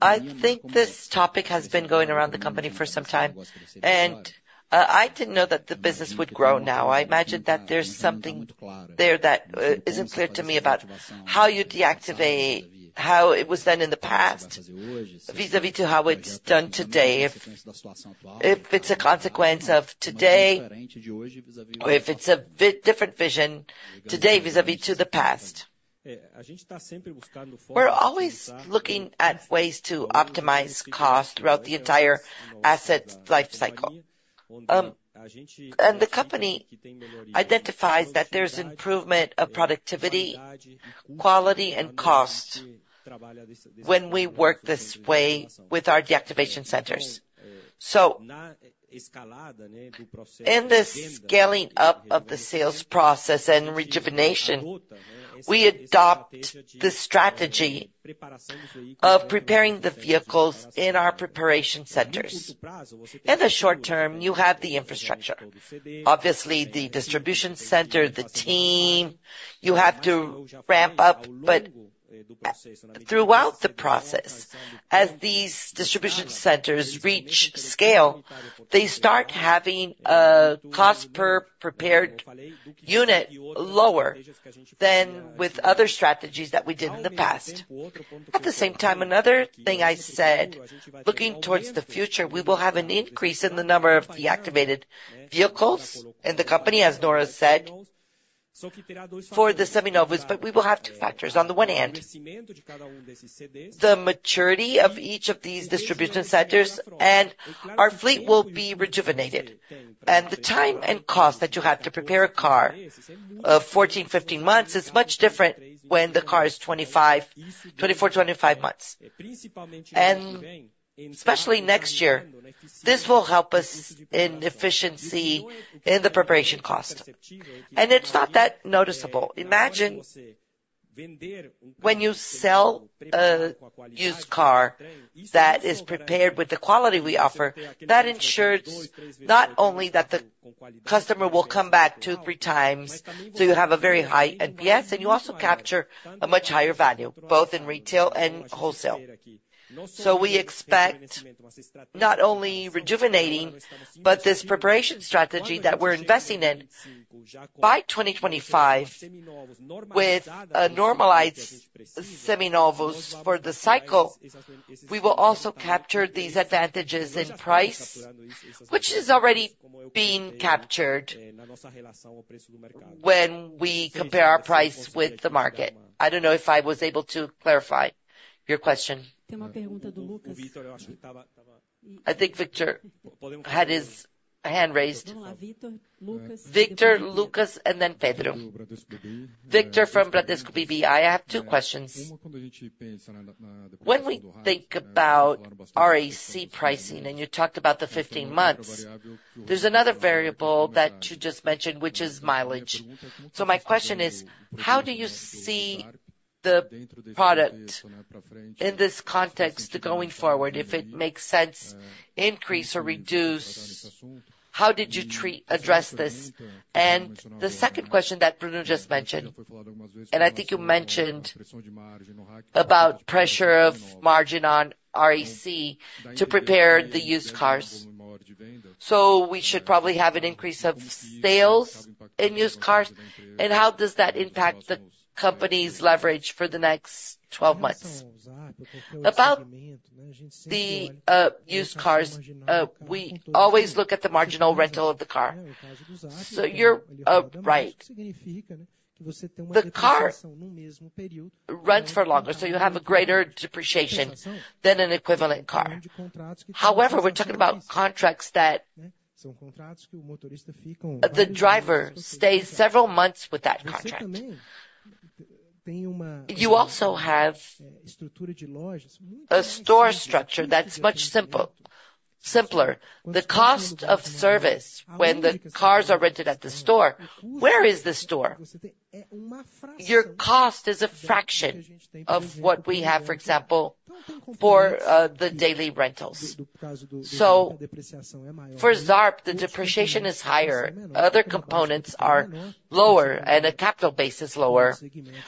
I think this topic has been going around the company for some time, and I didn't know that the business would grow now. I imagine that there's something there that isn't clear to me about how you deactivate, how it was done in the past, vis-à-vis to how it's done today, if, if it's a consequence of today, or if it's a different vision today, vis-à-vis to the past... We're always looking at ways to optimize costs throughout the entire asset life cycle. And the company identifies that there's improvement of productivity, quality, and cost when we work this way with our deactivation centers. So in the scaling up of the sales process and rejuvenation, we adopt the strategy of preparing the vehicles in our preparation centers. In the short term, you have the infrastructure, obviously, the distribution center, the team, you have to ramp up. But throughout the process, as these distribution centers reach scale, they start having a cost per prepared unit lower than with other strategies that we did in the past. At the same time, another thing I said, looking towards the future, we will have an increase in the number of deactivated vehicles in the company, as Nora said, for the Seminovos, but we will have two factors. On the one hand, the maturity of each of these distribution centers, and our fleet will be rejuvenated. And the time and cost that you have to prepare a car of 14, 15 months is much different when the car is 25-24, 25 months. And especially next year, this will help us in efficiency in the preparation cost, and it's not that noticeable. Imagine when you sell a used car that is prepared with the quality we offer, that ensures not only that the customer will come back two, three times, so you have a very high NPS, and you also capture a much higher value, both in retail and wholesale. So we expect not only rejuvenating, but this preparation strategy that we're investing in by 2025, with a normalized Seminovos for the cycle, we will also capture these advantages in price, which is already being captured when we compare our price with the market. I don't know if I was able to clarify your question. I think Victor had his hand raised. Victor, Lucas, and then Pedro. Victor from Bradesco BBI. I have two questions. When we think about RAC pricing, and you talked about the 15 months, there's another variable that you just mentioned, which is mileage. So my question is: how do you see the product in this context going forward, if it makes sense, increase or reduce? How did you address this? And the second question that Bruno just mentioned, and I think you mentioned about pressure of margin on RAC to prepare the used cars. So we should probably have an increase of sales in used cars, and how does that impact the company's leverage for the next 12 months? About the used cars, we always look at the marginal rental of the car. So you're right. The car runs for longer, so you have a greater depreciation than an equivalent car. However, we're talking about contracts that the driver stays several months with that contract. You also have a store structure that's much simpler. The cost of service when the cars are rented at the store, where is the store? Your cost is a fraction of what we have, for example, for the daily rentals. So for Zarp, the depreciation is higher, other components are lower, and the capital base is lower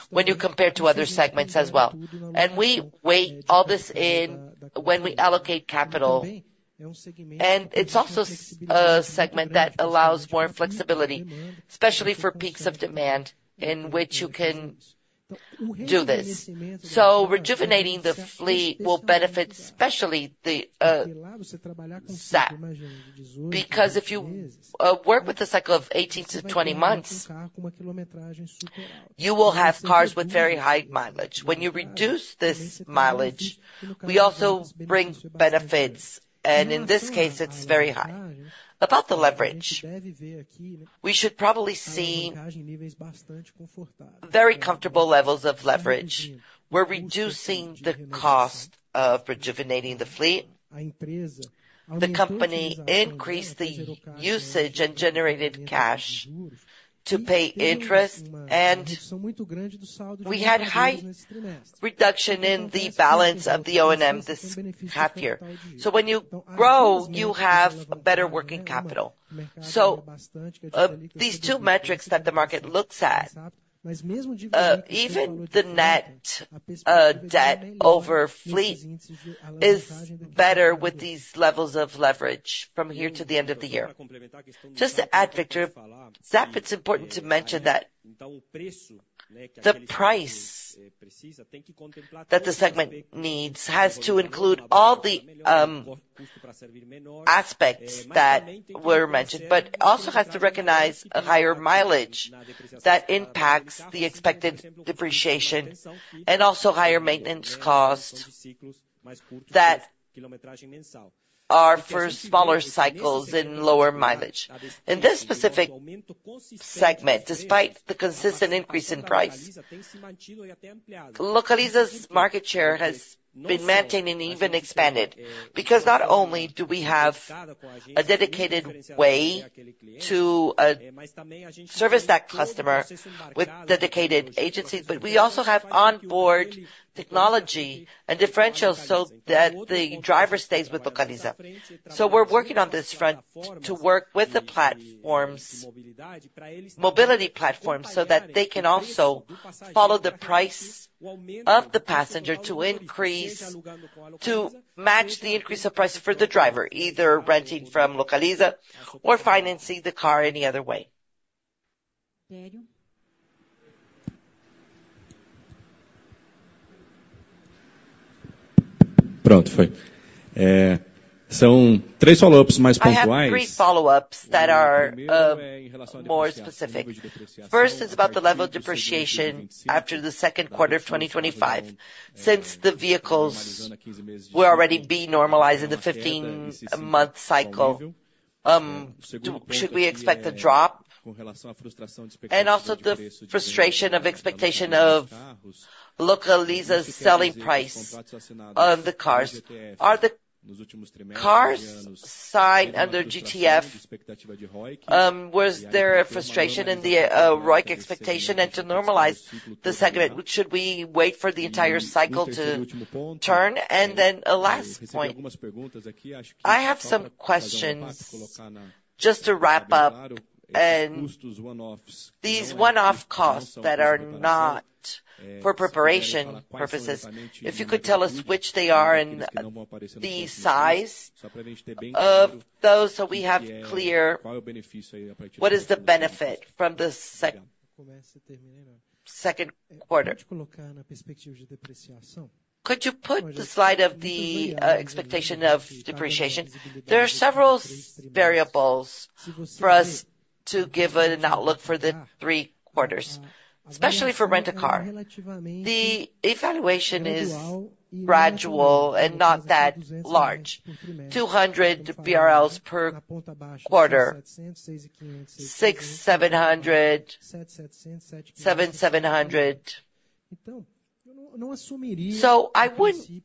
when you compare to other segments as well. And we weigh all this in when we allocate capital, and it's also a segment that allows more flexibility, especially for peaks of demand in which you can do this. So rejuvenating the fleet will benefit, especially the Zarp, because if you work with a cycle of 18-20 months, you will have cars with very high mileage. When you reduce this mileage, we also bring benefits, and in this case, it's very high. About the leverage, we should probably see very comfortable levels of leverage. We're reducing the cost of rejuvenating the fleet. The company increased the usage and generated cash to pay interest, and we had high reduction in the balance of the OEM this half year. So when you grow, you have a better working capital. So, these two metrics that the market looks at, even the net debt over fleet is better with these levels of leverage from here to the end of the year. Just to add, Victor, ZarP, it's important to mention that the price, the price that the segment needs has to include all the aspects that were mentioned, but also has to recognize a higher mileage that impacts the expected depreciation and also higher maintenance cost that are for smaller cycles and lower mileage. In this specific segment, despite the consistent increase in price, Localiza's market share has been maintained and even expanded. Because not only do we have a dedicated way to service that customer with dedicated agencies, but we also have onboard technology and differentials so that the driver stays with Localiza. So we're working on this front to work with the platforms, mobility platforms, so that they can also follow the price of the passenger to increase - to match the increase of price for the driver, either renting from Localiza or financing the car any other way. I have three follow-ups that are more specific. First is about the level of depreciation after the second quarter of 2025, since the vehicles will already be normalized in the 15-month cycle. Should we expect a drop? And also the frustration of expectation of Localiza's selling price of the cars. Are the cars signed under GTF, was there a frustration in the ROIC expectation and to normalize the segment? Should we wait for the entire cycle to turn? And then a last point. I have some questions just to wrap up, and these one-off costs that are not for preparation purposes. If you could tell us which they are and the size of those, so we have clear what is the benefit from the second quarter. Could you put the slide of the expectation of depreciation? There are several variables for us to give an outlook for the three quarters, especially for rent a car. The evaluation is gradual and not that large. 200 BRL per quarter, 600-700, 700, 700. So I wouldn't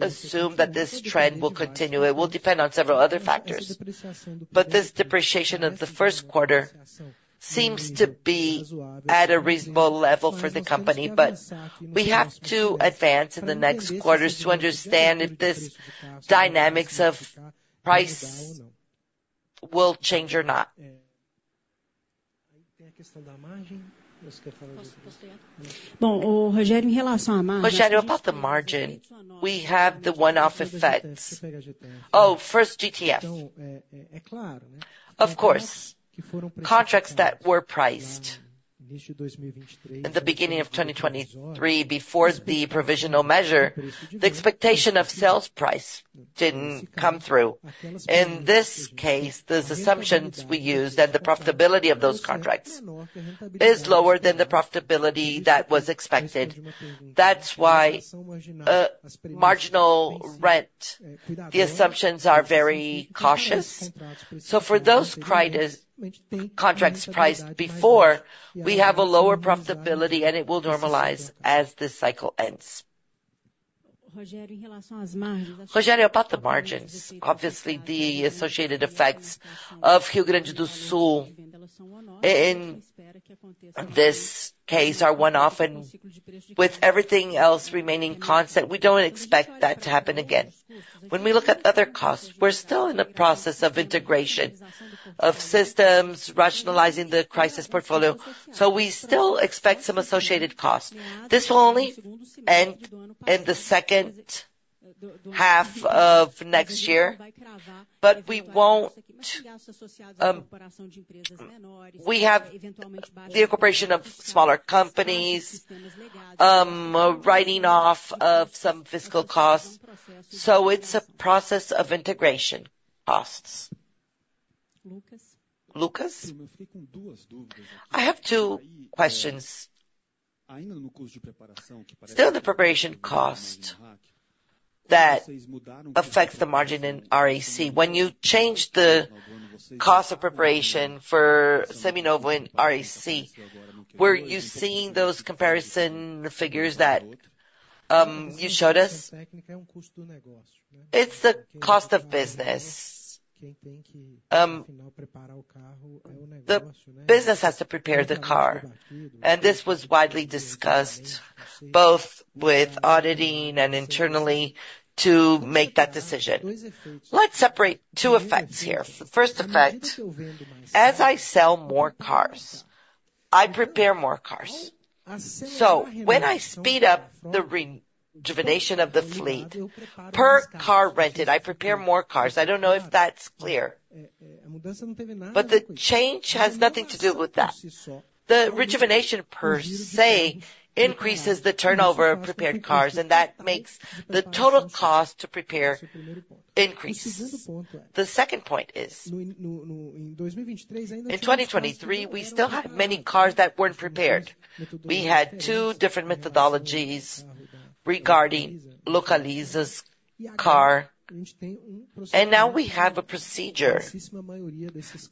assume that this trend will continue. It will depend on several other factors, but this depreciation of the first quarter seems to be at a reasonable level for the company, but we have to advance in the next quarters to understand if this dynamics of price will change or not. Rogério, about the margin, we have the one-off effects. Oh, first, GTF. Of course, contracts that were priced at the beginning of 2023 before the provisional measure, the expectation of sales price didn't come through. In this case, those assumptions we used and the profitability of those contracts is lower than the profitability that was expected. That's why, marginal rent, the assumptions are very cautious. So for those contracts priced before, we have a lower profitability, and it will normalize as this cycle ends. Rogério, about the margins, obviously, the associated effects of Rio Grande do Sul, in this case, are one-off, and with everything else remaining constant, we don't expect that to happen again. When we look at other costs, we're still in the process of integration of systems, rationalizing the crisis portfolio, so we still expect some associated costs. This will only end in the second half of next year, but we won't... We have the incorporation of smaller companies, writing off of some fiscal costs, so it's a process of integration costs. Lucas? I have two questions. Still, the preparation cost that affects the margin in RAC. When you changed the cost of preparation for Seminovos in RAC, were you seeing those comparison figures that, you showed us? It's the cost of business. The business has to prepare the car, and this was widely discussed, both with auditing and internally, to make that decision. Let's separate two effects here. First effect, as I sell more cars, I prepare more cars. So when I speed up the rejuvenation of the fleet. Per car rented, I prepare more cars. I don't know if that's clear. But the change has nothing to do with that. The rejuvenation per se, increases the turnover of prepared cars, and that makes the total cost to prepare increase. The second point is, in 2023, we still had many cars that weren't prepared. We had two different methodologies regarding Localiza's car, and now we have a procedure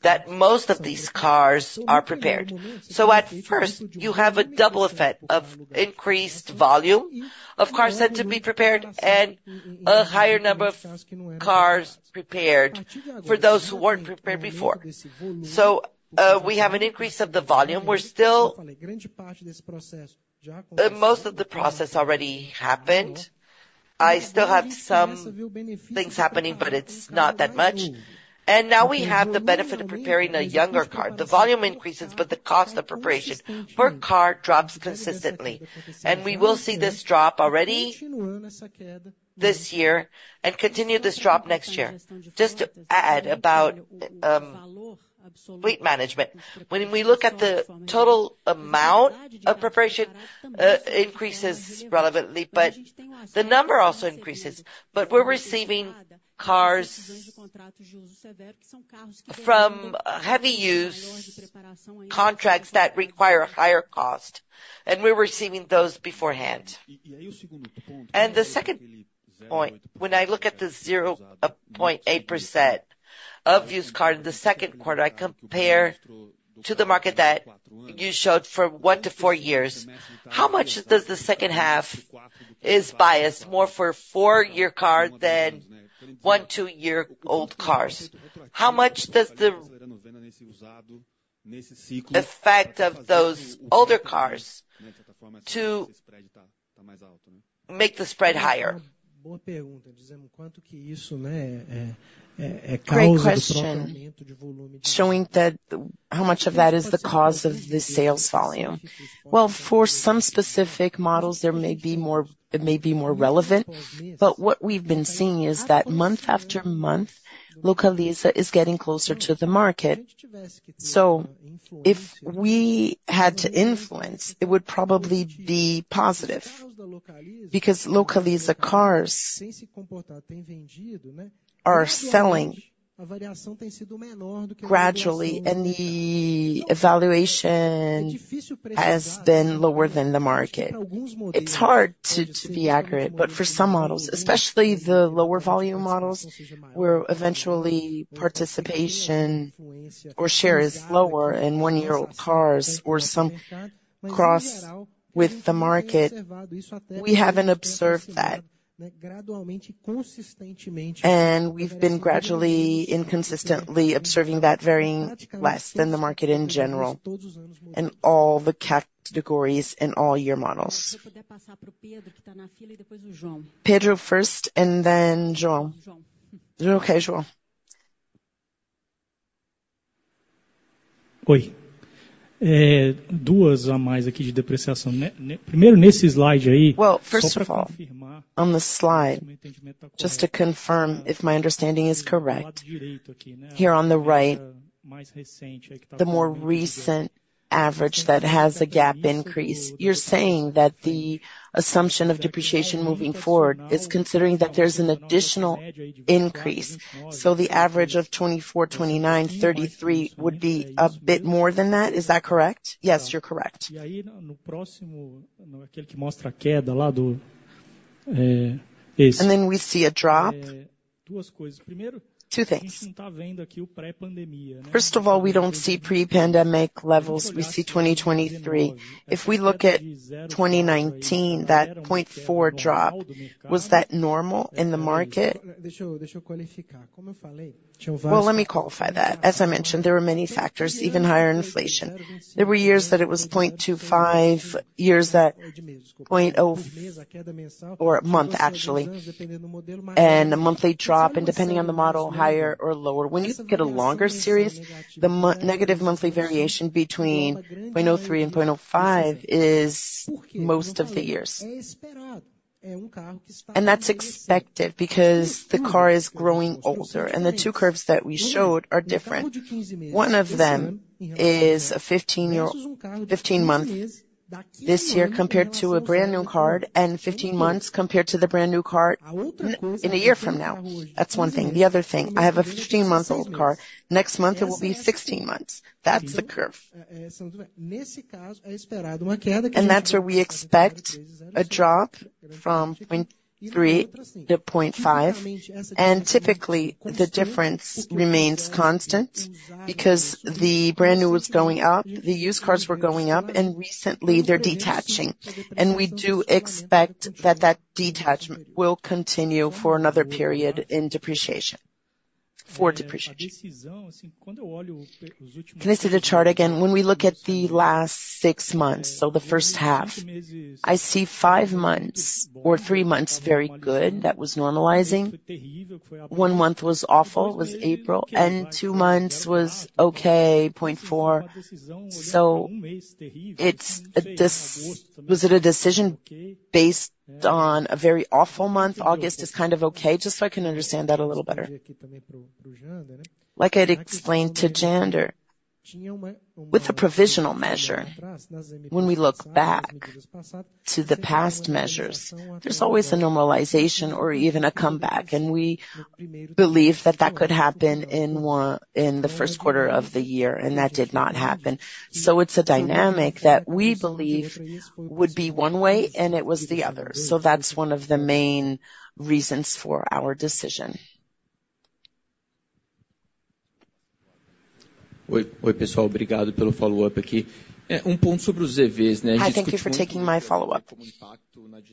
that most of these cars are prepared. So at first, you have a double effect of increased volume of cars set to be prepared and a higher number of cars prepared for those who weren't prepared before. So, we have an increase of the volume. We're still. Most of the process already happened. I still have some things happening, but it's not that much. And now we have the benefit of preparing a younger car. The volume increases, but the cost of preparation per car drops consistently. And we will see this drop already this year and continue this drop next year. Just to add about Fleet Management. When we look at the total amount of preparation increases relevantly, but the number also increases. But we're receiving cars from heavy use, contracts that require a higher cost, and we're receiving those beforehand. The second point, when I look at the 0.8% of used car in the second quarter, I compare to the market that you showed from 1-4 years. How much does the second half is biased more for a 4-year car than 1- and 2-year-old cars? How much does the effect of those older cars to make the spread higher? Great question, showing that—how much of that is the cause of the sales volume? Well, for some specific models, there may be more, it may be more relevant, but what we've been seeing is that month after month, Localiza is getting closer to the market. So if we had to influence, it would probably be positive, because Localiza cars are selling gradually, and the evaluation has been lower than the market. It's hard to be accurate, but for some models, especially the lower volume models, where eventually participation or share is lower in one-year-old cars or some cross with the market, we haven't observed that. And we've been gradually inconsistently observing that varying less than the market in general, in all the categories and all year models. Pedro first, and then João. Okay, João. Well, first of all, on the slide, just to confirm if my understanding is correct. Here on the right, the more recent average that has a gap increase, you're saying that the assumption of depreciation moving forward is considering that there's an additional increase, so the average of 24, 29, 33 would be a bit more than that. Is that correct? Yes, you're correct. Then we see a drop. Two things: first of all, we don't see pre-pandemic levels, we see 2023. If we look at 2019, that 0.4 drop, was that normal in the market? Well, let me qualify that. As I mentioned, there were many factors, even higher inflation. There were years that it was 0.25, years that 0 or a month, actually, and a monthly drop, and depending on the model, higher or lower. When you get a longer series, the negative monthly variation between 0.03 and 0.05 is most of the years. And that's expected because the car is growing older, and the two curves that we showed are different. One of them is a 15-month this year compared to a brand-new car and 15 months compared to the brand-new car in a year from now. That's one thing. The other thing, I have a 15-month-old car. Next month, it will be 16 months. That's the curve. That's where we expect a drop from 0.3 to 0.5, and typically, the difference remains constant because the brand new was going up, the used cars were going up, and recently they're detaching. And we do expect that that detachment will continue for another period in depreciation, for depreciation. Can I see the chart again? When we look at the last 6 months, so the first half, I see 5 months or 3 months, very good, that was normalizing. One month was awful, it was April, and 2 months was okay, 0.4. So it's a decision based on a very awful month? August is kind of okay, just so I can understand that a little better. Like I'd explained to Jander. With the provisional measure, when we look back to the past measures, there's always a normalization or even a comeback, and we believe that that could happen in the first quarter of the year, and that did not happen. So it's a dynamic that we believe would be one way, and it was the other. So that's one of the main reasons for our decision. Oi, pessoal. Obrigado pelo follow up aqui. Hi, thank you for taking my follow-up.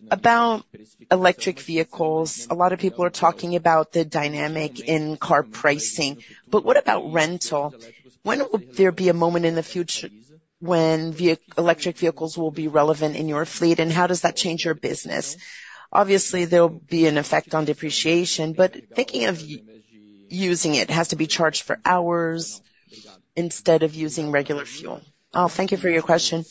About electric vehicles, a lot of people are talking about the dynamic in car pricing, but what about rental? When will there be a moment in the future when electric vehicles will be relevant in your fleet, and how does that change your business? Obviously, there will be an effect on depreciation, but thinking of using it, it has to be charged for hours instead of using regular fuel. Oh, thank you for your question.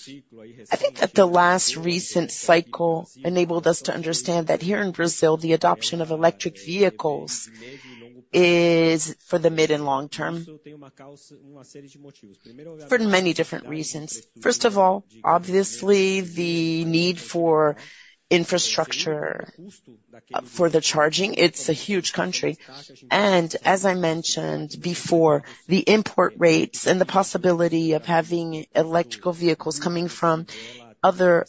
I think that the last recent cycle enabled us to understand that here in Brazil, the adoption of electric vehicles is for the mid and long term, for many different reasons. First of all, obviously, the need for infrastructure for the charging, it's a huge country, and as I mentioned before, the import rates and the possibility of having electric vehicles coming from other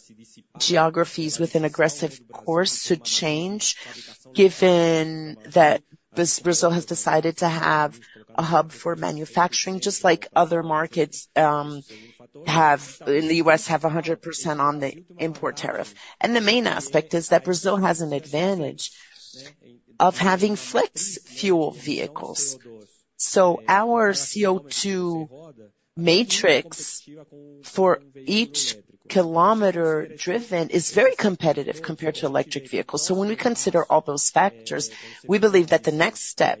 geographies with an aggressive cost to change, given that this Brazil has decided to have a hub for manufacturing, just like other markets, In the U.S., have 100% on the import tariff. And the main aspect is that Brazil has an advantage of having flex-fuel vehicles. So our CO₂ matrix for each kilometer driven is very competitive compared to electric vehicles. So when we consider all those factors, we believe that the next step,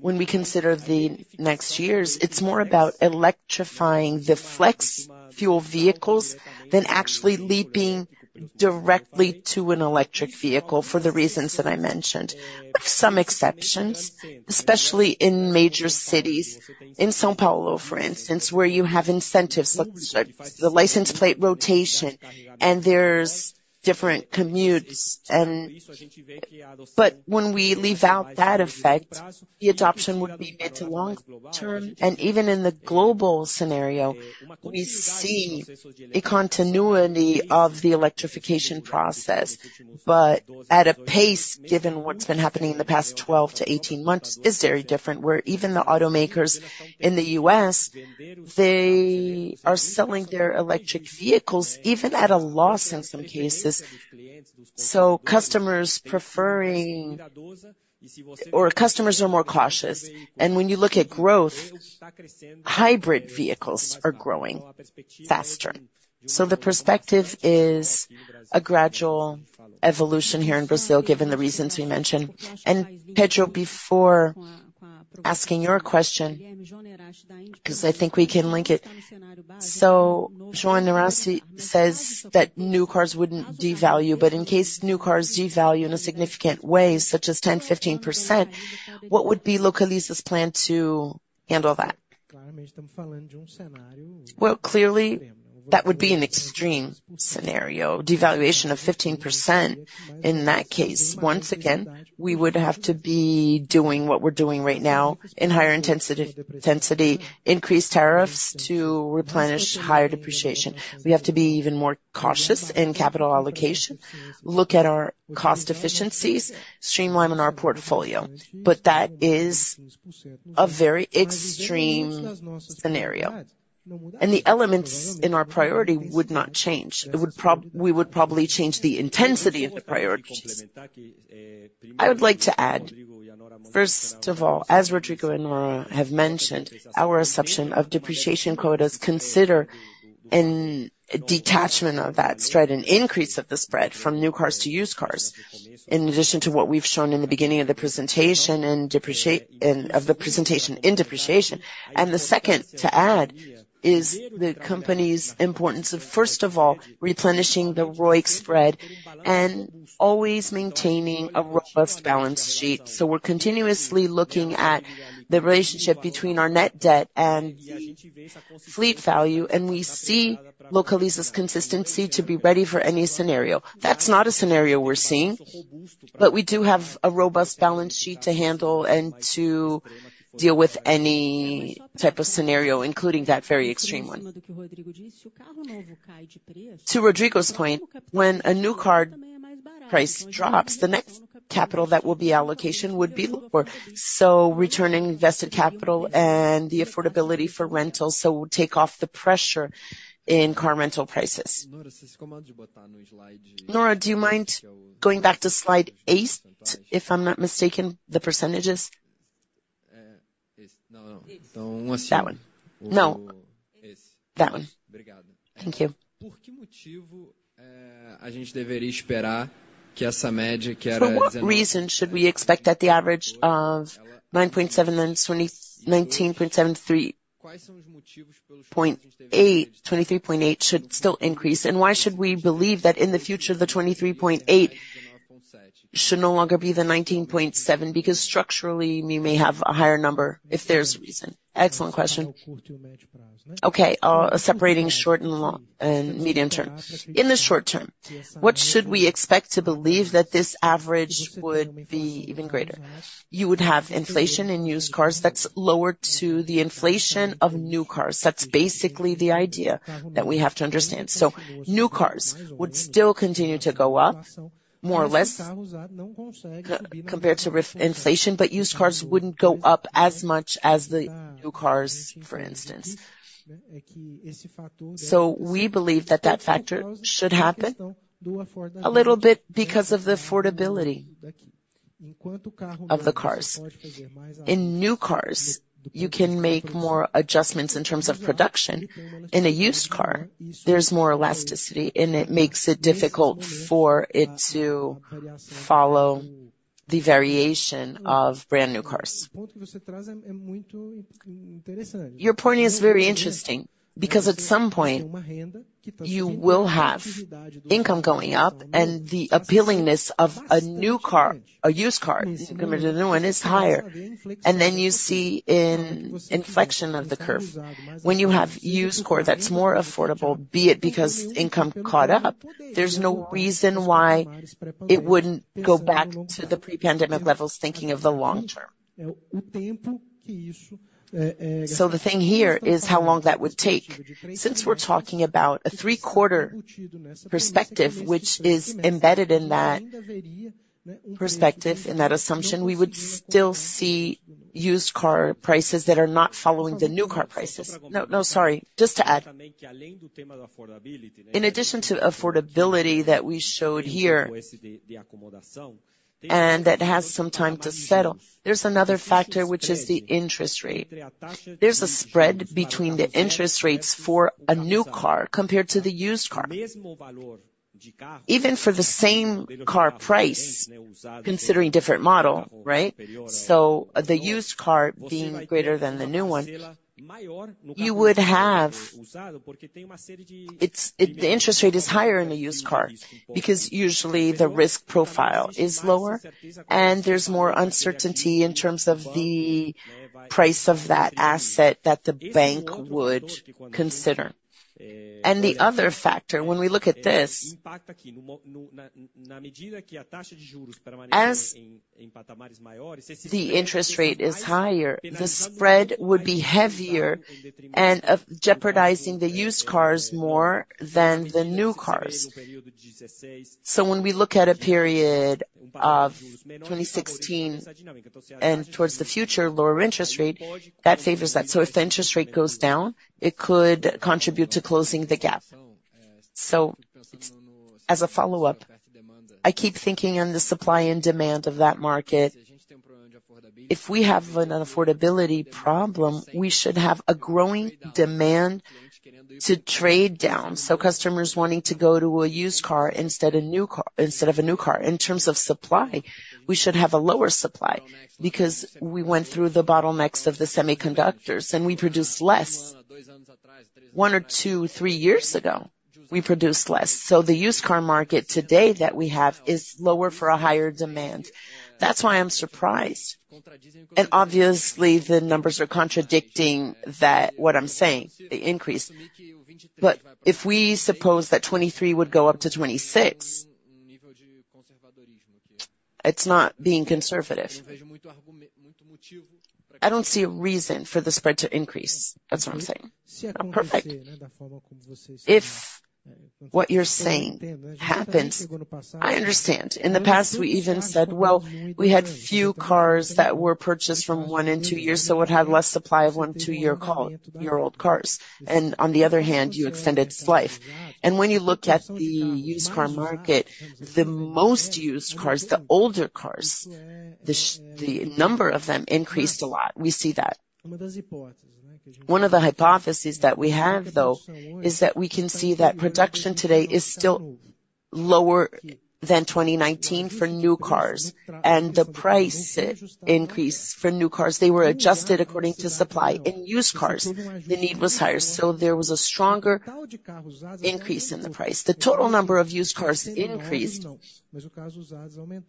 when we consider the next years, it's more about electrifying the flex-fuel vehicles than actually leaping directly to an electric vehicle for the reasons that I mentioned. With some exceptions, especially in major cities, in São Paulo, for instance, where you have incentives, like the license plate rotation, and there's different commutes and... But when we leave out that effect, the adoption would be mid- to long-term, and even in the global scenario, we see a continuity of the electrification process. But at a pace, given what's been happening in the past 12-18 months, is very different, where even the automakers in the U.S., they are selling their electric vehicles, even at a loss in some cases. So customers preferring or customers are more cautious. And when you look at growth, hybrid vehicles are growing faster. So the perspective is a gradual evolution here in Brazil, given the reasons we mentioned. And Pedro, before asking your question, because I think we can link it. João Nerasi says that new cars wouldn't devalue, but in case new cars devalue in a significant way, such as 10, 15%, what would be Localiza's plan to handle that? Well, clearly, that would be an extreme scenario, devaluation of 15%. In that case, once again, we would have to be doing what we're doing right now in higher intensity, increased tariffs to replenish higher depreciation. We have to be even more cautious in capital allocation, look at our cost efficiencies, streamline on our portfolio. But that is a very extreme scenario, and the elements in our priority would not change. We would probably change the intensity of the priorities. I would like to add, first of all, as Rodrigo and Nora have mentioned, our assumption of depreciation quotas consider a detachment of that spread, an increase of the spread from new cars to used cars, in addition to what we've shown in the beginning of the presentation and of the presentation in depreciation. And the second to add is the company's importance of, first of all, replenishing the ROIC spread and always maintaining a robust balance sheet. So we're continuously looking at the relationship between our net debt and fleet value, and we see Localiza's consistency to be ready for any scenario. That's not a scenario we're seeing, but we do have a robust balance sheet to handle and to deal with any type of scenario, including that very extreme one. To Rodrigo's point, when a new car price drops, the next capital that will be allocation would be lower. So returning invested capital and the affordability for rentals, so take off the pressure in car rental prices. Nora, do you mind going back to slide 8, if I'm not mistaken, the percentages?...That one. No, that one. Thank you. For what reason should we expect that the average of 9.7 and 20, 19.7 3.8, 23.8 should still increase? And why should we believe that in the future, the 23.8 should no longer be the 19.7? Because structurally, we may have a higher number if there's a reason. Excellent question. Okay, separating short and long, and medium term. In the short term, what should we expect to believe that this average would be even greater? You would have inflation in used cars that's lower to the inflation of new cars. That's basically the idea that we have to understand. So new cars would still continue to go up, more or less, compared to real inflation, but used cars wouldn't go up as much as the new cars, for instance. So we believe that that factor should happen a little bit because of the affordability of the cars. In new cars, you can make more adjustments in terms of production. In a used car, there's more elasticity, and it makes it difficult for it to follow the variation of brand-new cars. Your point is very interesting, because at some point, you will have income going up, and the appealingness of a used car compared to the new one is higher. And then you see an inflection of the curve. When you have used car that's more affordable, be it because income caught up, there's no reason why it wouldn't go back to the pre-pandemic levels, thinking of the long term. So the thing here is how long that would take. Since we're talking about a three-quarter perspective, which is embedded in that perspective, in that assumption, we would still see used car prices that are not following the new car prices. No, no, sorry. Just to add, in addition to affordability that we showed here, and that has some time to settle, there's another factor, which is the interest rate. There's a spread between the interest rates for a new car compared to the used car. Even for the same car price, considering different model, right? So the used car being greater than the new one, you would have... The interest rate is higher in the used car, because usually the risk profile is lower, and there's more uncertainty in terms of the price of that asset that the bank would consider. The other factor, when we look at this, as the interest rate is higher, the spread would be heavier and of jeopardizing the used cars more than the new cars. So when we look at a period of 2016 and towards the future, lower interest rate, that favors that. So if the interest rate goes down, it could contribute to closing the gap. So as a follow-up, I keep thinking on the supply and demand of that market. If we have an affordability problem, we should have a growing demand to trade down, so customers wanting to go to a used car instead a new car, instead of a new car. In terms of supply, we should have a lower supply because we went through the bottlenecks of the semiconductors, and we produced less. 1 or 2, 3 years ago, we produced less. So the used car market today that we have is lower for a higher demand. That's why I'm surprised. And obviously, the numbers are contradicting that, what I'm saying, the increase. But if we suppose that 2023 would go up to 2026, it's not being conservative. I don't see a reason for the spread to increase. That's what I'm saying. I'm perfect. If what you're saying happens, I understand. In the past, we even said, well, we had few cars that were purchased from 1 and 2 years, so it had less supply of 1, 2-year car, year-old cars. And on the other hand, you extended its life. And when you look at the used car market, the most used cars, the older cars, the number of them increased a lot. We see that. One of the hypotheses that we have, though, is that we can see that production today is still lower than 2019 for new cars, and the price increase for new cars, they were adjusted according to supply and used cars, the need was higher, so there was a stronger increase in the price. The total number of used cars increased,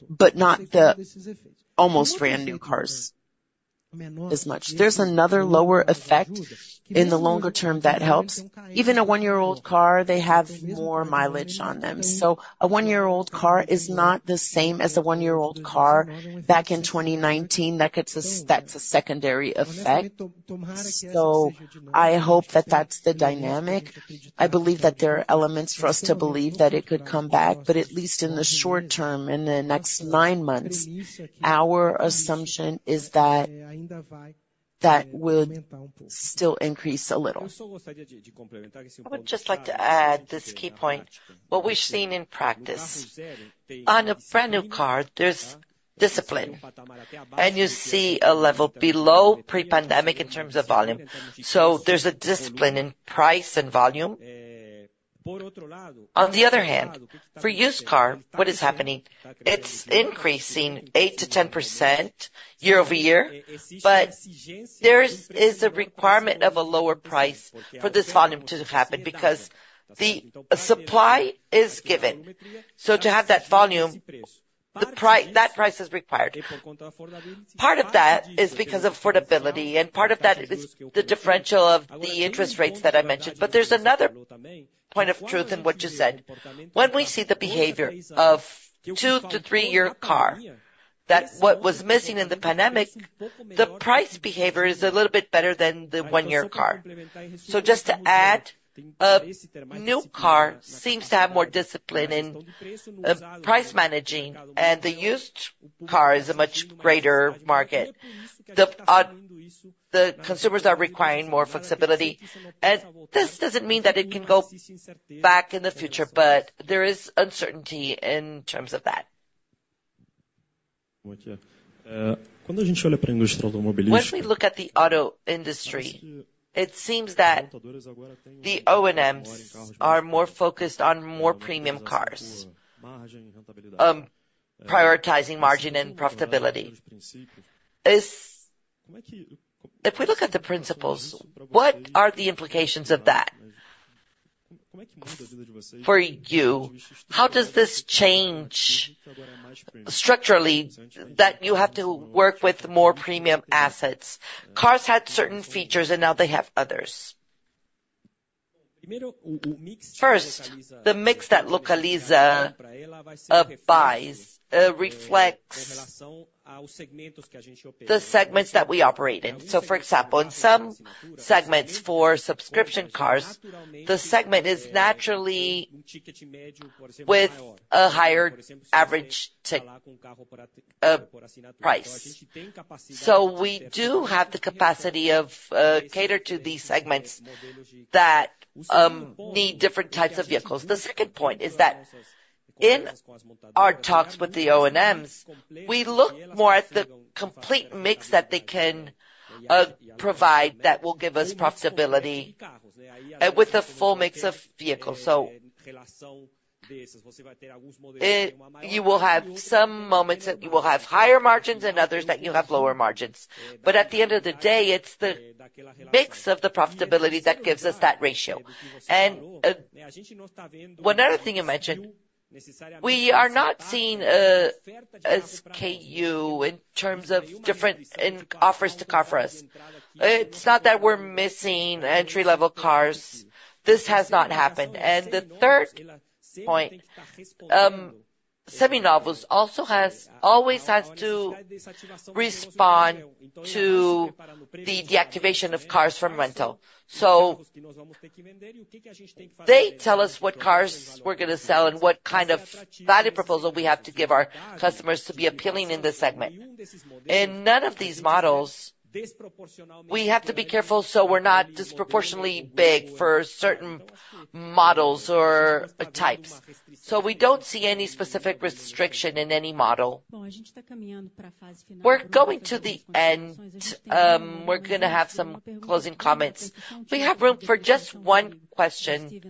but not the almost brand-new cars as much. There's another lower effect in the longer term that helps. Even a one-year-old car, they have more mileage on them, so a one-year-old car is not the same as a one-year-old car back in 2019. That's a secondary effect. So I hope that that's the dynamic. I believe that there are elements for us to believe that it could come back, but at least in the short term, in the next nine months, our assumption is that that would still increase a little. I would just like to add this key point, what we've seen in practice. On a brand-new car, there's discipline, and you see a level below pre-pandemic in terms of volume. So there's a discipline in price and volume. ...On the other hand, for used car, what is happening? It's increasing 8%-10% year-over-year, but there is a requirement of a lower price for this volume to happen, because the supply is given. So to have that volume, that price is required. Part of that is because of affordability, and part of that is the differential of the interest rates that I mentioned. But there's another point of truth in what you said. When we see the behavior of two- to three-year car, that what was missing in the pandemic, the price behavior is a little bit better than the one-year car. So just to add, a new car seems to have more discipline in price managing, and the used car is a much greater market. The consumers are requiring more flexibility, and this doesn't mean that it can go back in the future, but there is uncertainty in terms of that. When we look at the auto industry, it seems that the OEMs are more focused on more premium cars, prioritizing margin and profitability. If we look at the principles, what are the implications of that for you? How does this change structurally, that you have to work with more premium assets? Cars had certain features and now they have others. First, the mix that Localiza buys reflects the segments that we operate in. So for example, in some segments for subscription cars, the segment is naturally with a higher average ticket price. So we do have the capacity to cater to these segments that need different types of vehicles. The second point is that in our talks with the OEMs, we look more at the complete mix that they can provide that will give us profitability with the full mix of vehicles. So you will have some moments that you will have higher margins and others that you have lower margins. But at the end of the day, it's the mix of the profitability that gives us that ratio. And one other thing you mentioned, we are not seeing a queue in terms of difference in offers of cars for us. It's not that we're missing entry-level cars. This has not happened. And the third point, Seminovos always has to respond to the deactivation of cars from rental. So they tell us what cars we're gonna sell and what kind of value proposal we have to give our customers to be appealing in this segment. In none of these models, we have to be careful so we're not disproportionately big for certain models or types. So we don't see any specific restriction in any model. We're going to the end. We're gonna have some closing comments. We have room for just one question.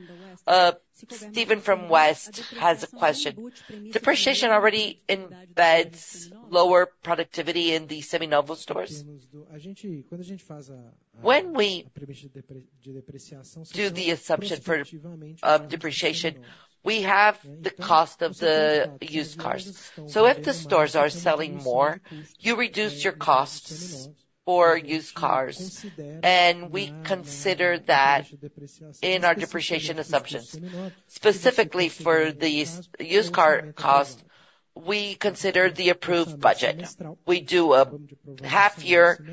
Steven from W has a question: Depreciation already embeds lower productivity in the Seminovos stores? When we do the assumption for depreciation, we have the cost of the used cars. So if the stores are selling more, you reduce your costs for used cars, and we consider that in our depreciation assumptions. Specifically for the used, used car cost, we consider the approved budget. We do a half-year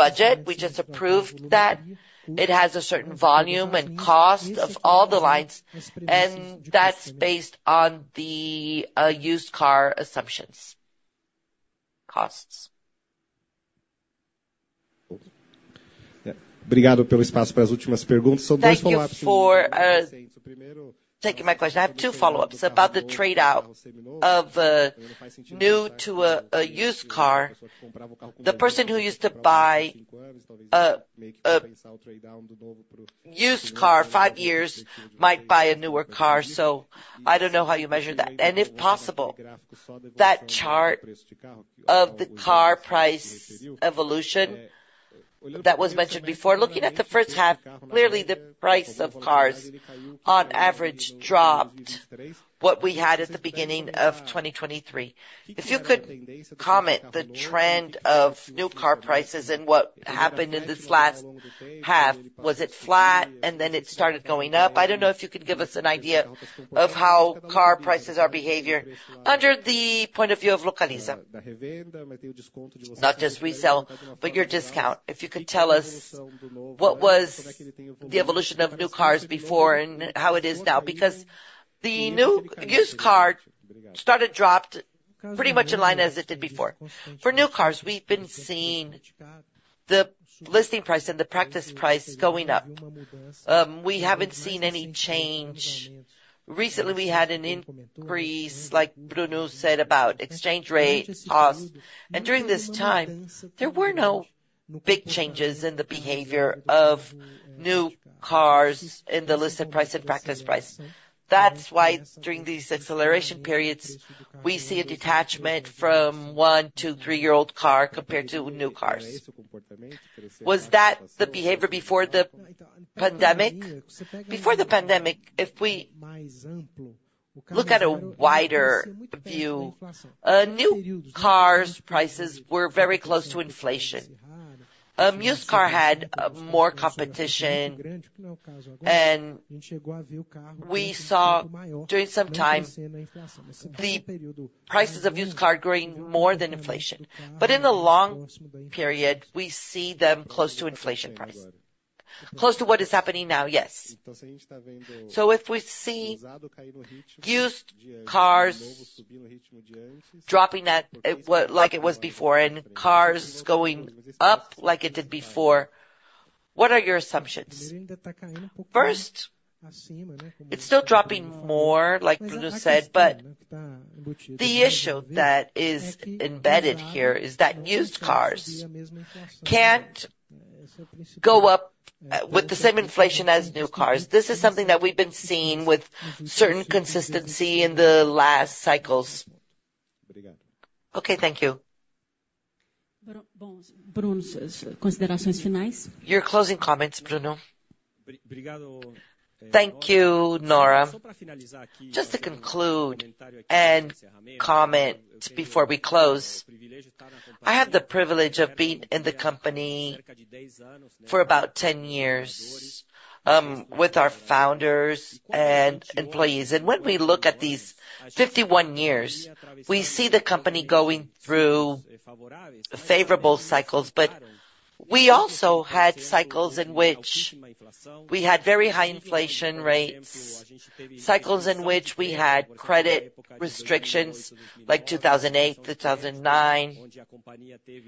budget. We just approved that. It has a certain volume and cost of all the lines, and that's based on the used car assumptions. Costs. Thank you for taking my question. I have two follow-ups about the trade out of new to a used car. The person who used to buy a used car five years might buy a newer car, so I don't know how you measure that. And if possible, that chart of the car price evolution that was mentioned before, looking at the first half, clearly the price of cars on average dropped what we had at the beginning of 2023. If you could comment on the trend of new car prices and what happened in this last half, was it flat and then it started going up? I don't know if you could give us an idea of how car prices are behaving under the point of view of Localiza. Not just resell, but your discount. If you could tell us, what was the evolution of new cars before and how it is now? Because the new used car started dropped pretty much in line as it did before. For new cars, we've been seeing the listing price and the practice price going up. We haven't seen any change. Recently, we had an increase, like Bruno said, about exchange rate, costs, and during this time, there were no big changes in the behavior of new cars in the listed price and practice price. That's why during these acceleration periods, we see a detachment from one to three-year-old car compared to new cars. Was that the behavior before the pandemic? Before the pandemic, if we look at a wider view, new cars prices were very close to inflation. Used car had, more competition, and we saw during some time, the prices of used car growing more than inflation. But in the long period, we see them close to inflation price. Close to what is happening now? Yes. So if we see used cars dropping at, well, like it was before, and cars going up like it did before, what are your assumptions? First, it's still dropping more, like Bruno said, but the issue that is embedded here is that used cars can't go up, with the same inflation as new cars. This is something that we've been seeing with certain consistency in the last cycles. Okay, thank you. Your closing comments, Bruno. Thank you, Nora. Just to conclude and comment before we close, I have the privilege of being in the company for about 10 years with our founders and employees. And when we look at these 51 years, we see the company going through favorable cycles, but we also had cycles in which we had very high inflation rates, cycles in which we had credit restrictions, like 2008, 2009,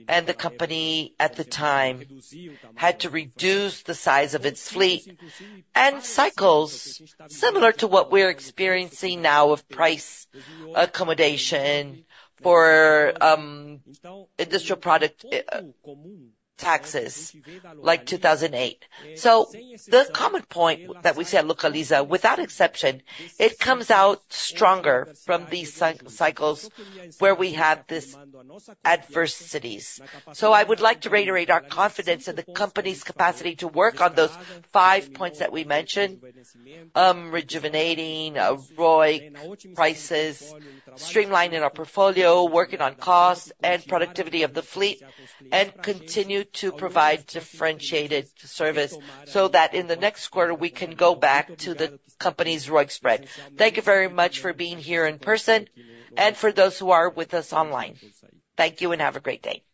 and the company at the time had to reduce the size of its fleet, and cycles similar to what we're experiencing now of price accommodation for industrial product taxes, like 2008. So the common point that we see at Localiza, without exception, it comes out stronger from these cycles where we have these adversities. So I would like to reiterate our confidence in the company's capacity to work on those five points that we mentioned: rejuvenating, ROI, prices, streamlining our portfolio, working on costs and productivity of the fleet, and continue to provide differentiated service, so that in the next quarter, we can go back to the company's ROIC spread. Thank you very much for being here in person and for those who are with us online. Thank you and have a great day!